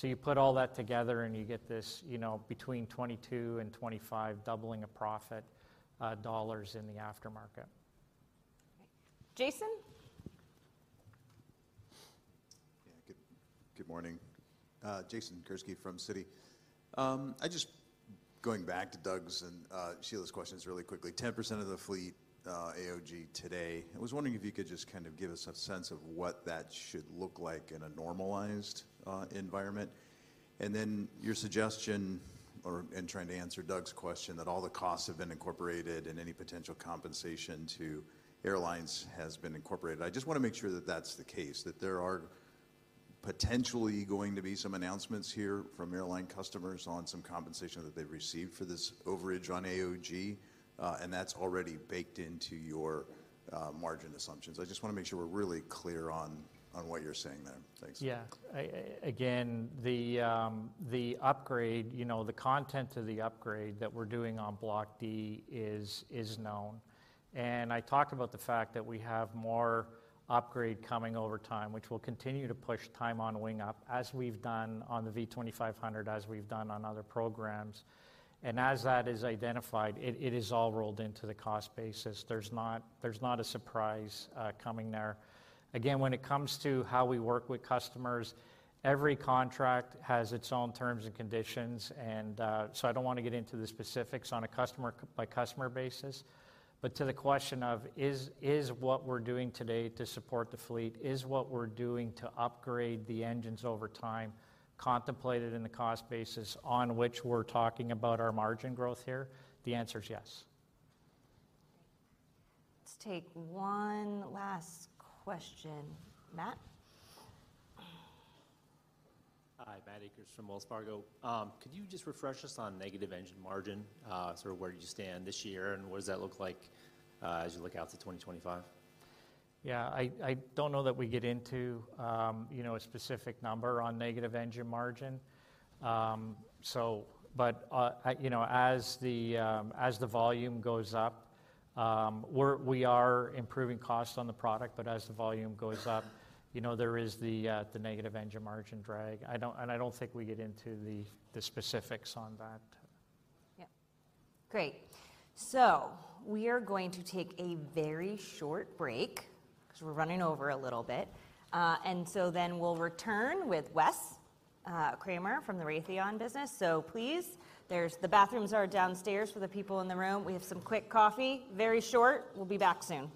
[SPEAKER 12] You put all that together, and you get this, you know, between 2022 and 2025, doubling of profit dollars in the aftermarket.
[SPEAKER 1] Jason?
[SPEAKER 16] Yeah. Good morning. Jason Gursky from Citi. I just going back to Doug's and Sheila's questions really quickly, 10% of the fleet AOG today, I was wondering if you could just kind of give us a sense of what that should look like in a normalized environment. Your suggestion in trying to answer Doug's question, that all the costs have been incorporated and any potential compensation to airlines has been incorporated. I just wanna make sure that that's the case, that there are potentially going to be some announcements here from airline customers on some compensation that they've received for this overage on AOG, and that's already baked into your margin assumptions. I just wanna make sure we're really clear on what you're saying there. Thanks.
[SPEAKER 12] Yeah. Again, the upgrade, you know, the content of the upgrade that we're doing on Block D is known, I talked about the fact that we have more upgrade coming over time, which will continue to push time on wing up, as we've done on the V-2500, as we've done on other programs. As that is identified, it is all rolled into the cost basis. There's not a surprise, coming there. Again, when it comes to how we work with customers, every contract has its own terms and conditions. I don't want to get into the specifics on a customer by customer basis. To the question of, is what we're doing today to support the fleet, is what we're doing to upgrade the engines over time contemplated in the cost basis on which we're talking about our margin growth here? The answer is yes.
[SPEAKER 1] Let's take one last question. Matt?
[SPEAKER 17] Hi, Matt Akers from Wells Fargo. Could you just refresh us on negative engine margin? Sort of where do you stand this year, and what does that look like, as you look out to 2025?
[SPEAKER 12] Yeah, I don't know that we get into, you know, a specific number on negative engine margin. You know, as the, as the volume goes up, we are improving costs on the product, but as the volume goes up, you know, there is the negative engine margin drag. I don't think we get into the specifics on that.
[SPEAKER 1] Yeah. Great. We are going to take a very short break, because we're running over a little bit. We'll return with Wes Kremer from the Raytheon. Please, the bathrooms are downstairs for the people in the room. We have some quick coffee. Very short. We'll be back soon.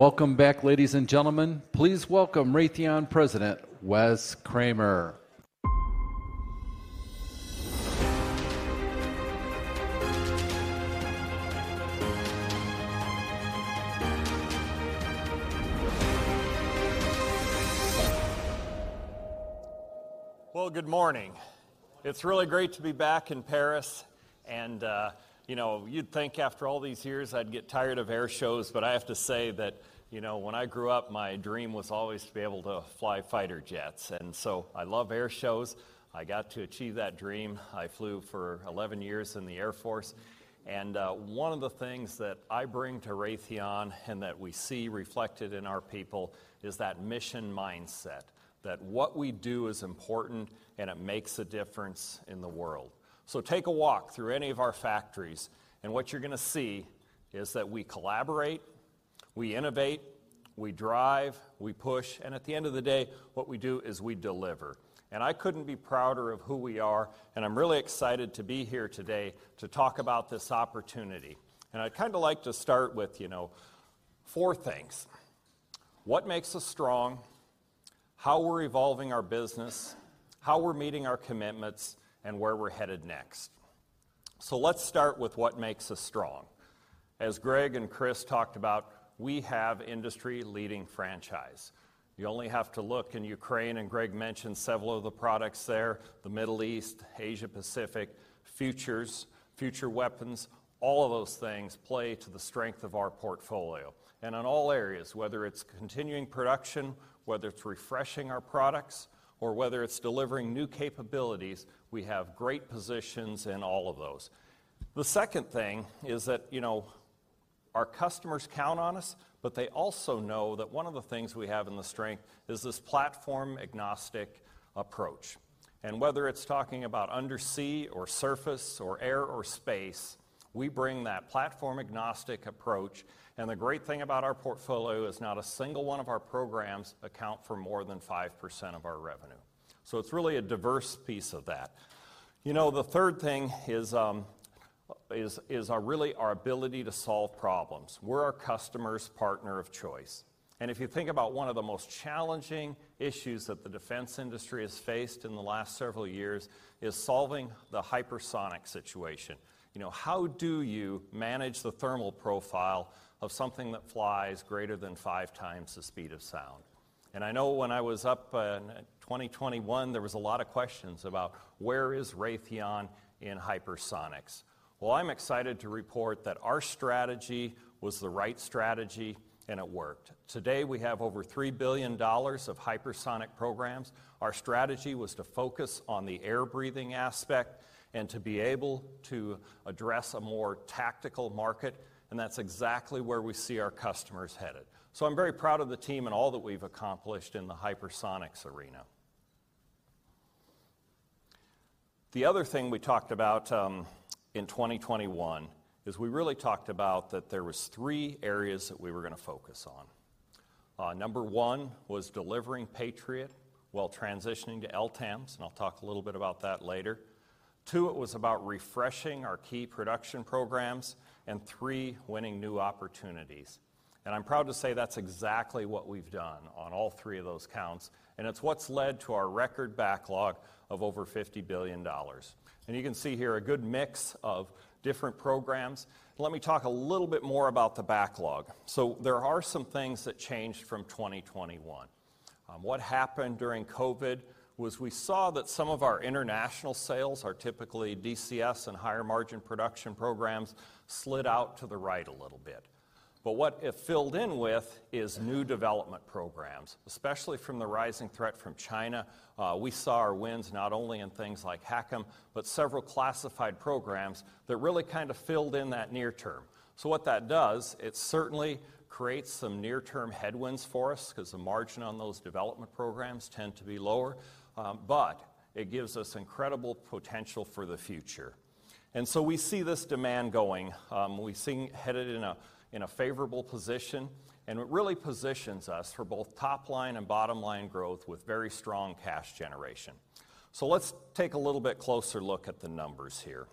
[SPEAKER 3] Welcome back, ladies and gentlemen. Please welcome Raytheon President, Wes Kremer.
[SPEAKER 18] Good morning. It's really great to be back in Paris, and, you know, you'd think after all these years, I'd get tired of air shows. I have to say that, you know, when I grew up, my dream was always to be able to fly fighter jets, I love air shows. I got to achieve that dream. I flew for 11 years in the Air Force, one of the things that I bring to Raytheon and that we see reflected in our people is that mission mindset, that what we do is important, and it makes a difference in the world. Take a walk through any of our factories, what you're gonna see is that we collaborate, we innovate, we drive, we push, and at the end of the day, what we do is we deliver. I couldn't be prouder of who we are, and I'm really excited to be here today to talk about this opportunity. I'd kind of like to start with, you know, four things: what makes us strong, how we're evolving our business, how we're meeting our commitments, and where we're headed next. Let's start with what makes us strong. As Greg and Chris talked about, we have industry-leading franchise. You only have to look in Ukraine, and Greg mentioned several of the products there, the Middle East, Asia Pacific, futures, future weapons, all of those things play to the strength of our portfolio. In all areas, whether it's continuing production, whether it's refreshing our products, or whether it's delivering new capabilities, we have great positions in all of those. The second thing is that, you know, our customers count on us, but they also know that one of the things we have in the strength is this platform-agnostic approach. Whether it's talking about undersea or surface or air or space, we bring that platform-agnostic approach, and the great thing about our portfolio is not a single one of our programs account for more than 5% of our revenue. It's really a diverse piece of that. You know, the third thing is really our ability to solve problems. We're our customer's partner of choice. If you think about one of the most challenging issues that the defense industry has faced in the last several years is solving the hypersonic situation. You know, how do you manage the thermal profile of something that flies greater than 5 times the speed of sound? I know when I was up in 2021, there was a lot of questions about: where is Raytheon in hypersonics? Well, I'm excited to report that our strategy was the right strategy, and it worked. Today, we have over $3 billion of hypersonic programs. Our strategy was to focus on the air-breathing aspect and to be able to address a more tactical market, and that's exactly where we see our customers headed. I'm very proud of the team and all that we've accomplished in the hypersonics arena. The other thing we talked about in 2021, is we really talked about that there was three areas that we were gonna focus on. number one was delivering Patriot while transitioning to LTAMDS, and I'll talk a little bit about that later. Two, it was about refreshing our key production programs, and three, winning new opportunities. I'm proud to say that's exactly what we've done on all three of those counts, and it's what's led to our record backlog of over $50 billion. You can see here a good mix of different programs. Let me talk a little bit more about the backlog. There are some things that changed from 2021. What happened during COVID was we saw that some of our international sales are typically DCS and higher margin production programs slid out to the right a little bit. What it filled in with is new development programs, especially from the rising threat from China. We saw our wins not only in things like HACM, but several classified programs that really kind of filled in that near term. What that does, it certainly creates some near-term headwinds for us because the margin on those development programs tend to be lower, but it gives us incredible potential for the future. We see this demand going, headed in a favorable position, it really positions us for both top-line and bottom-line growth with very strong cash generation. Let's take a little bit closer look at the numbers here.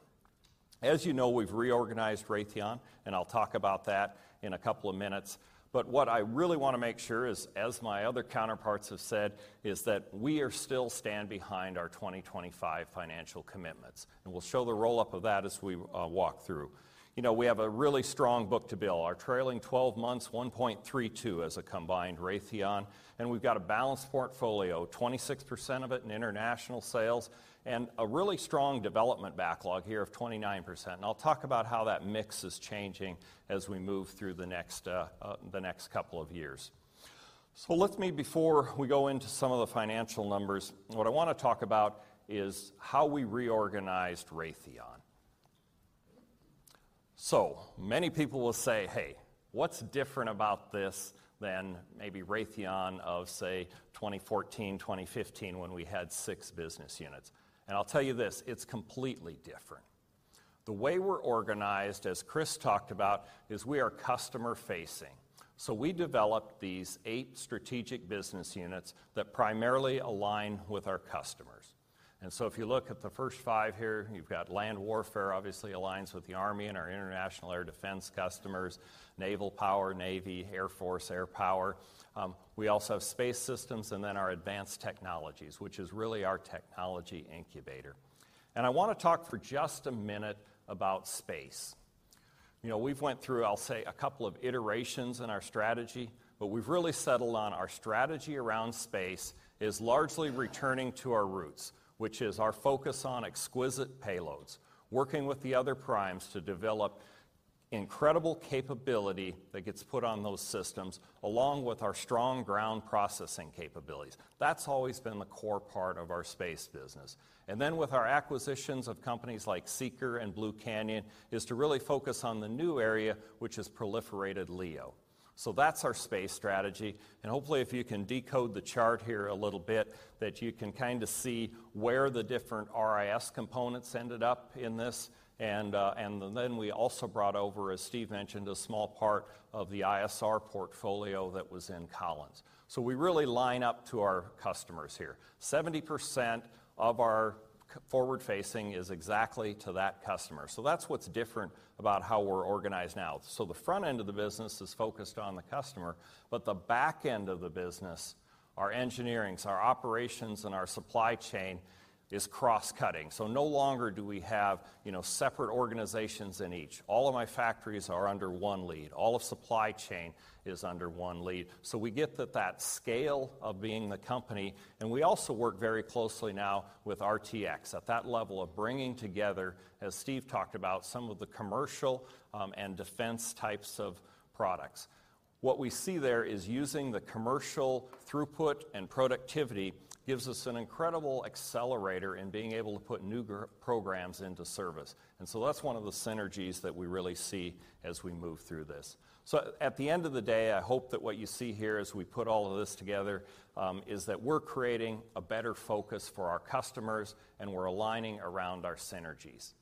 [SPEAKER 18] As you know, we've reorganized Raytheon. I'll talk about that in a couple of minutes. What I really want to make sure is, as my other counterparts have said, is that we are still stand behind our 2025 financial commitments. We'll show the roll-up of that as we walk through. You know, we have a really strong book to bill. Our trailing 12 months, 1.32 as a combined Raytheon, we've got a balanced portfolio, 26% of it in international sales and a really strong development backlog here of 29%. I'll talk about how that mix is changing as we move through the next couple of years. Let me before we go into some of the financial numbers, what I want to talk about is how we reorganized Raytheon. Many people will say, "Hey, what's different about this than maybe Raytheon of, say, 2014, 2015, when we had 6 business units?" I'll tell you this, it's completely different. The way we're organized, as Chris talked about, is we are customer-facing. We developed these 8 strategic business units that primarily align with our customers. If you look at the first five here, you've got land warfare, obviously aligns with the Army and our international air defense customers, naval power, Navy, Air Force, air power. We also have space systems and then our advanced technologies, which is really our technology incubator. I want to talk for just a minute about space. You know, we've went through, I'll say, a couple of iterations in our strategy, but we've really settled on our strategy around space is largely returning to our roots, which is our focus on exquisite payloads, working with the other primes to develop incredible capability that gets put on those systems, along with our strong ground processing capabilities. That's always been the core part of our space business. With our acquisitions of companies like SEAKR and Blue Canyon, is to really focus on the new area, which is proliferated LEO. That's our space strategy, and hopefully, if you can decode the chart here a little bit, that you can kind of see where the different RIS components ended up in this, and then we also brought over, as Steve mentioned, a small part of the ISR portfolio that was in Collins. We really line up to our customers here. 70% of our forward-facing is exactly to that customer. That's what's different about how we're organized now. The front end of the business is focused on the customer, but the back end of the business, our engineerings, our operations, and our supply chain is cross-cutting. No longer do we have, you know, separate organizations in each. All of my factories are under one lead. All of supply chain is under one lead. We get that scale of being the company, and we also work very closely now with RTX at that level of bringing together, as Steve talked about, some of the commercial and defense types of products. What we see there is using the commercial throughput and productivity gives us an incredible accelerator in being able to put new programs into service, that's one of the synergies that we really see as we move through this. At the end of the day, I hope that what you see here as we put all of this together, is that we're creating a better focus for our customers, and we're aligning around our synergies.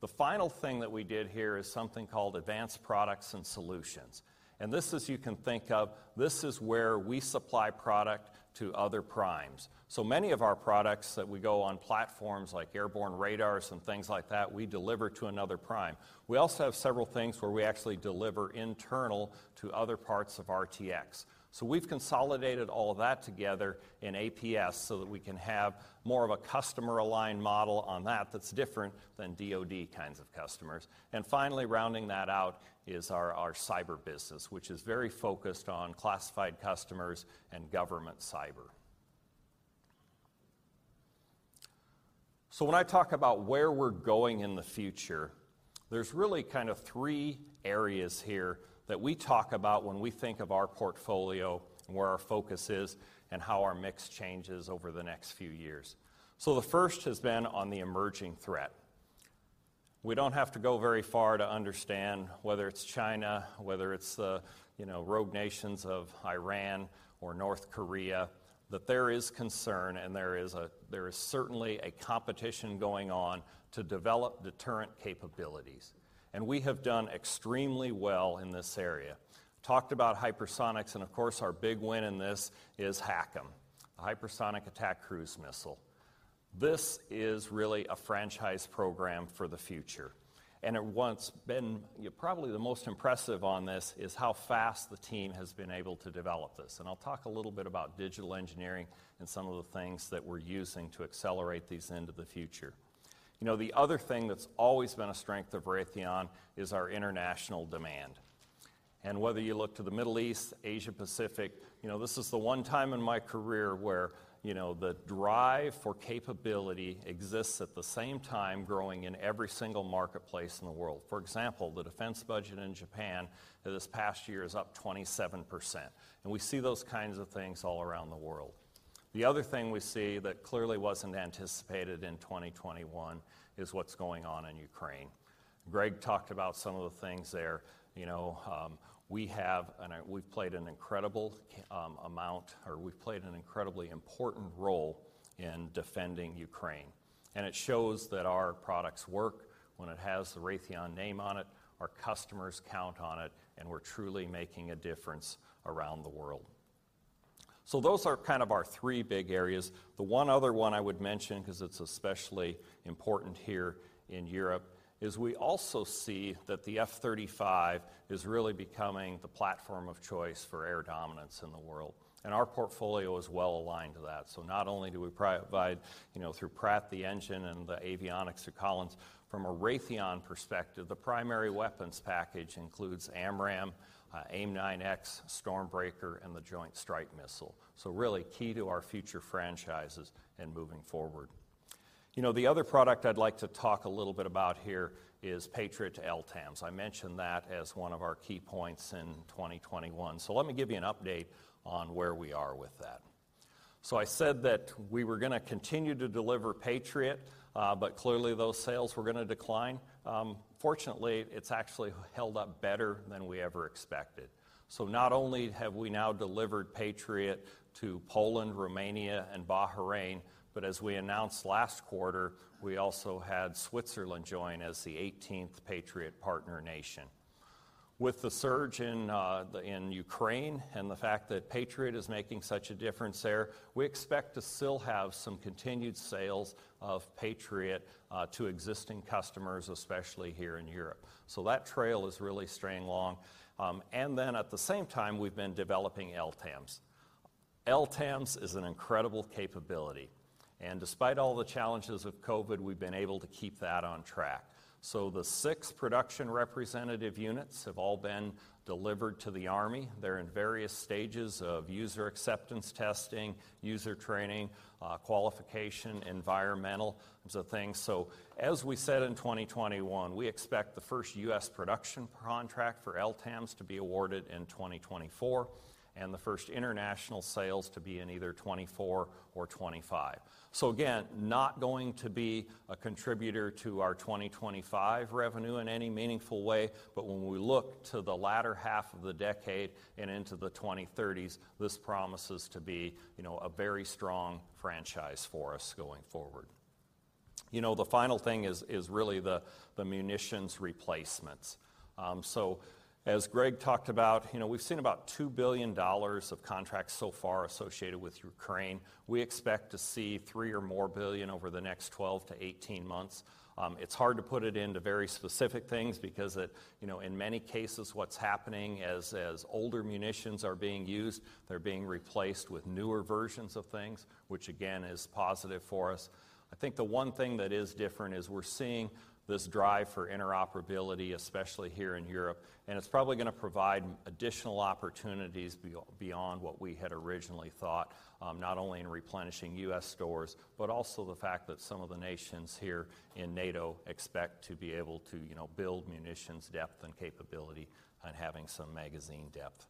[SPEAKER 18] The final thing that we did here is something called Advanced Products & Solutions, this is, you can think of, this is where we supply product to other primes. Many of our products that we go on platforms like airborne radars and things like that, we deliver to another prime. We also have several things where we actually deliver internal to other parts of RTX. We've consolidated all of that together in APS so that we can have more of a customer-aligned model on that that's different than DoD kinds of customers. Finally, rounding that out is our cyber business, which is very focused on classified customers and government cyber. When I talk about where we're going in the future, there's really kind of 3 areas here that we talk about when we think of our portfolio, where our focus is, and how our mix changes over the next few years. The first has been on the emerging threat. We don't have to go very far to understand whether it's China, whether it's the, you know, rogue nations of Iran or North Korea, that there is concern and there is certainly a competition going on to develop deterrent capabilities, and we have done extremely well in this area. Talked about hypersonics, and of course, our big win in this is HACM, Hypersonic Attack Cruise Missile. This is really a franchise program for the future, probably the most impressive on this is how fast the team has been able to develop this. I'll talk a little bit about digital engineering and some of the things that we're using to accelerate these into the future. You know, the other thing that's always been a strength of Raytheon is our international demand. Whether you look to the Middle East, Asia Pacific, you know, this is the one time in my career where, you know, the drive for capability exists at the same time growing in every single marketplace in the world. For example, the defense budget in Japan this past year is up 27%, and we see those kinds of things all around the world. The other thing we see that clearly wasn't anticipated in 2021 is what's going on in Ukraine. Greg talked about some of the things there. You know, we have, and we've played an incredible amount, or we've played an incredibly important role in defending Ukraine, and it shows that our products work. When it has the Raytheon name on it, our customers count on it, and we're truly making a difference around the world. Those are kind of our three big areas. The one other one I would mention, because it's especially important here in Europe, is we also see that the F-35 is really becoming the platform of choice for air dominance in the world, and our portfolio is well aligned to that. Not only do we provide, you know, through Pratt, the engine, and the avionics through Collins, from a Raytheon perspective, the primary weapons package includes AMRAAM, AIM-9X, StormBreaker, and the Joint Strike Missile. Really key to our future franchises in moving forward. You know, the other product I'd like to talk a little bit about here is Patriot LTAMDS. I mentioned that as one of our key points in 2021. Let me give you an update on where we are with that. I said that we were gonna continue to deliver Patriot, but clearly, those sales were gonna decline. Fortunately, it's actually held up better than we ever expected. Not only have we now delivered Patriot to Poland, Romania, and Bahrain, but as we announced last quarter, we also had Switzerland join as the 18th Patriot partner nation. With the surge in Ukraine, the fact that Patriot is making such a difference there, we expect to still have some continued sales of Patriot to existing customers, especially here in Europe. That trail is really staying long. At the same time, we've been developing LTAMDS. LTAMDS is an incredible capability, despite all the challenges of COVID, we've been able to keep that on track. The six production representative units have all been delivered to the Army. They're in various stages of user acceptance testing, user training, qualification, environmental sorts of things. As we said in 2021, we expect the first U.S. production contract for LTAMDS to be awarded in 2024, the first international sales to be in either 2024 or 2025. Again, not going to be a contributor to our 2025 revenue in any meaningful way, but when we look to the latter half of the decade and into the 2030s, this promises to be, you know, a very strong franchise for us going forward. You know, the final thing is really the munitions replacements. As Greg talked about, you know, we've seen about $2 billion of contracts so far associated with Ukraine. We expect to see $3 billion or more over the next 12 to 18 months. It's hard to put it into very specific things because, you know, in many cases, what's happening is, as older munitions are being used, they're being replaced with newer versions of things, which, again, is positive for us. I think the one thing that is different is we're seeing this drive for interoperability, especially here in Europe, it's probably gonna provide additional opportunities beyond what we had originally thought, not only in replenishing US stores, but also the fact that some of the nations here in NATO expect to be able to, you know, build munitions depth and capability and having some magazine depth.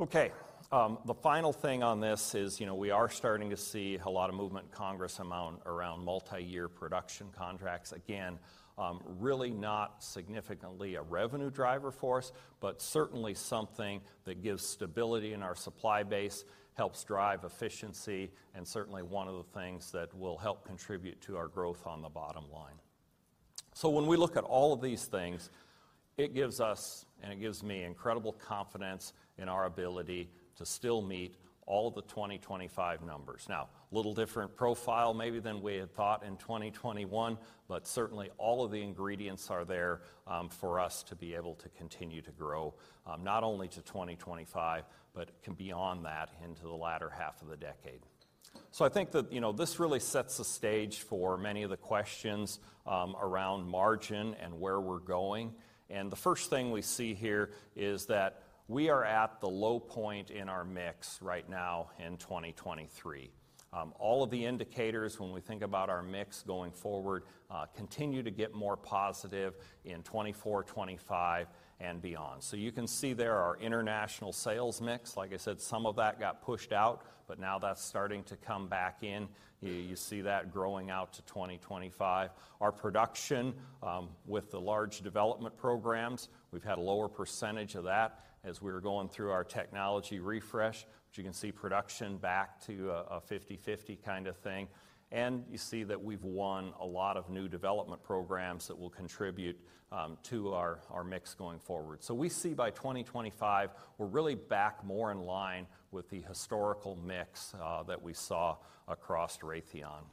[SPEAKER 18] Okay, the final thing on this is, you know, we are starting to see a lot of movement in Congress around multiyear production contracts. Again, really not significantly a revenue driver for us, but certainly something that gives stability in our supply base, helps drive efficiency, and certainly one of the things that will help contribute to our growth on the bottom line. When we look at all of these things, it gives us, and it gives me incredible confidence in our ability to still meet all the 2025 numbers. A little different profile maybe than we had thought in 2021, but certainly all of the ingredients are there for us to be able to continue to grow not only to 2025 but to beyond that, into the latter half of the decade. I think that, you know, this really sets the stage for many of the questions around margin and where we're going. The first thing we see here is that we are at the low point in our mix right now in 2023. All of the indicators, when we think about our mix going forward, continue to get more positive in 2024, 2025, and beyond. You can see there our international sales mix. Like I said, some of that got pushed out, now that's starting to come back in. You see that growing out to 2025. Our production, with the large development programs, we've had a lower percentage of that as we're going through our technology refresh, you can see production back to a 50/50 kind of thing. You see that we've won a lot of new development programs that will contribute to our mix going forward. We see by 2025, we're really back more in line with the historical mix that we saw across Raytheon.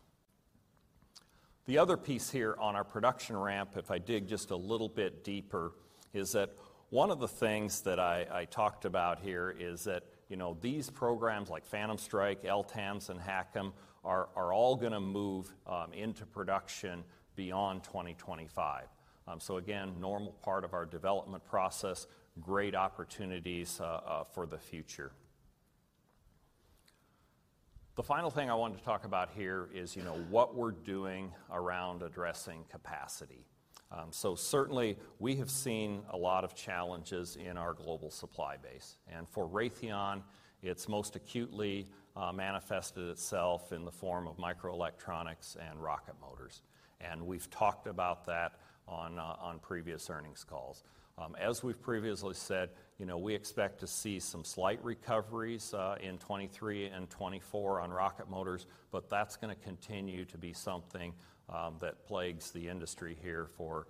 [SPEAKER 18] The other piece here on our production ramp, if I dig just a little bit deeper, is that one of the things that I talked about here is that, you know, these programs, like PhantomStrike, LTAMDS, and HACM, are all gonna move into production beyond 2025. Again, normal part of our development process, great opportunities for the future. The final thing I wanted to talk about here is, you know, what we're doing around addressing capacity. Certainly, we have seen a lot of challenges in our global supply base, and for Raytheon, it's most acutely manifested itself in the form of microelectronics and rocket motors, and we've talked about that on previous earnings calls. As we've previously said, you know, we expect to see some slight recoveries in 2023 and 2024 on rocket motors, but that's gonna continue to be something that plagues the industry here for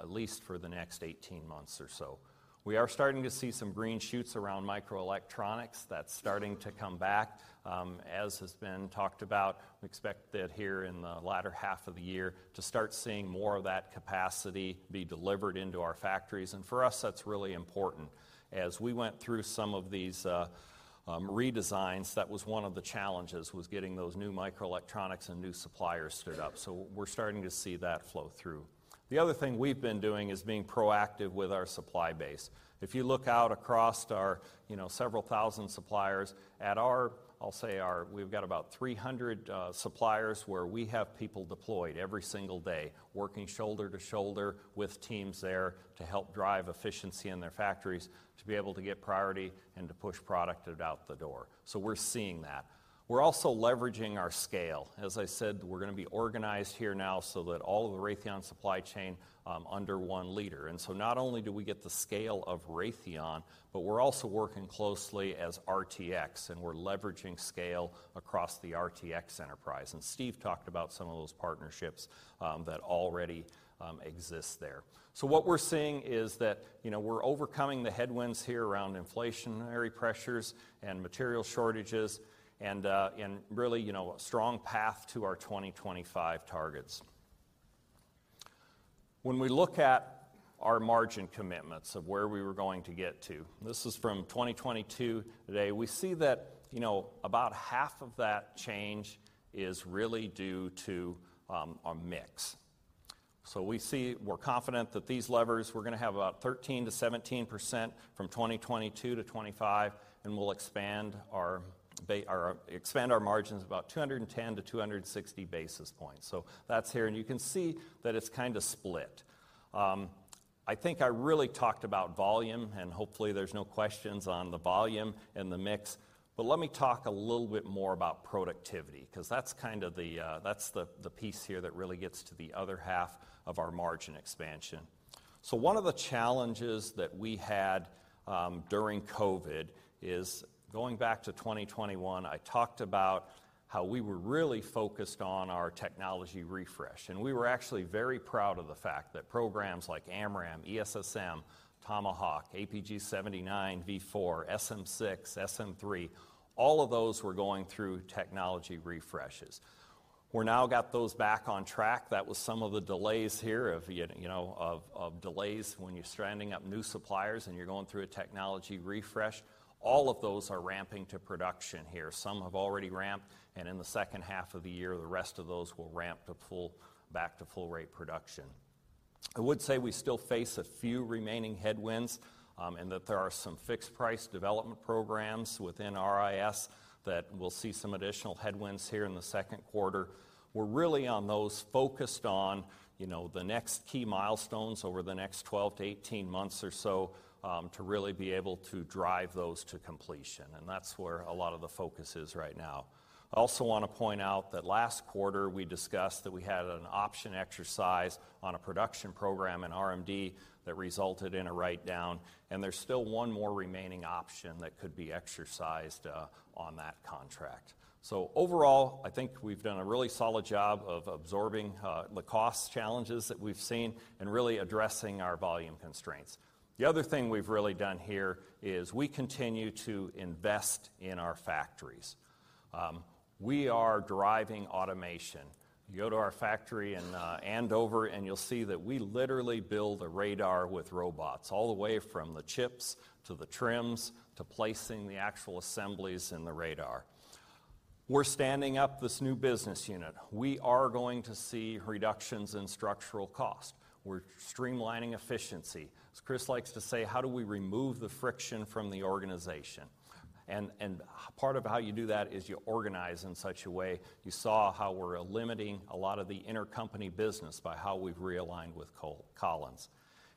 [SPEAKER 18] at least for the next 18 months or so. We are starting to see some green shoots around microelectronics. That's starting to come back, as has been talked about. We expect that here in the latter half of the year to start seeing more of that capacity be delivered into our factories, and for us, that's really important. As we went through some of these redesigns, that was one of the challenges, was getting those new microelectronics and new suppliers stood up. We're starting to see that flow through. The other thing we've been doing is being proactive with our supply base. If you look out across our, you know, several thousand suppliers, at our, we've got about 300 suppliers where we have people deployed every single day, working shoulder to shoulder with teams there to help drive efficiency in their factories, to be able to get priority and to push product out the door. We're seeing that. We're also leveraging our scale. As I said, we're gonna be organized here now so that all of the Raytheon supply chain under one leader. Not only do we get the scale of Raytheon, but we're also working closely as RTX, and we're leveraging scale across the RTX enterprise. Steve talked about some of those partnerships that already exist there. What we're seeing is that, you know, we're overcoming the headwinds here around inflationary pressures and material shortages and really, you know, a strong path to our 2025 targets. When we look at our margin commitments of where we were going to get to, this is from 2022 today, we see that, you know, about half of that change is really due to a mix. We're confident that these levers, we're gonna have about 13%-17% from 2022 to 2025, and we'll expand our margins about 210 to 260 basis points. That's here, and you can see that it's kind of split. I think I really talked about volume, and hopefully there's no questions on the volume and the mix, but let me talk a little bit more about productivity, 'cause that's kind of the, that's the piece here that really gets to the other half of our margin expansion. One of the challenges that we had during COVID is going back to 2021, I talked about how we were really focused on our technology refresh. We were actually very proud of the fact that programs like AMRAAM, ESSM, Tomahawk, APG-79V4, SM-6, SM-3, all of those were going through technology refreshes. We're now got those back on track. That was some of the delays here of you know, of delays when you're standing up new suppliers and you're going through a technology refresh. All of those are ramping to production here. Some have already ramped, and in the H2 of the year, the rest of those will ramp to full, back to full rate production. I would say we still face a few remaining headwinds, and that there are some fixed-price development programs within RIS that we'll see some additional headwinds here in the Q2. We're really on those focused on, you know, the next key milestones over the next 12 to 18 months or so, to really be able to drive those to completion, and that's where a lot of the focus is right now. I also want to point out that last quarter, we discussed that we had an option exercise on a production program in RMD that resulted in a write-down, and there's still 1 more remaining option that could be exercised on that contract. Overall, I think we've done a really solid job of absorbing the cost challenges that we've seen and really addressing our volume constraints. The other thing we've really done here is we continue to invest in our factories. We are driving automation. You go to our factory in Andover, and you'll see that we literally build a radar with robots, all the way from the chips to the trims to placing the actual assemblies in the radar. We're standing up this new business unit. We are going to see reductions in structural cost. We're streamlining efficiency. As Chris likes to say, "How do we remove the friction from the organization?" Part of how you do that is you organize in such a way. You saw how we're eliminating a lot of the intercompany business by how we've realigned with Collins.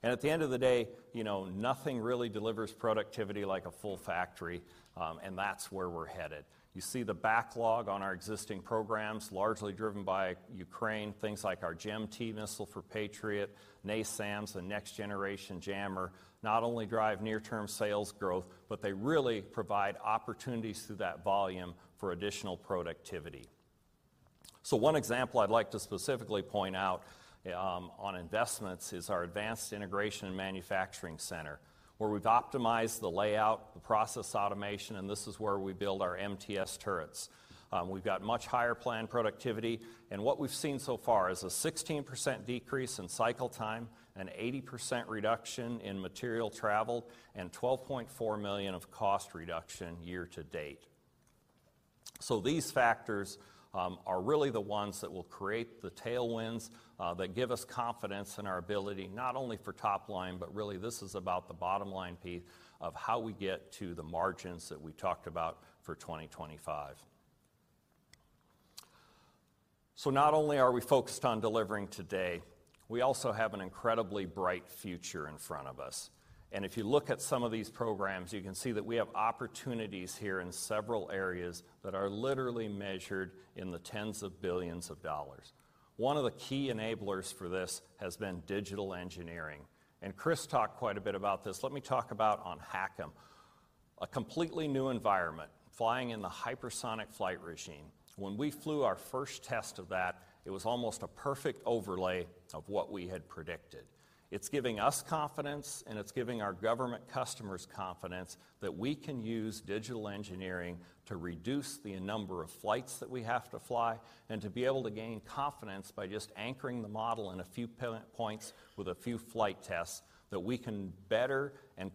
[SPEAKER 18] At the end of the day, you know, nothing really delivers productivity like a full factory, and that's where we're headed. You see the backlog on our existing programs, largely driven by Ukraine, things like our GEM-T missile for Patriot, NASAMS, the Next Generation Jammer, not only drive near-term sales growth, but they really provide opportunities through that volume for additional productivity. One example I'd like to specifically point out on investments is our Advanced Integration and Manufacturing Center, where we've optimized the layout, the process automation, and this is where we build our MTS turrets. We've got much higher planned productivity, and what we've seen so far is a 16% decrease in cycle time, an 80% reduction in material travel, and $12.4 million of cost reduction year to date. These factors are really the ones that will create the tailwinds that give us confidence in our ability, not only for top line, but really this is about the bottom line piece of how we get to the margins that we talked about for 2025. Not only are we focused on delivering today, we also have an incredibly bright future in front of us, and if you look at some of these programs, you can see that we have opportunities here in several areas that are literally measured in the tens of billions of dollars. One of the key enablers for this has been digital engineering, and Chris talked quite a bit about this. Let me talk about on HACM. A completely new environment, flying in the hypersonic flight regime. When we flew our first test of that, it was almost a perfect overlay of what we had predicted. It's giving us confidence, and it's giving our government customers confidence that we can use digital engineering to reduce the number of flights that we have to fly, and to be able to gain confidence by just anchoring the model in a few points with a few flight tests, that we can better and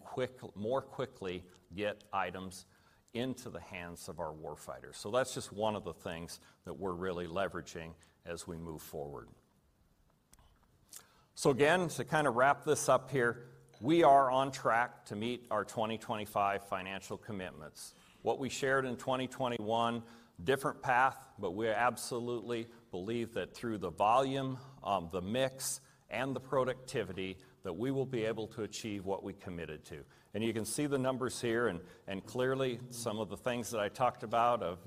[SPEAKER 18] more quickly get items into the hands of our war fighters. That's just one of the things that we're really leveraging as we move forward. Again, to kind of wrap this up here, we are on track to meet our 2025 financial commitments. What we shared in 2021, different path, but we absolutely believe that through the volume, the mix, and the productivity, that we will be able to achieve what we committed to. You can see the numbers here, and clearly, some of the things that I talked about of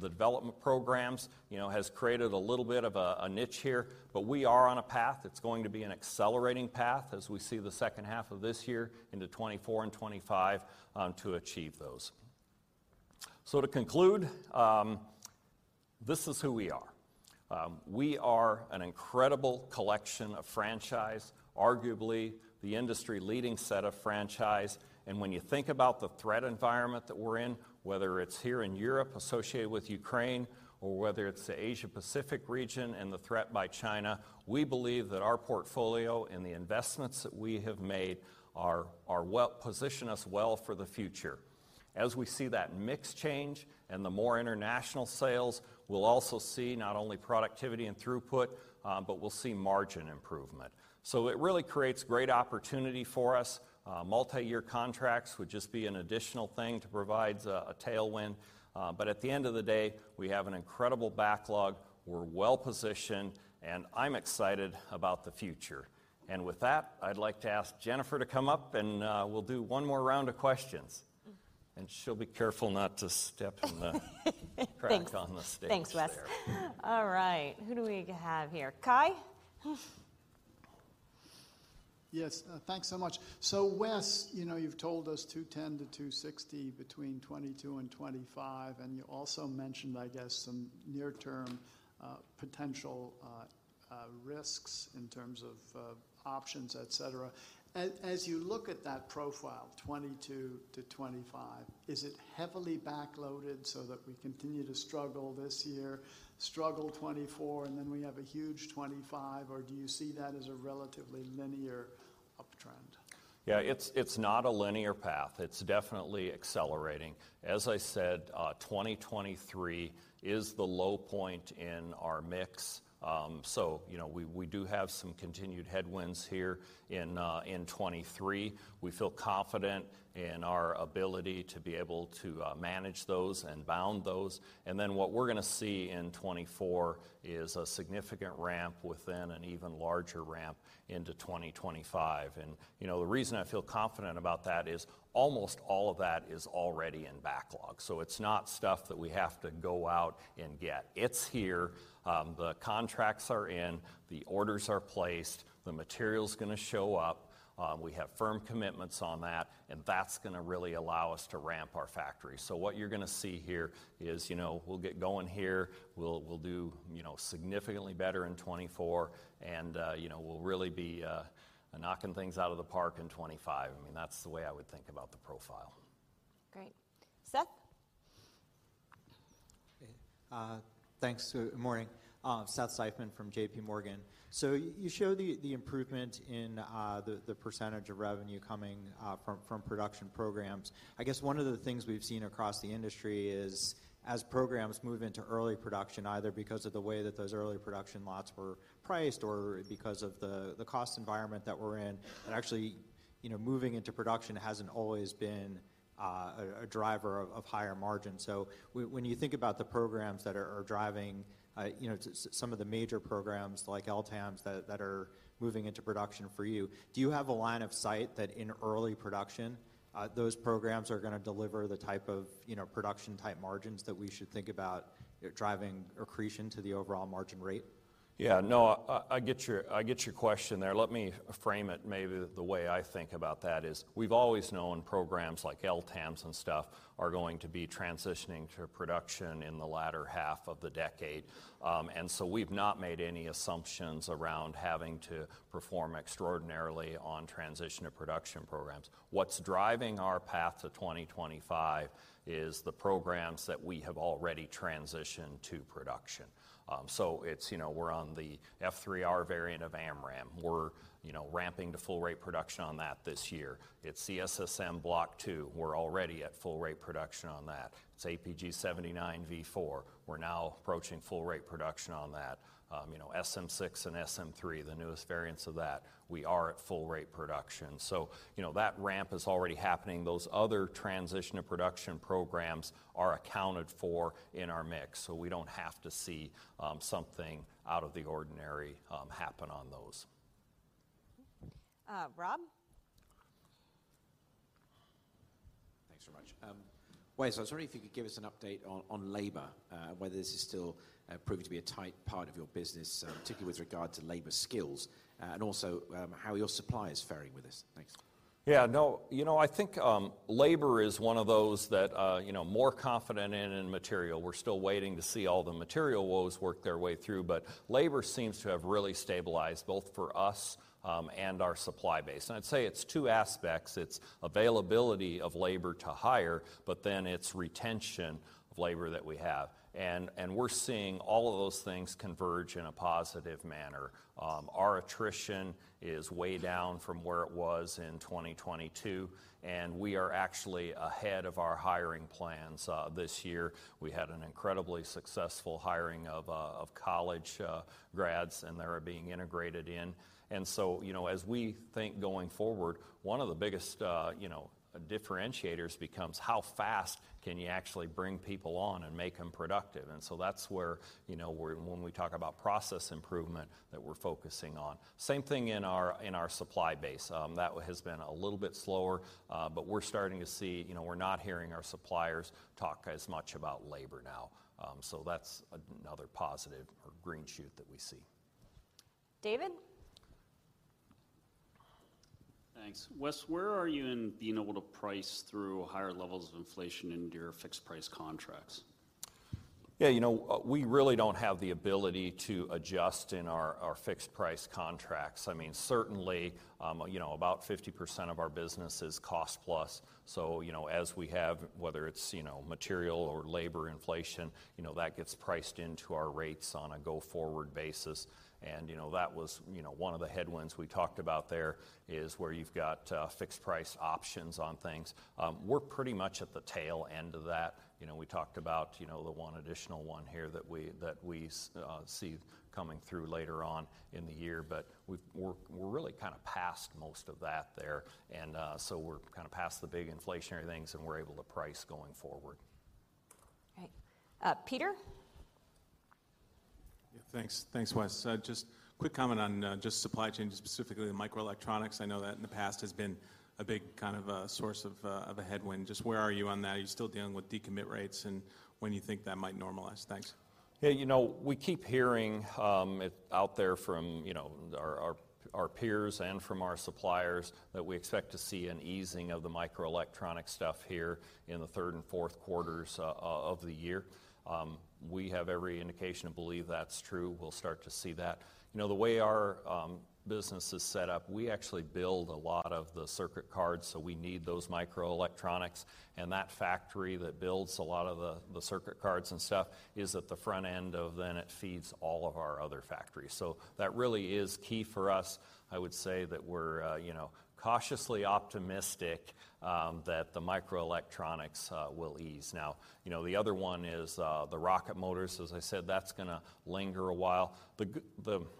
[SPEAKER 18] the development programs, you know, has created a little bit of a niche here. We are on a path that's going to be an accelerating path as we see the H2 of this year into 2024 and 2025 to achieve those. To conclude, this is who we are. We are an incredible collection of franchise, arguably the industry-leading set of franchise. When you think about the threat environment that we're in, whether it's here in Europe associated with Ukraine, or whether it's the Asia Pacific region and the threat by China, we believe that our portfolio and the investments that we have made position us well for the future. As we see that mix change and the more international sales, we'll also see not only productivity and throughput, but we'll see margin improvement. It really creates great opportunity for us. Multi-year contracts would just be an additional thing to provide a tailwind, but at the end of the day, we have an incredible backlog, we're well-positioned, and I'm excited about the future. With that, I'd like to ask Jennifer to come up and we'll do one more round of questions. She'll be careful not to step in the.
[SPEAKER 1] Thanks.
[SPEAKER 18] crack on the stage.
[SPEAKER 1] Thanks, Wes. All right. Who do we have here? Cai?
[SPEAKER 19] Yes, thanks so much. Wes, you know, you've told us $210-$260 between 2022 and 2025, and you also mentioned, I guess, some near-term potential risks in terms of options, et cetera. As you look at that profile, 2022 to 2025, is it heavily backloaded so that we continue to struggle this year, struggle 2024, and then we have a huge 2025, or do you see that as a relatively linear uptrend?
[SPEAKER 18] Yeah, it's not a linear path. It's definitely accelerating. As I said, 2023 is the low point in our mix, so you know, we do have some continued headwinds here in 2023. We feel confident in our ability to be able to manage those and bound those. What we're gonna see in 2024 is a significant ramp within an even larger ramp into 2025. You know, the reason I feel confident about that is almost all of that is already in backlog, so it's not stuff that we have to go out and get. It's here, the contracts are in, the orders are placed, the material's gonna show up, we have firm commitments on that, and that's gonna really allow us to ramp our factory. What you're gonna see here is, you know, we'll get going here, we'll do, you know, significantly better in 2024, and, you know, we'll really be knocking things out of the park in 2025. I mean, that's the way I would think about the profile.
[SPEAKER 1] Great. Seth?
[SPEAKER 20] Thanks. Good morning. Seth Seifman from JPMorgan. You showed the improvement in the percentage of revenue coming from production programs. I guess one of the things we've seen across the industry is, as programs move into early production, either because of the way that those early production lots were priced or because of the cost environment that we're in, that actually, you know, moving into production hasn't always been a driver of higher margin. When you think about the programs that are driving, you know, some of the major programs like LTAMDS, that are moving into production for you, do you have a line of sight that in early production, those programs are gonna deliver the type of, you know, production-type margins that we should think about, driving accretion to the overall margin rate?
[SPEAKER 18] Yeah, no, I get your question there. Let me frame it maybe the way I think about that is, we've always known programs like LTAMDS and stuff are going to be transitioning to production in the latter half of the decade. We've not made any assumptions around having to perform extraordinarily on transition to production programs. What's driving our path to 2025 is the programs that we have already transitioned to production. It's, you know, we're on the F3R variant of AMRAAM. We're, you know, ramping to full rate production on that this year. It's ESSM Block 2, we're already at full rate production on that. It's APG-79 V4, we're now approaching full rate production on that. You know, SM-6 and SM-3, the newest variants of that, we are at full rate production. You know, that ramp is already happening. Those other transition to production programs are accounted for in our mix, so we don't have to see something out of the ordinary happen on those.
[SPEAKER 1] Rob?
[SPEAKER 8] Thanks so much. Wes, I was wondering if you could give us an update on labor, whether this is still proving to be a tight part of your business, particularly with regard to labor skills, and also, how your supply is faring with this? Thanks.
[SPEAKER 18] You know, I think labor is one of those that, you know, more confident in material. We're still waiting to see all the material woes work their way through, labor seems to have really stabilized, both for us and our supply base. I'd say it's two aspects: It's availability of labor to hire, it's retention of labor that we have. We're seeing all of those things converge in a positive manner. Our attrition is way down from where it was in 2022, we are actually ahead of our hiring plans this year. We had an incredibly successful hiring of college grads, they are being integrated in. You know, as we think going forward, one of the biggest, you know, differentiators becomes how fast can you actually bring people on and make them productive? That's where, you know, where when we talk about process improvement, that we're focusing on. Same thing in our, in our supply base. That has been a little bit slower, but you know, we're not hearing our suppliers talk as much about labor now. That's another positive or green shoot that we see.
[SPEAKER 1] David?
[SPEAKER 11] Thanks. Wes, where are you in being able to price through higher levels of inflation into your fixed price contracts?
[SPEAKER 18] You know, we really don't have the ability to adjust in our fixed price contracts. I mean, certainly, you know, about 50% of our business is cost plus, you know, whether it's, you know, material or labor inflation, you know, that gets priced into our rates on a go-forward basis. You know, that was, you know, 1 of the headwinds we talked about there, is where you've got fixed price options on things. We're pretty much at the tail end of that. You know, we talked about, you know, the 1 additional 1 here that we see coming through later on in the year, we're really kind of past most of that there. We're kind of past the big inflationary things, and we're able to price going forward.
[SPEAKER 1] Great. Peter?
[SPEAKER 13] Yeah, thanks. Thanks, Wes. Just quick comment on, just supply chain, specifically in microelectronics. I know that in the past has been a big kind of, source of a headwind. Just where are you on that? Are you still dealing with decommit rates, and when you think that might normalize? Thanks.
[SPEAKER 18] Yeah, you know, we keep hearing, it out there from, you know, our peers and from our suppliers, that we expect to see an easing of the microelectronic stuff here in the third and Q4s of the year. We have every indication to believe that's true. We'll start to see that. You know, the way our business is set up, we actually build a lot of the circuit cards, so we need those microelectronics, and that factory that builds a lot of the circuit cards and stuff is at the front end of... It feeds all of our other factories. That really is key for us. I would say that we're, you know, cautiously optimistic, that the microelectronics will ease. You know, the other one is the rocket motors. As I said, that's gonna linger a while.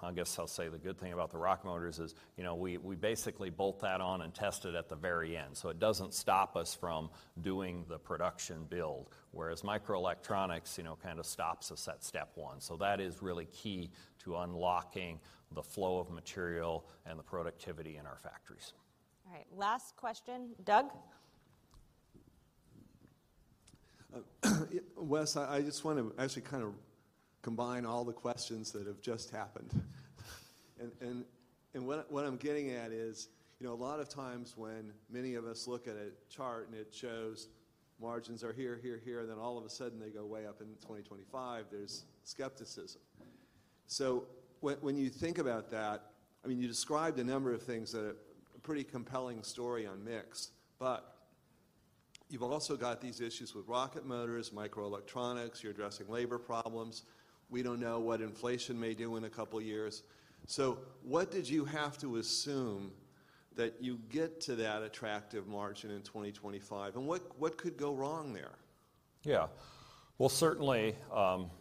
[SPEAKER 18] I guess I'll say the good thing about the rocket motors is, you know, we basically bolt that on and test it at the very end. It doesn't stop us from doing the production build, whereas microelectronics, you know, kind of stops us at step one. That is really key to unlocking the flow of material and the productivity in our factories.
[SPEAKER 1] All right, last question. Doug?
[SPEAKER 14] Wes, I just want to actually kind of combine all the questions that have just happened. What I'm getting at is, you know, a lot of times when many of us look at a chart and it shows margins are here, here, and then all of a sudden they go way up in 2025, there's skepticism. When you think about that, I mean, you described a number of things that are a pretty compelling story on mix, but you've also got these issues with rocket motors, microelectronics. You're addressing labor problems. We don't know what inflation may do in a couple of years. What did you have to assume that you get to that attractive margin in 2025, and what could go wrong there?
[SPEAKER 18] Well, certainly,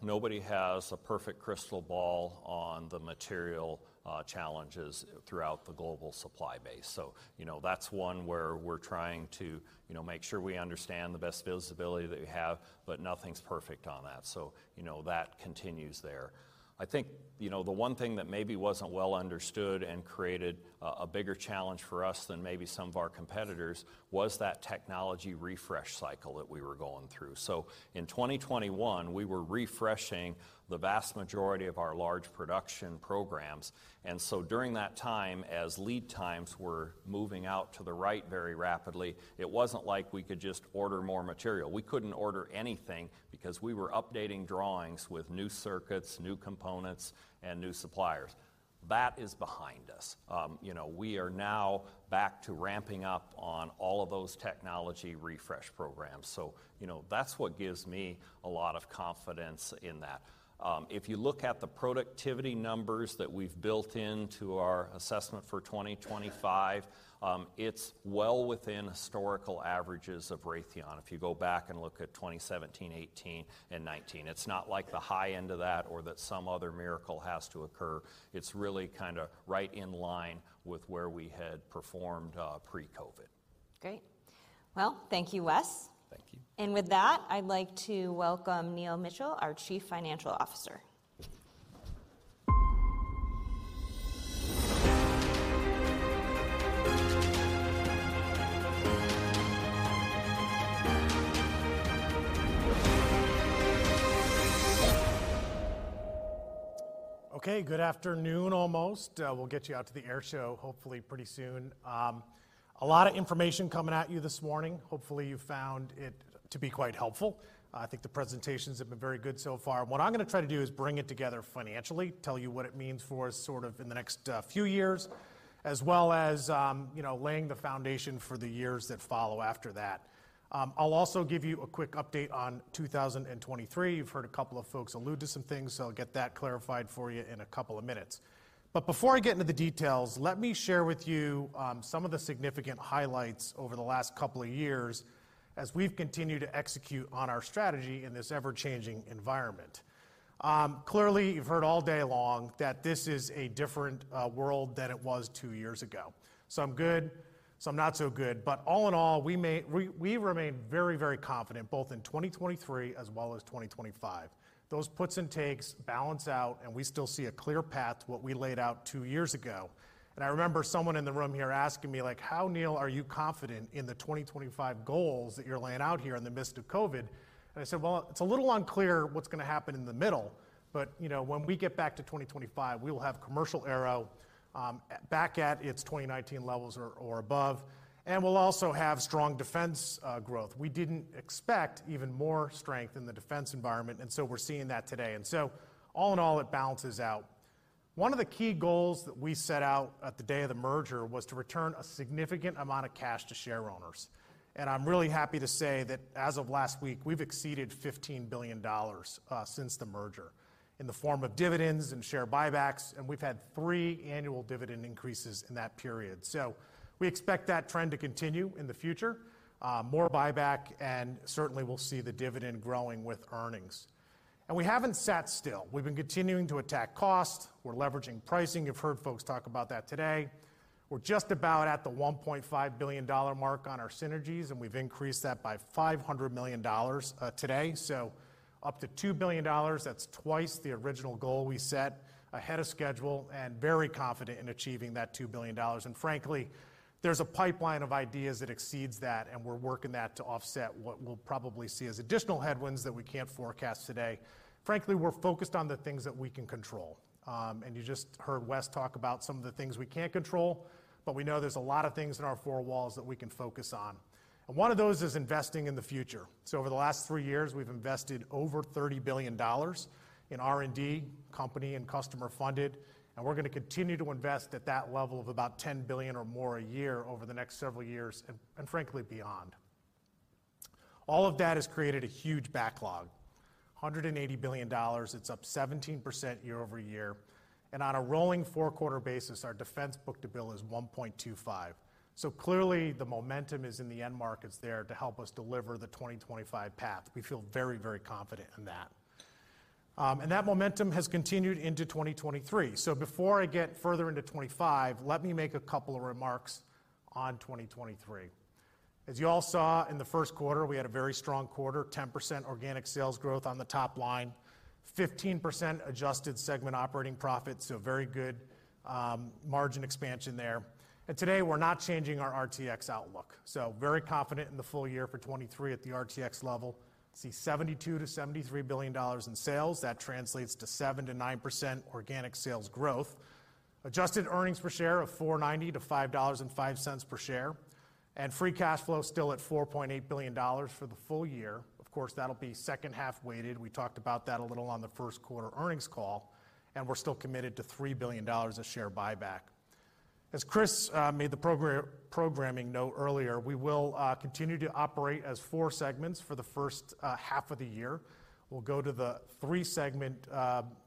[SPEAKER 18] nobody has a perfect crystal ball on the material, challenges throughout the global supply base. You know, that's one where we're trying to, you know, make sure we understand the best visibility that we have, but nothing's perfect on that. You know, that continues there. I think, you know, the one thing that maybe wasn't well understood and created a bigger challenge for us than maybe some of our competitors was that technology refresh cycle that we were going through. In 2021, we were refreshing the vast majority of our large production programs, during that time, as lead times were moving out to the right very rapidly, it wasn't like we could just order more material. We couldn't order anything, because we were updating drawings with new circuits, new components, and new suppliers. That is behind us. You know, we are now back to ramping up on all of those technology refresh programs, so, you know, that's what gives me a lot of confidence in that. If you look at the productivity numbers that we've built into our assessment for 2025, it's well within historical averages of Raytheon. If you go back and look at 2017, 2018, and 2019, it's not like the high end of that or that some other miracle has to occur. It's really kind of right in line with where we had performed pre-COVID.
[SPEAKER 1] Great. Well, thank you, Wes.
[SPEAKER 18] Thank you.
[SPEAKER 1] With that, I'd like to welcome Neil Mitchill, our chief financial officer.
[SPEAKER 21] Good afternoon, almost. We'll get you out to the air show, hopefully pretty soon. A lot of information coming at you this morning. Hopefully, you found it to be quite helpful. I think the presentations have been very good so far. What I'm going to try to do is bring it together financially, tell you what it means for us, sort of in the next few years, as well as, you know, laying the foundation for the years that follow after that. I'll also give you a quick update on 2023. You've heard a couple of folks allude to some things, so I'll get that clarified for you in a couple of minutes. Before I get into the details, let me share with you some of the significant highlights over the last couple of years as we've continued to execute on our strategy in this ever-changing environment. Clearly, you've heard all day long that this is a different world than it was 2 years ago. Some good, some not so good. All in all, we remain very, very confident, both in 2023 as well as 2025. Those puts and takes balance out, and we still see a clear path to what we laid out 2 years ago. I remember someone in the room here asking me, like, "How, Neil, are you confident in the 2025 goals that you're laying out here in the midst of COVID?" I said, "Well, it's a little unclear what's going to happen in the middle, but, you know, when we get back to 2025, we will have commercial aero back at its 2019 levels or above, and we'll also have strong defense growth." We didn't expect even more strength in the defense environment. We're seeing that today. All in all, it balances out. One of the key goals that we set out at the day of the merger was to return a significant amount of cash to share owners. I'm really happy to say that as of last week, we've exceeded $15 billion since the merger in the form of dividends and share buybacks, and we've had 3 annual dividend increases in that period. We expect that trend to continue in the future. More buyback, and certainly, we'll see the dividend growing with earnings. We haven't sat still. We've been continuing to attack cost. We're leveraging pricing. You've heard folks talk about that today. We're just about at the $1.5 billion mark on our synergies, and we've increased that by $500 million today. Up to $2 billion, that's twice the original goal we set, ahead of schedule and very confident in achieving that $2 billion. Frankly, there's a pipeline of ideas that exceeds that, and we're working that to offset what we'll probably see as additional headwinds that we can't forecast today. Frankly, we're focused on the things that we can control. You just heard Wes talk about some of the things we can't control, but we know there's a lot of things in our four walls that we can focus on. One of those is investing in the future. Over the last 3 years, we've invested over $30 billion in R&D, company and customer funded, and we're going to continue to invest at that level of about $10 billion or more a year over the next several years, and frankly, beyond. All of that has created a huge backlog, $180 billion. It's up 17% year-over-year, on a rolling four-quarter basis, our defense book-to-bill is 1.25. Clearly, the momentum is in the end markets there to help us deliver the 2025 path. We feel very, very confident in that. That momentum has continued into 2023. Before I get further into 2025, let me make a couple of remarks on 2023. As you all saw in the Q1, we had a very strong quarter, 10% organic sales growth on the top line, 15% adjusted segment operating profit, a very good margin expansion there. Today, we're not changing our RTX outlook. Very confident in the full year for 2023 at the RTX level. See $72 billion-$73 billion in sales. That translates to 7%-9% organic sales growth. Adjusted earnings per share of $4.90-$5.05 per share, and free cash flow still at $4.8 billion for the full year. Of course, that'll be second-half weighted. We talked about that a little on the Q1 earnings call, and we're still committed to $3 billion of share buyback. As Chris made the programming note earlier, we will continue to operate as four segments for the H1 of the year. We'll go to the three-segment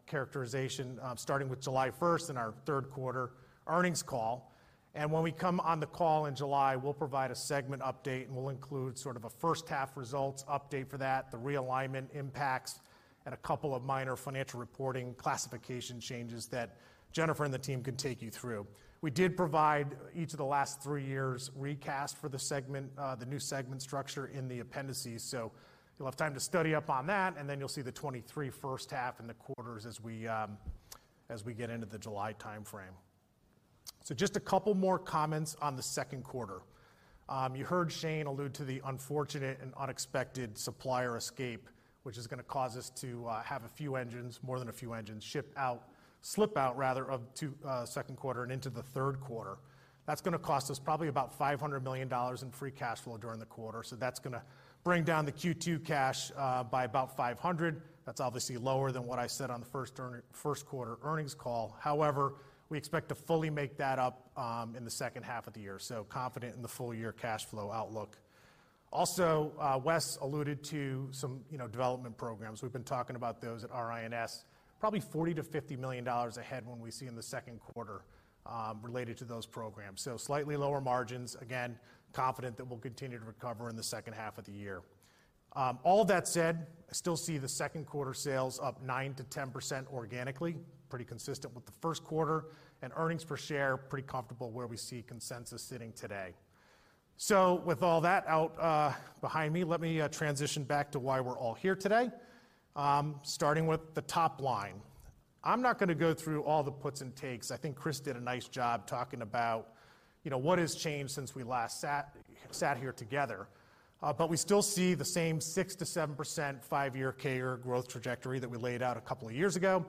[SPEAKER 21] characterization starting with July first in our Q3 earnings call. When we come on the call in July, we'll provide a segment update, and we'll include sort of a first-half results update for that, the realignment impacts, and a couple of minor financial reporting classification changes that Jennifer and the team can take you through. We did provide each of the last three years' recast for the segment, the new segment structure in the appendices, so you'll have time to study up on that, and then you'll see the 2023 H1 and the quarters as we get into the July timeframe. Just a couple more comments on the Q2. You heard Shane allude to the unfortunate and unexpected supplier escape, which is going to cause us to have a few engines, more than a few engines, slip out, rather, of to Q2 and into the Q3. That's going to cost us probably about $500 million in free cash flow during the quarter, so that's going to bring down the Q2 cash by about $500 million. That's obviously lower than what I said on the Q1 earnings call. We expect to fully make that up in the H2 of the year, confident in the full-year cash flow outlook. Wes alluded to some, you know, development programs. We've been talking about those at RIS, probably $40 million-$50 million a headwind we see in the Q2 related to those programs. Slightly lower margins. Confident that we'll continue to recover in the H2 of the year. All that said, I still see the Q2 sales up 9%-10% organically, pretty consistent with the Q1, and earnings per share, pretty comfortable where we see consensus sitting today. With all that out, behind me, let me transition back to why we're all here today, starting with the top line. I'm not going to go through all the puts and takes. I think Chris did a nice job talking about, you know, what has changed since we last sat here together. We still see the same 6%-7% 5-year CAGR growth trajectory that we laid out a couple of years ago,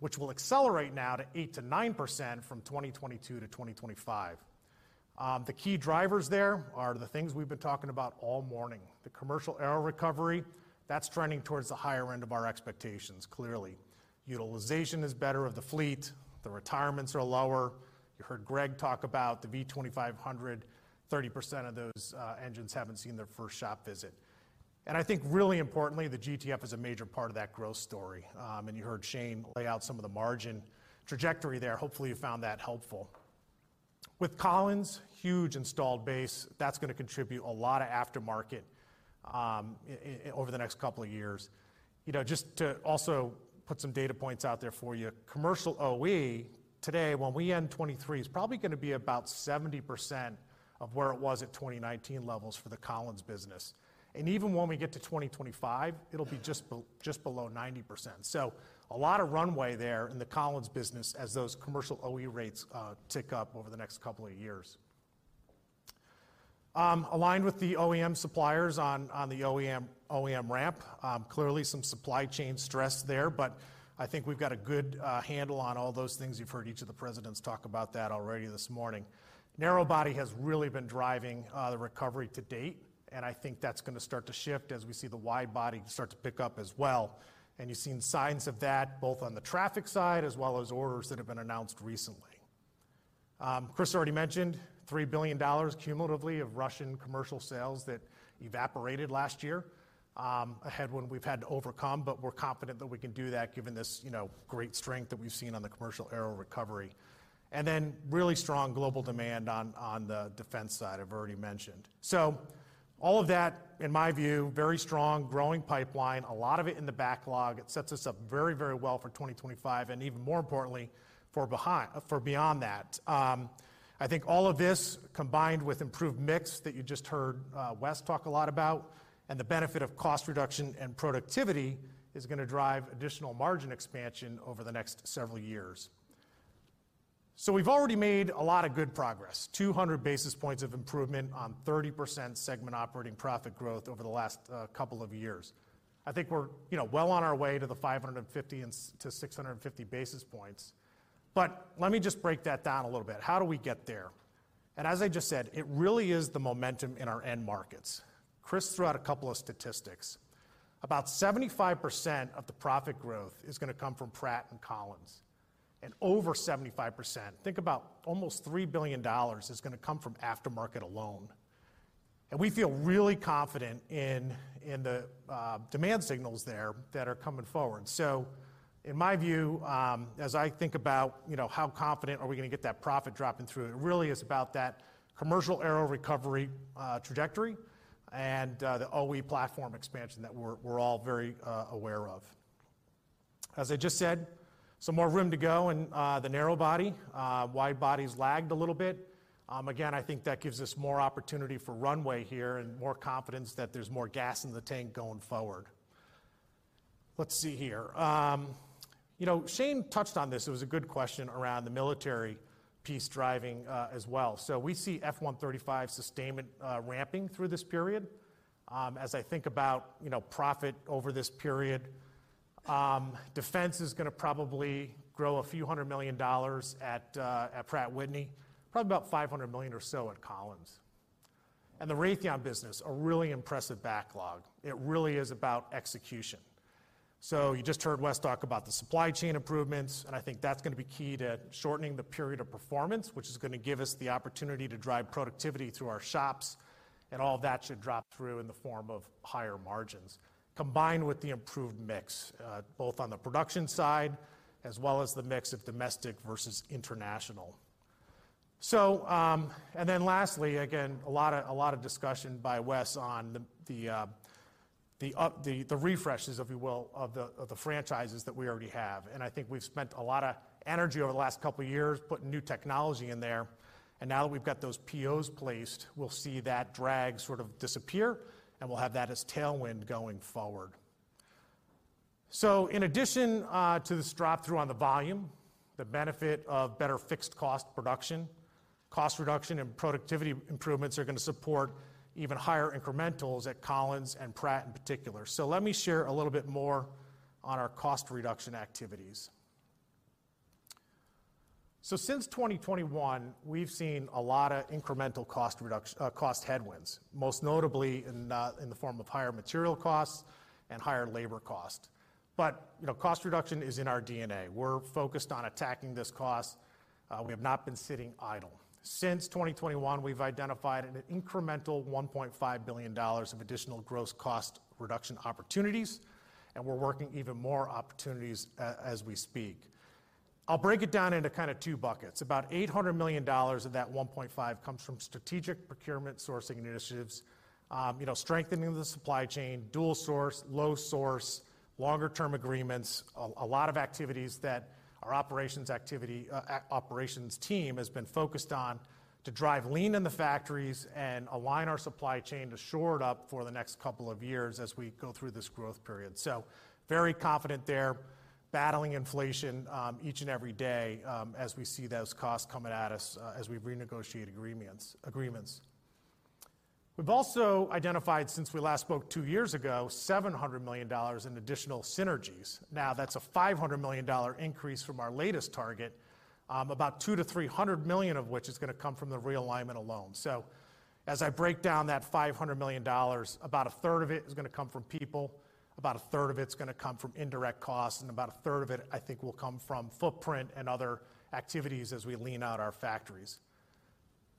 [SPEAKER 21] which will accelerate now to 8%-9% from 2022-2025. The key drivers there are the things we've been talking about all morning. The commercial aero recovery, that's trending towards the higher end of our expectations, clearly. Utilization is better of the fleet. The retirements are lower. You heard Greg talk about the V2500, 30% of those engines haven't seen their first shop visit. I think really importantly, the GTF is a major part of that growth story. You heard Shane lay out some of the margin trajectory there. Hopefully, you found that helpful. With Collins, huge installed base, that's going to contribute a lot of aftermarket over the next couple of years. You know, just to also put some data points out there for you, commercial OE today, when we end 2023, is probably going to be about 70% of where it was at 2019 levels for the Collins business. Even when we get to 2025, it'll be just below 90%. A lot of runway there in the Collins business as those commercial OE rates tick up over the next couple of years. Aligned with the OEM suppliers on the OEM ramp, clearly some supply chain stress there, but I think we've got a good handle on all those things. You've heard each of the presidents talk about that already this morning. Narrow-body has really been driving the recovery to date, and I think that's going to start to shift as we see the wide-body start to pick up as well. You've seen signs of that, both on the traffic side as well as orders that have been announced recently. Chris already mentioned $3 billion cumulatively of Russian commercial sales that evaporated last year, a headwind we've had to overcome, but we're confident that we can do that given this, you know, great strength that we've seen on the commercial aero recovery. really strong global demand on the defense side, I've already mentioned. All of that, in my view, very strong growing pipeline, a lot of it in the backlog. It sets us up very, very well for 2025 and even more importantly, for beyond that. I think all of this, combined with improved mix that you just heard Wes talk a lot about, and the benefit of cost reduction and productivity, is going to drive additional margin expansion over the next several years. We've already made a lot of good progress, 200 basis points of improvement on 30% segment operating profit growth over the last couple of years. I think we're, you know, well on our way to the 550 to 650 basis points. Let me just break that down a little bit. How do we get there? As I just said, it really is the momentum in our end markets. Chris threw out a couple of statistics. About 75% of the profit growth is going to come from Pratt and Collins, and over 75%, think about almost $3 billion, is going to come from aftermarket alone. We feel really confident in the demand signals there that are coming forward. In my view, as I think about, you know, how confident are we going to get that profit dropping through, it really is about that commercial aero recovery trajectory, and the OE platform expansion that we're all very aware of. As I just said, some more room to go in the narrow body, wide body's lagged a little bit. Again, I think that gives us more opportunity for runway here and more confidence that there's more gas in the tank going forward. Let's see here. You know, Shane touched on this. It was a good question around the military piece driving as well. We see F135 sustainment ramping through this period. As I think about, you know, profit over this period, defense is going to probably grow a few hundred million dollars at Pratt & Whitney, probably about $500 million or so at Collins Aerospace. The Raytheon business, a really impressive backlog. It really is about execution. You just heard Wes talk about the supply chain improvements, and I think that's going to be key to shortening the period of performance, which is going to give us the opportunity to drive productivity through our shops, and all of that should drop through in the form of higher margins, combined with the improved mix, both on the production side as well as the mix of domestic versus international. Then lastly, again, a lot of discussion by Wes on the refreshes, if you will, of the franchises that we already have. I think we've spent a lot of energy over the last couple of years putting new technology in there, and now that we've got those POs placed, we'll see that drag sort of disappear, and we'll have that as tailwind going forward. In addition, to this drop through on the volume, the benefit of better fixed cost production, cost reduction and productivity improvements are going to support even higher incrementals at Collins and Pratt in particular. Let me share a little bit more on our cost reduction activities. Since 2021, we've seen a lot of incremental cost headwinds, most notably in the form of higher material costs and higher labor cost. You know, cost reduction is in our DNA. We're focused on attacking this cost. We have not been sitting idle. Since 2021, we've identified an incremental $1.5 billion of additional gross cost reduction opportunities, and we're working even more opportunities as we speak. I'll break it down into kind of two buckets. About $800 million of that $1.5 billion comes from strategic procurement sourcing initiatives, you know, strengthening the supply chain, dual source, low source, longer-term agreements, a lot of activities that our operations team has been focused on to drive lean in the factories and align our supply chain to shore it up for the next couple of years as we go through this growth period. Very confident there, battling inflation each and every day, as we see those costs coming at us, as we renegotiate agreements. We've also identified, since we last spoke two years ago, $700 million in additional synergies. That's a $500 million increase from our latest target, about $200 million-$300 million of which is going to come from the realignment alone. As I break down that $500 million, about a third of it is going to come from people, about a third of it's going to come from indirect costs, and about a third of it, I think, will come from footprint and other activities as we lean out our factories.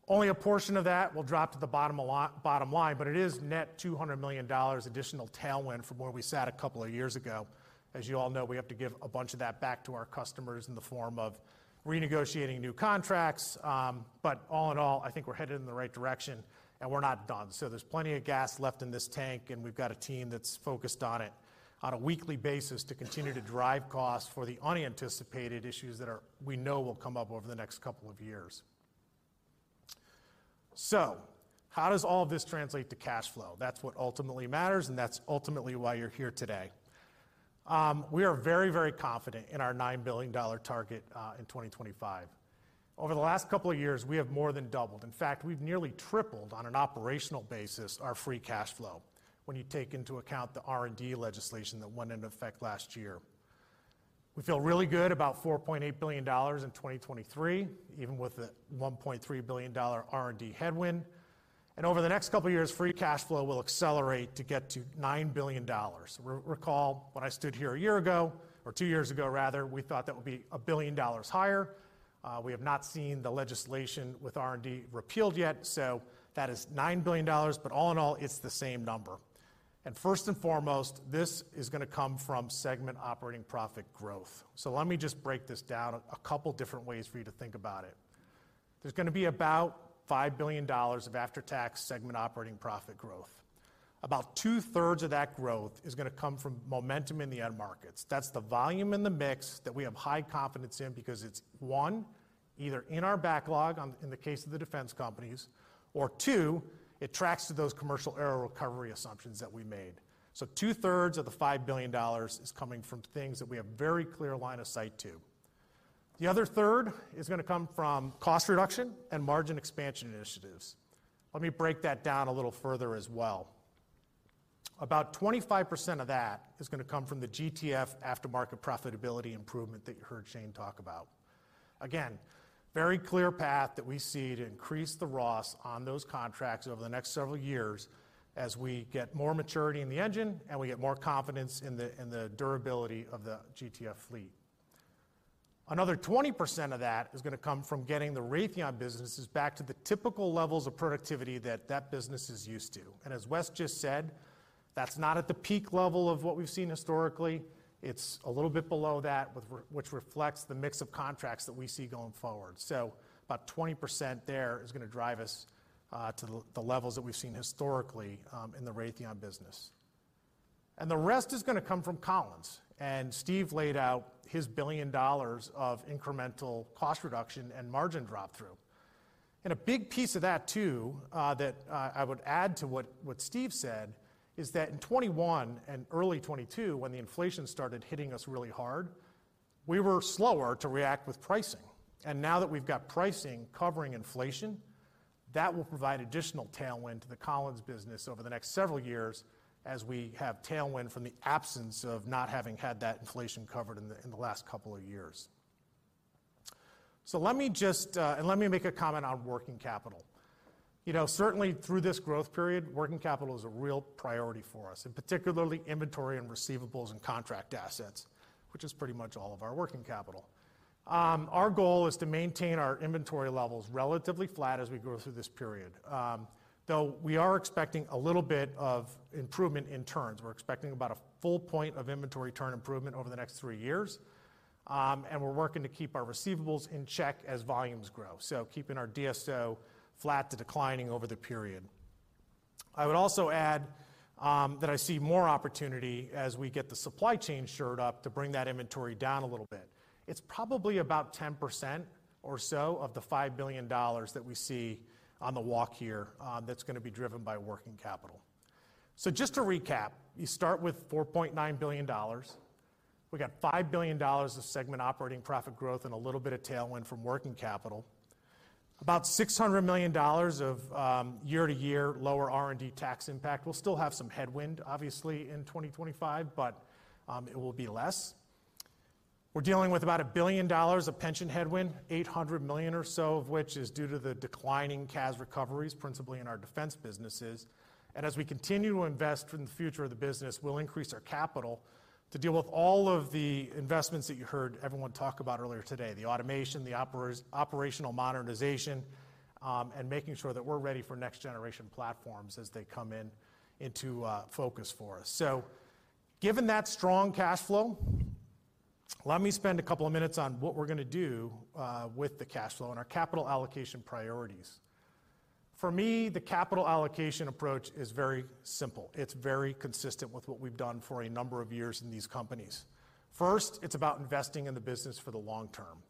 [SPEAKER 21] Only a portion of that will drop to the bottom line, but it is net $200 million additional tailwind from where we sat a couple of years ago. As you all know, we have to give a bunch of that back to our customers in the form of renegotiating new contracts, but all in all, I think we're headed in the right direction, and we're not done. There's plenty of gas left in this tank, and we've got a team that's focused on it on a weekly basis to continue to drive costs for the unanticipated issues that we know will come up over the next couple of years. How does all of this translate to cash flow? That's what ultimately matters, and that's ultimately why you're here today. We are very, very confident in our $9 billion target in 2025. Over the last couple of years, we have more than doubled. In fact, we've nearly tripled on an operational basis, our free cash flow, when you take into account the R&D legislation that went into effect last year. We feel really good about $4.8 billion in 2023, even with the $1.3 billion R&D headwind. Over the next couple of years, free cash flow will accelerate to get to $9 billion. Recall, when I stood here one year ago or two years ago rather, we thought that would be $1 billion higher. We have not seen the legislation with R&D repealed yet, so that is $9 billion, but all in all, it's the same number. First and foremost, this is going to come from segment operating profit growth. Let me just break this down a couple of different ways for you to think about it. There's going to be about $5 billion of after-tax segment operating profit growth. About two-thirds of that growth is going to come from momentum in the end markets. That's the volume in the mix that we have high confidence in because it's, one, either in our backlog, on, in the case of the defense companies, or two, it tracks to those commercial error recovery assumptions that we made. Two-thirds of the $5 billion is coming from things that we have very clear line of sight to. The other third is going to come from cost reduction and margin expansion initiatives. Let me break that down a little further as well. About 25% of that is going to come from the GTF aftermarket profitability improvement that you heard Shane talk about. Again, very clear path that we see to increase the ROS on those contracts over the next several years as we get more maturity in the engine and we get more confidence in the durability of the GTF fleet. Another 20% of that is going to come from getting the Raytheon businesses back to the typical levels of productivity that business is used to. As Wes Kremer just said, that's not at the peak level of what we've seen historically. It's a little bit below that, which reflects the mix of contracts that we see going forward. About 20% there is going to drive us to the levels that we've seen historically in the Raytheon business. The rest is going to come from Collins Aerospace. Stephen Timm laid out his $1 billion of incremental cost reduction and margin drop-through. A big piece of that, too, that I would add to what Stephen Timm said, is that in 2021 and early 2022, when the inflation started hitting us really hard, we were slower to react with pricing. Now that we've got pricing covering inflation, that will provide additional tailwind to the Collins business over the next several years as we have tailwind from the absence of not having had that inflation covered in the last couple of years. Let me make a comment on working capital. You know, certainly through this growth period, working capital is a real priority for us, and particularly inventory and receivables and contract assets, which is pretty much all of our working capital. Our goal is to maintain our inventory levels relatively flat as we go through this period, though we are expecting a little bit of improvement in turns. We're expecting about a full point of inventory turn improvement over the next three years, and we're working to keep our receivables in check as volumes grow. Keeping our DSO flat to declining over the period. I would also add that I see more opportunity as we get the supply chain shored up to bring that inventory down a little bit. It's probably about 10% or so of the $5 billion that we see on the walk here that's going to be driven by working capital. Just to recap, you start with $4.9 billion. We got $5 billion of segment operating profit growth and a little bit of tailwind from working capital. About $600 million of year-to-year lower R&D tax impact. We'll still have some headwind, obviously, in 2025, it will be less. We're dealing with about $1 billion of pension headwind, $800 million or so of which is due to the declining CAS recoveries, principally in our defense businesses. As we continue to invest in the future of the business, we'll increase our capital to deal with all of the investments that you heard everyone talk about earlier today, the automation, the operational modernization, and making sure that we're ready for next generation platforms as they come in, into focus for us. Given that strong cash flow, let me spend a couple of minutes on what we're going to do with the cash flow and our capital allocation priorities. For me, the capital allocation approach is very simple. It's very consistent with what we've done for a number of years in these companies. First, it's about investing in the business for the long term.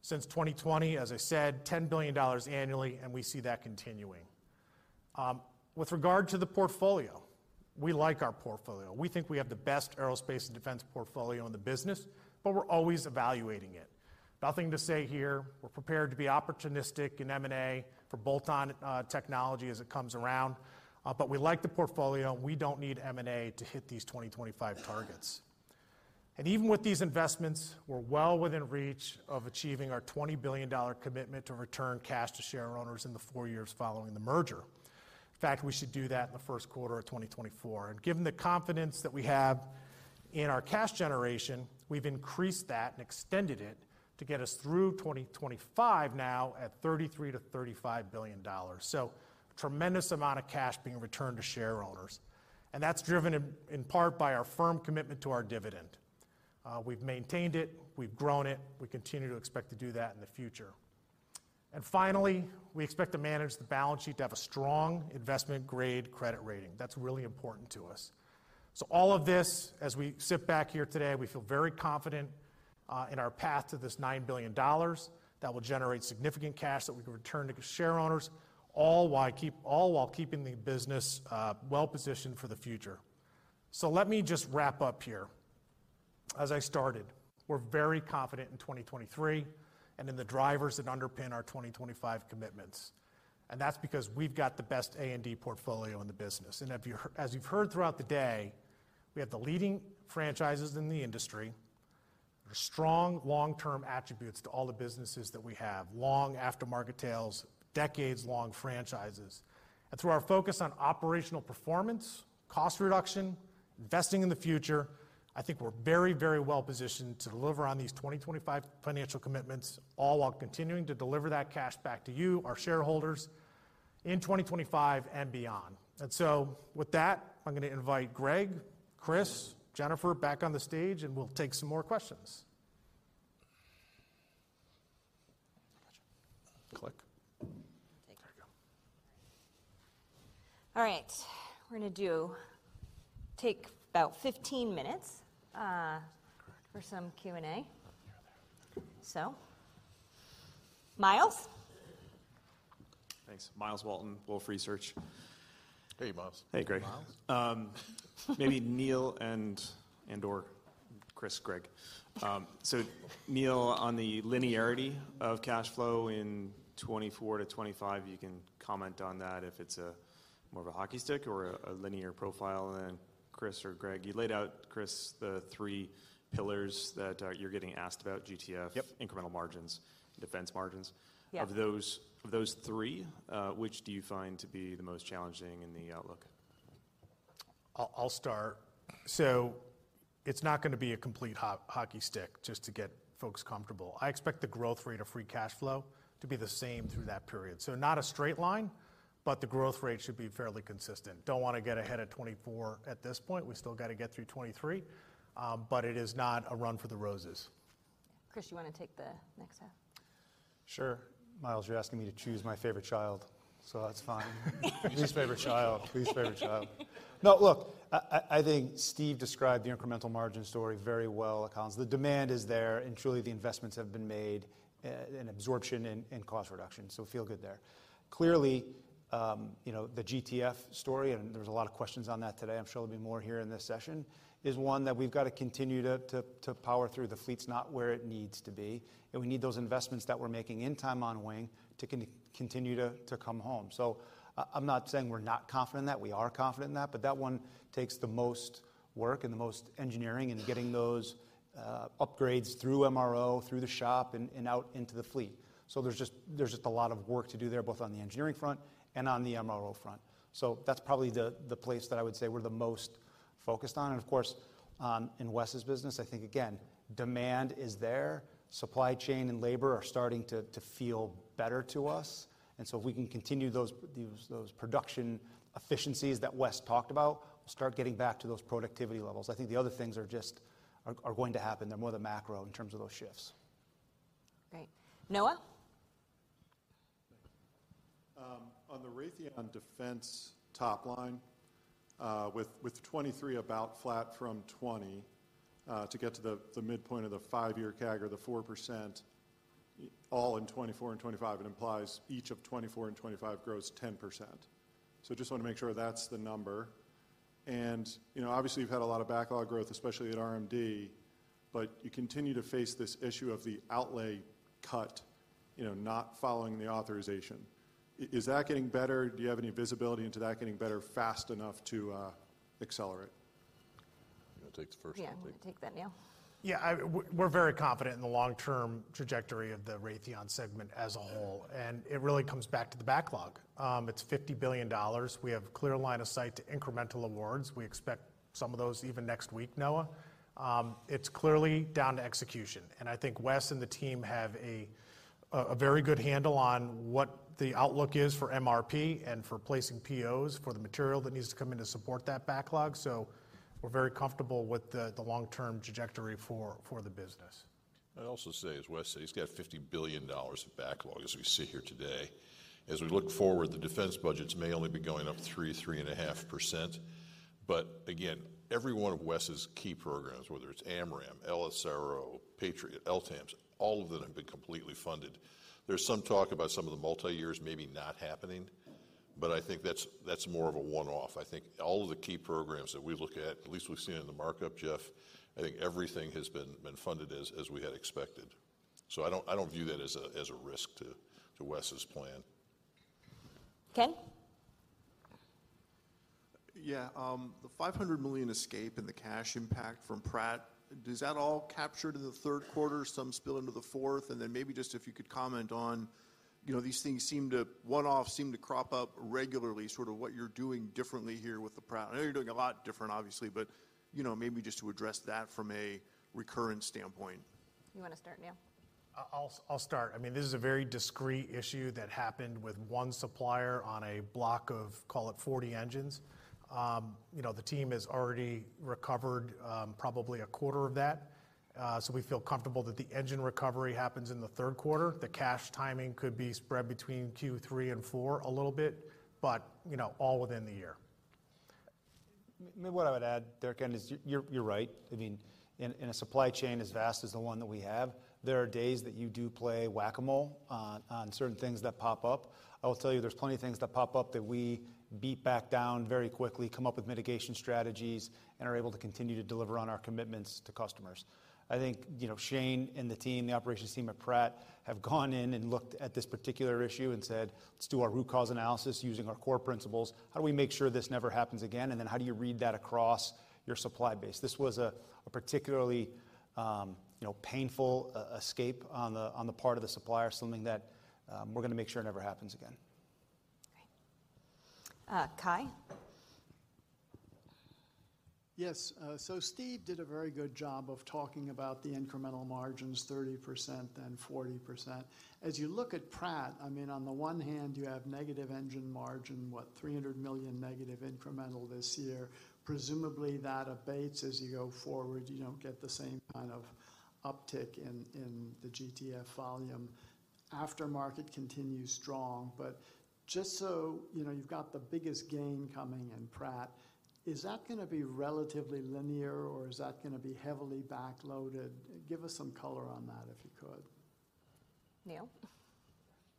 [SPEAKER 21] Since 2020, as I said, $10 billion annually. We see that continuing. With regard to the portfolio, we like our portfolio. We think we have the best aerospace and defense portfolio in the business. We're always evaluating it. Nothing to say here. We're prepared to be opportunistic in M&A for bolt-on technology as it comes around. We like the portfolio. We don't need M&A to hit these 2025 targets. Even with these investments, we're well within reach of achieving our $20 billion commitment to return cash to shareowners in the 4 years following the merger. In fact, we should do that in the Q1 of 2024. Given the confidence that we have in our cash generation, we've increased that and extended it to get us through 2025, now at $33 billion-$35 billion. Tremendous amount of cash being returned to shareowners, and that's driven in part by our firm commitment to our dividend. We've maintained it, we've grown it, we continue to expect to do that in the future. Finally, we expect to manage the balance sheet to have a strong investment-grade credit rating. That's really important to us. All of this, as we sit back here today, we feel very confident in our path to this $9 billion that will generate significant cash that we can return to shareowners, all while keeping the business well positioned for the future. Let me just wrap up here. As I started, we're very confident in 2023 and in the drivers that underpin our 2025 commitments, and that's because we've got the best A&D portfolio in the business. As you've heard throughout the day, we have the leading franchises in the industry. There are strong long-term attributes to all the businesses that we have, long after-market tails, decades-long franchises. Through our focus on operational performance, cost reduction, investing in the future, I think we're very, very well positioned to deliver on these 2025 financial commitments, all while continuing to deliver that cash back to you, our shareholders, in 2025 and beyond. With that, I'm going to invite Greg, Chris, Jennifer, back on the stage, and we'll take some more questions.
[SPEAKER 5] Gotcha.
[SPEAKER 21] Click.
[SPEAKER 1] Take it.
[SPEAKER 21] There you go.
[SPEAKER 1] All right, we're going to take about 15 minutes.
[SPEAKER 21] Good.
[SPEAKER 1] for some Q&A.
[SPEAKER 21] Up here.
[SPEAKER 1] Myles?
[SPEAKER 9] Thanks. Myles Walton, Wolfe Research.
[SPEAKER 21] Hey, Myles.
[SPEAKER 5] Hey, Greg.
[SPEAKER 21] Myles.
[SPEAKER 9] Maybe Neil and/or Chris, Greg. Neil, on the linearity of cash flow in 24 to 25, you can comment on that, if it's more of a hockey stick or a linear profile. Then Chris or Greg, you laid out, Chris, the three pillars that you're getting asked about, GTF-
[SPEAKER 5] Yep.
[SPEAKER 9] incremental margins, defense margins.
[SPEAKER 1] Yeah.
[SPEAKER 9] Of those three, which do you find to be the most challenging in the outlook?
[SPEAKER 21] I'll start. It's not going to be a complete hockey stick, just to get folks comfortable. I expect the growth rate of free cash flow to be the same through that period. Not a straight line, but the growth rate should be fairly consistent. Don't want to get ahead of 2024 at this point. We still got to get through 2023, but it is not a run for the roses.
[SPEAKER 1] Chris, you want to take the next half?
[SPEAKER 5] Sure. Myles, you're asking me to choose my favorite child, that's fine. Least favorite child, least favorite child. Look, I think Steve described the incremental margin story very well accounts. The demand is there, truly, the investments have been made in absorption and cost reduction, feel good there. Clearly, you know, the GTF story, and there's a lot of questions on that today, I'm sure there'll be more here in this session, is one that we've got to continue to power through. The fleet's not where it needs to be, and we need those investments that we're making in time on wing to continue to come home. I'm not saying we're not confident in that. We are confident in that, but that one takes the most work and the most engineering and getting those upgrades through MRO, through the shop and out into the fleet. There's just a lot of work to do there, both on the engineering front and on the MRO front. That's probably the place that I would say we're the most focused on. Of course, in Wes's business, I think, again, demand is there. Supply chain and labor are starting to feel better to us, and so if we can continue those production efficiencies that Wes talked about, start getting back to those productivity levels. I think the other things are just going to happen. They're more the macro in terms of those shifts.
[SPEAKER 1] Great. Noah?
[SPEAKER 7] Thank you. On the Raytheon defense top line, with 2023 about flat from 2020, to get to the midpoint of the five-year CAGR the 4%, all in 2024 and 2025, it implies each of 2024 and 2025 grows 10%. Just want to make sure that's the number. You know, obviously, you've had a lot of backlog growth, especially at RMD, but you continue to face this issue of the outlay cut, you know, not following the authorization. Is that getting better? Do you have any visibility into that getting better fast enough to accelerate?
[SPEAKER 21] I'll take the first one.
[SPEAKER 1] Yeah, take that, Neil.
[SPEAKER 21] Yeah, I, we're very confident in the long-term trajectory of the Raytheon segment as a whole. It really comes back to the backlog. It's $50 billion. We have clear line of sight to incremental awards. We expect some of those even next week, Noah. It's clearly down to execution, and I think Wes and the team have a very good handle on what the outlook is for MRP and for placing POs for the material that needs to come in to support that backlog. We're very comfortable with the long-term trajectory for the business.
[SPEAKER 4] I'd also say, as Wes said, he's got $50 billion of backlog as we sit here today. As we look forward, the defense budgets may only be going up 3%, 3.5%. Again, every one of Wes's key programs, whether it's AMRAAM, LRSO, Patriot, LTAMDS, all of them have been completely funded. There's some talk about some of the multi-years maybe not happening, but I think that's more of a one-off. I think all of the key programs that we look at least we've seen in the markup, Jeff, I think everything has been funded as we had expected. I don't, I don't view that as a, as a risk to Wes's plan.
[SPEAKER 1] Ken?
[SPEAKER 10] Yeah, the $500 million escape and the cash impact from Pratt, does that all capture to the Q3, some spill into the fourth? Then maybe just if you could comment on, you know, these things one-offs seem to crop up regularly, sort of what you're doing differently here with the Pratt. I know you're doing a lot different, obviously, but, you know, maybe just to address that from a recurrent standpoint?
[SPEAKER 1] You want to start, Neil?
[SPEAKER 21] I'll start. I mean, this is a very discrete issue that happened with one supplier on a block of, call it, 40 engines. You know, the team has already recovered, probably a quarter of that. We feel comfortable that the engine recovery happens in the Q3. The cash timing could be spread between Q3 and 4 a little bit, but, you know, all within the year.
[SPEAKER 5] Maybe what I would add there, Ken, is you're right. I mean, in a supply chain as vast as the one that we have, there are days that you do play whack-a-mole on certain things that pop up. I will tell you, there's plenty of things that pop up that we beat back down very quickly, come up with mitigation strategies, and are able to continue to deliver on our commitments to customers. I think, you know, Shane and the team, the operations team at Pratt, have gone in and looked at this particular issue and said, "Let's do our root cause analysis using our core principles. How do we make sure this never happens again? How do you read that across your supply base?" This was a particularly, you know, painful escape on the part of the supplier, something that we're gonna make sure it never happens again.
[SPEAKER 1] Great. Cai?
[SPEAKER 19] Yes, Steve did a very good job of talking about the incremental margins, 30%, then 40%. As you look at Pratt, I mean, on the one hand, you have negative engine margin, what, $300 million negative incremental this year. Presumably, that abates as you go forward. You don't get the same kind of uptick in the GTF volume. Aftermarket continues strong, you know, you've got the biggest gain coming in Pratt, is that gonna be relatively linear, or is that gonna be heavily backloaded? Give us some color on that if you could.
[SPEAKER 1] Neil?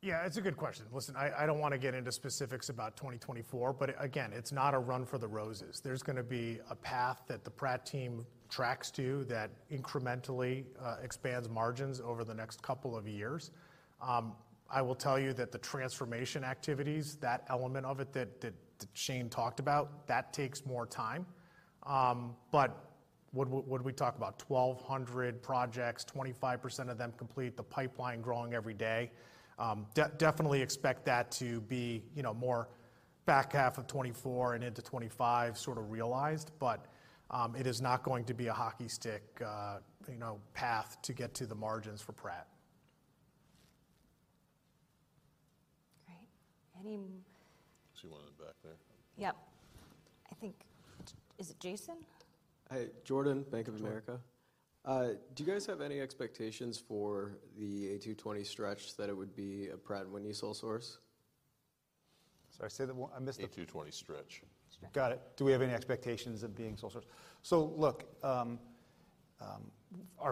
[SPEAKER 21] Yeah, it's a good question. Listen, I don't want to get into specifics about 2024, again, it's not a run for the roses. There's going to be a path that the Pratt team tracks to that incrementally expands margins over the next couple of years. I will tell you that the transformation activities, that element of it that Shane talked about, that takes more time. What we talk about? 1,200 projects, 25% of them complete, the pipeline growing every day. Definitely expect that to be, you know, more back half of 2024 and into 2025 sort of realized, but it is not going to be a hockey stick, you know, path to get to the margins for Pratt.
[SPEAKER 1] Great. Any...
[SPEAKER 4] She wanted it back there.
[SPEAKER 1] Yep. I think, is it Jason?
[SPEAKER 22] Hi, Jordan, Bank of America.
[SPEAKER 4] Jordan.
[SPEAKER 22] Do you guys have any expectations for the A220 stretch that it would be a Pratt & Whitney sole source?
[SPEAKER 5] Sorry, say that. I missed it.
[SPEAKER 4] A220 stretch.
[SPEAKER 1] Stretch.
[SPEAKER 5] Got it. Do we have any expectations of being sole source? Look, our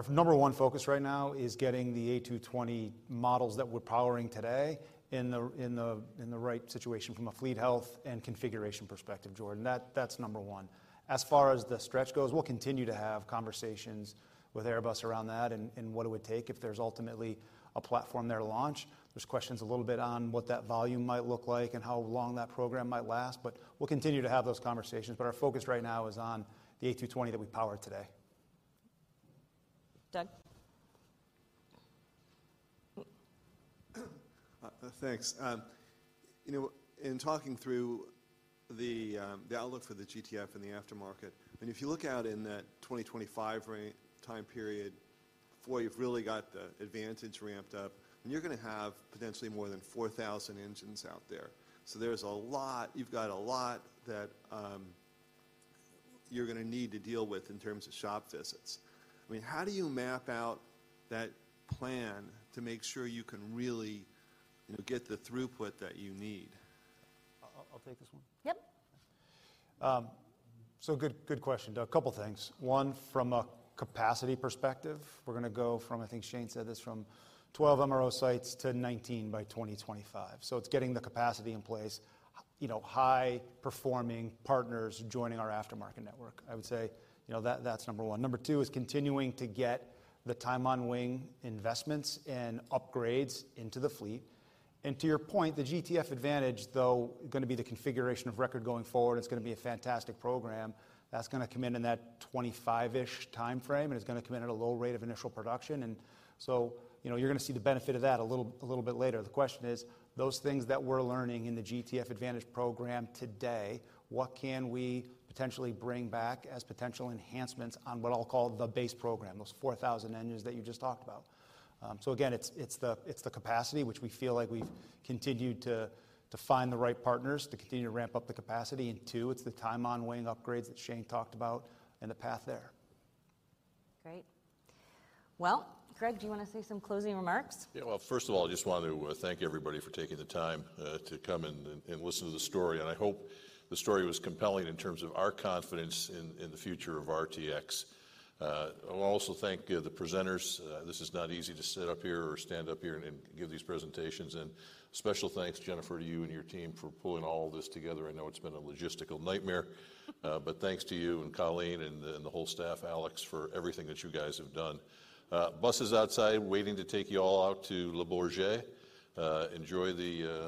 [SPEAKER 5] number 1 focus right now is getting the A220 models that we're powering today in the right situation from a fleet health and configuration perspective, Jordan. That's number 1. As far as the stretch goes, we'll continue to have conversations with Airbus around that and what it would take if there's ultimately a platform there to launch. There's questions a little bit on what that volume might look like and how long that program might last, but we'll continue to have those conversations, but our focus right now is on the A220 that we power today.
[SPEAKER 1] Doug?
[SPEAKER 14] Thanks. You know, in talking through the outlook for the GTF and the aftermarket, if you look out in that 2025 range time period, before you've really got the Advantage ramped up, you're gonna have potentially more than 4,000 engines out there. You've got a lot that you're gonna need to deal with in terms of shop visits. I mean, how do you map out that plan to make sure you can really, you know, get the throughput that you need?
[SPEAKER 5] I'll take this one.
[SPEAKER 1] Yep.
[SPEAKER 5] good question, Doug. A couple of things. One, from a capacity perspective, we're gonna go from, I think Shane said this, from 12 MRO sites to 19 by 2025. It's getting the capacity in place, you know, high-performing partners joining our aftermarket network. I would say, you know, that's number one. Number two is continuing to get the time on wing investments and upgrades into the fleet. To your point, the GTF Advantage, though, gonna be the configuration of record going forward, it's gonna be a fantastic program, that's gonna come in in that 25-ish timeframe, and it's gonna come in at a low rate of initial production. you know, you're gonna see the benefit of that a little bit later. The question is, those things that we're learning in the GTF Advantage program today, what can we potentially bring back as potential enhancements on what I'll call the base program, those 4,000 engines that you just talked about? Again, it's the capacity, which we feel like we've continued to find the right partners, to continue to ramp up the capacity, and two, it's the time on wing upgrades that Shane talked about and the path there.
[SPEAKER 1] Great. Well, Greg, do you want to say some closing remarks?
[SPEAKER 4] Yeah, well, first of all, I just wanted to thank everybody for taking the time to come and listen to the story. I hope the story was compelling in terms of our confidence in the future of RTX. I'll also thank the presenters. This is not easy to sit up here or stand up here and give these presentations. Special thanks to Jennifer, to you and your team, for pulling all this together. I know it's been a logistical nightmare. Thanks to you and Colleen and the whole staff, Alex, for everything that you guys have done. Bus is outside waiting to take you all out to Le Bourget. Enjoy the.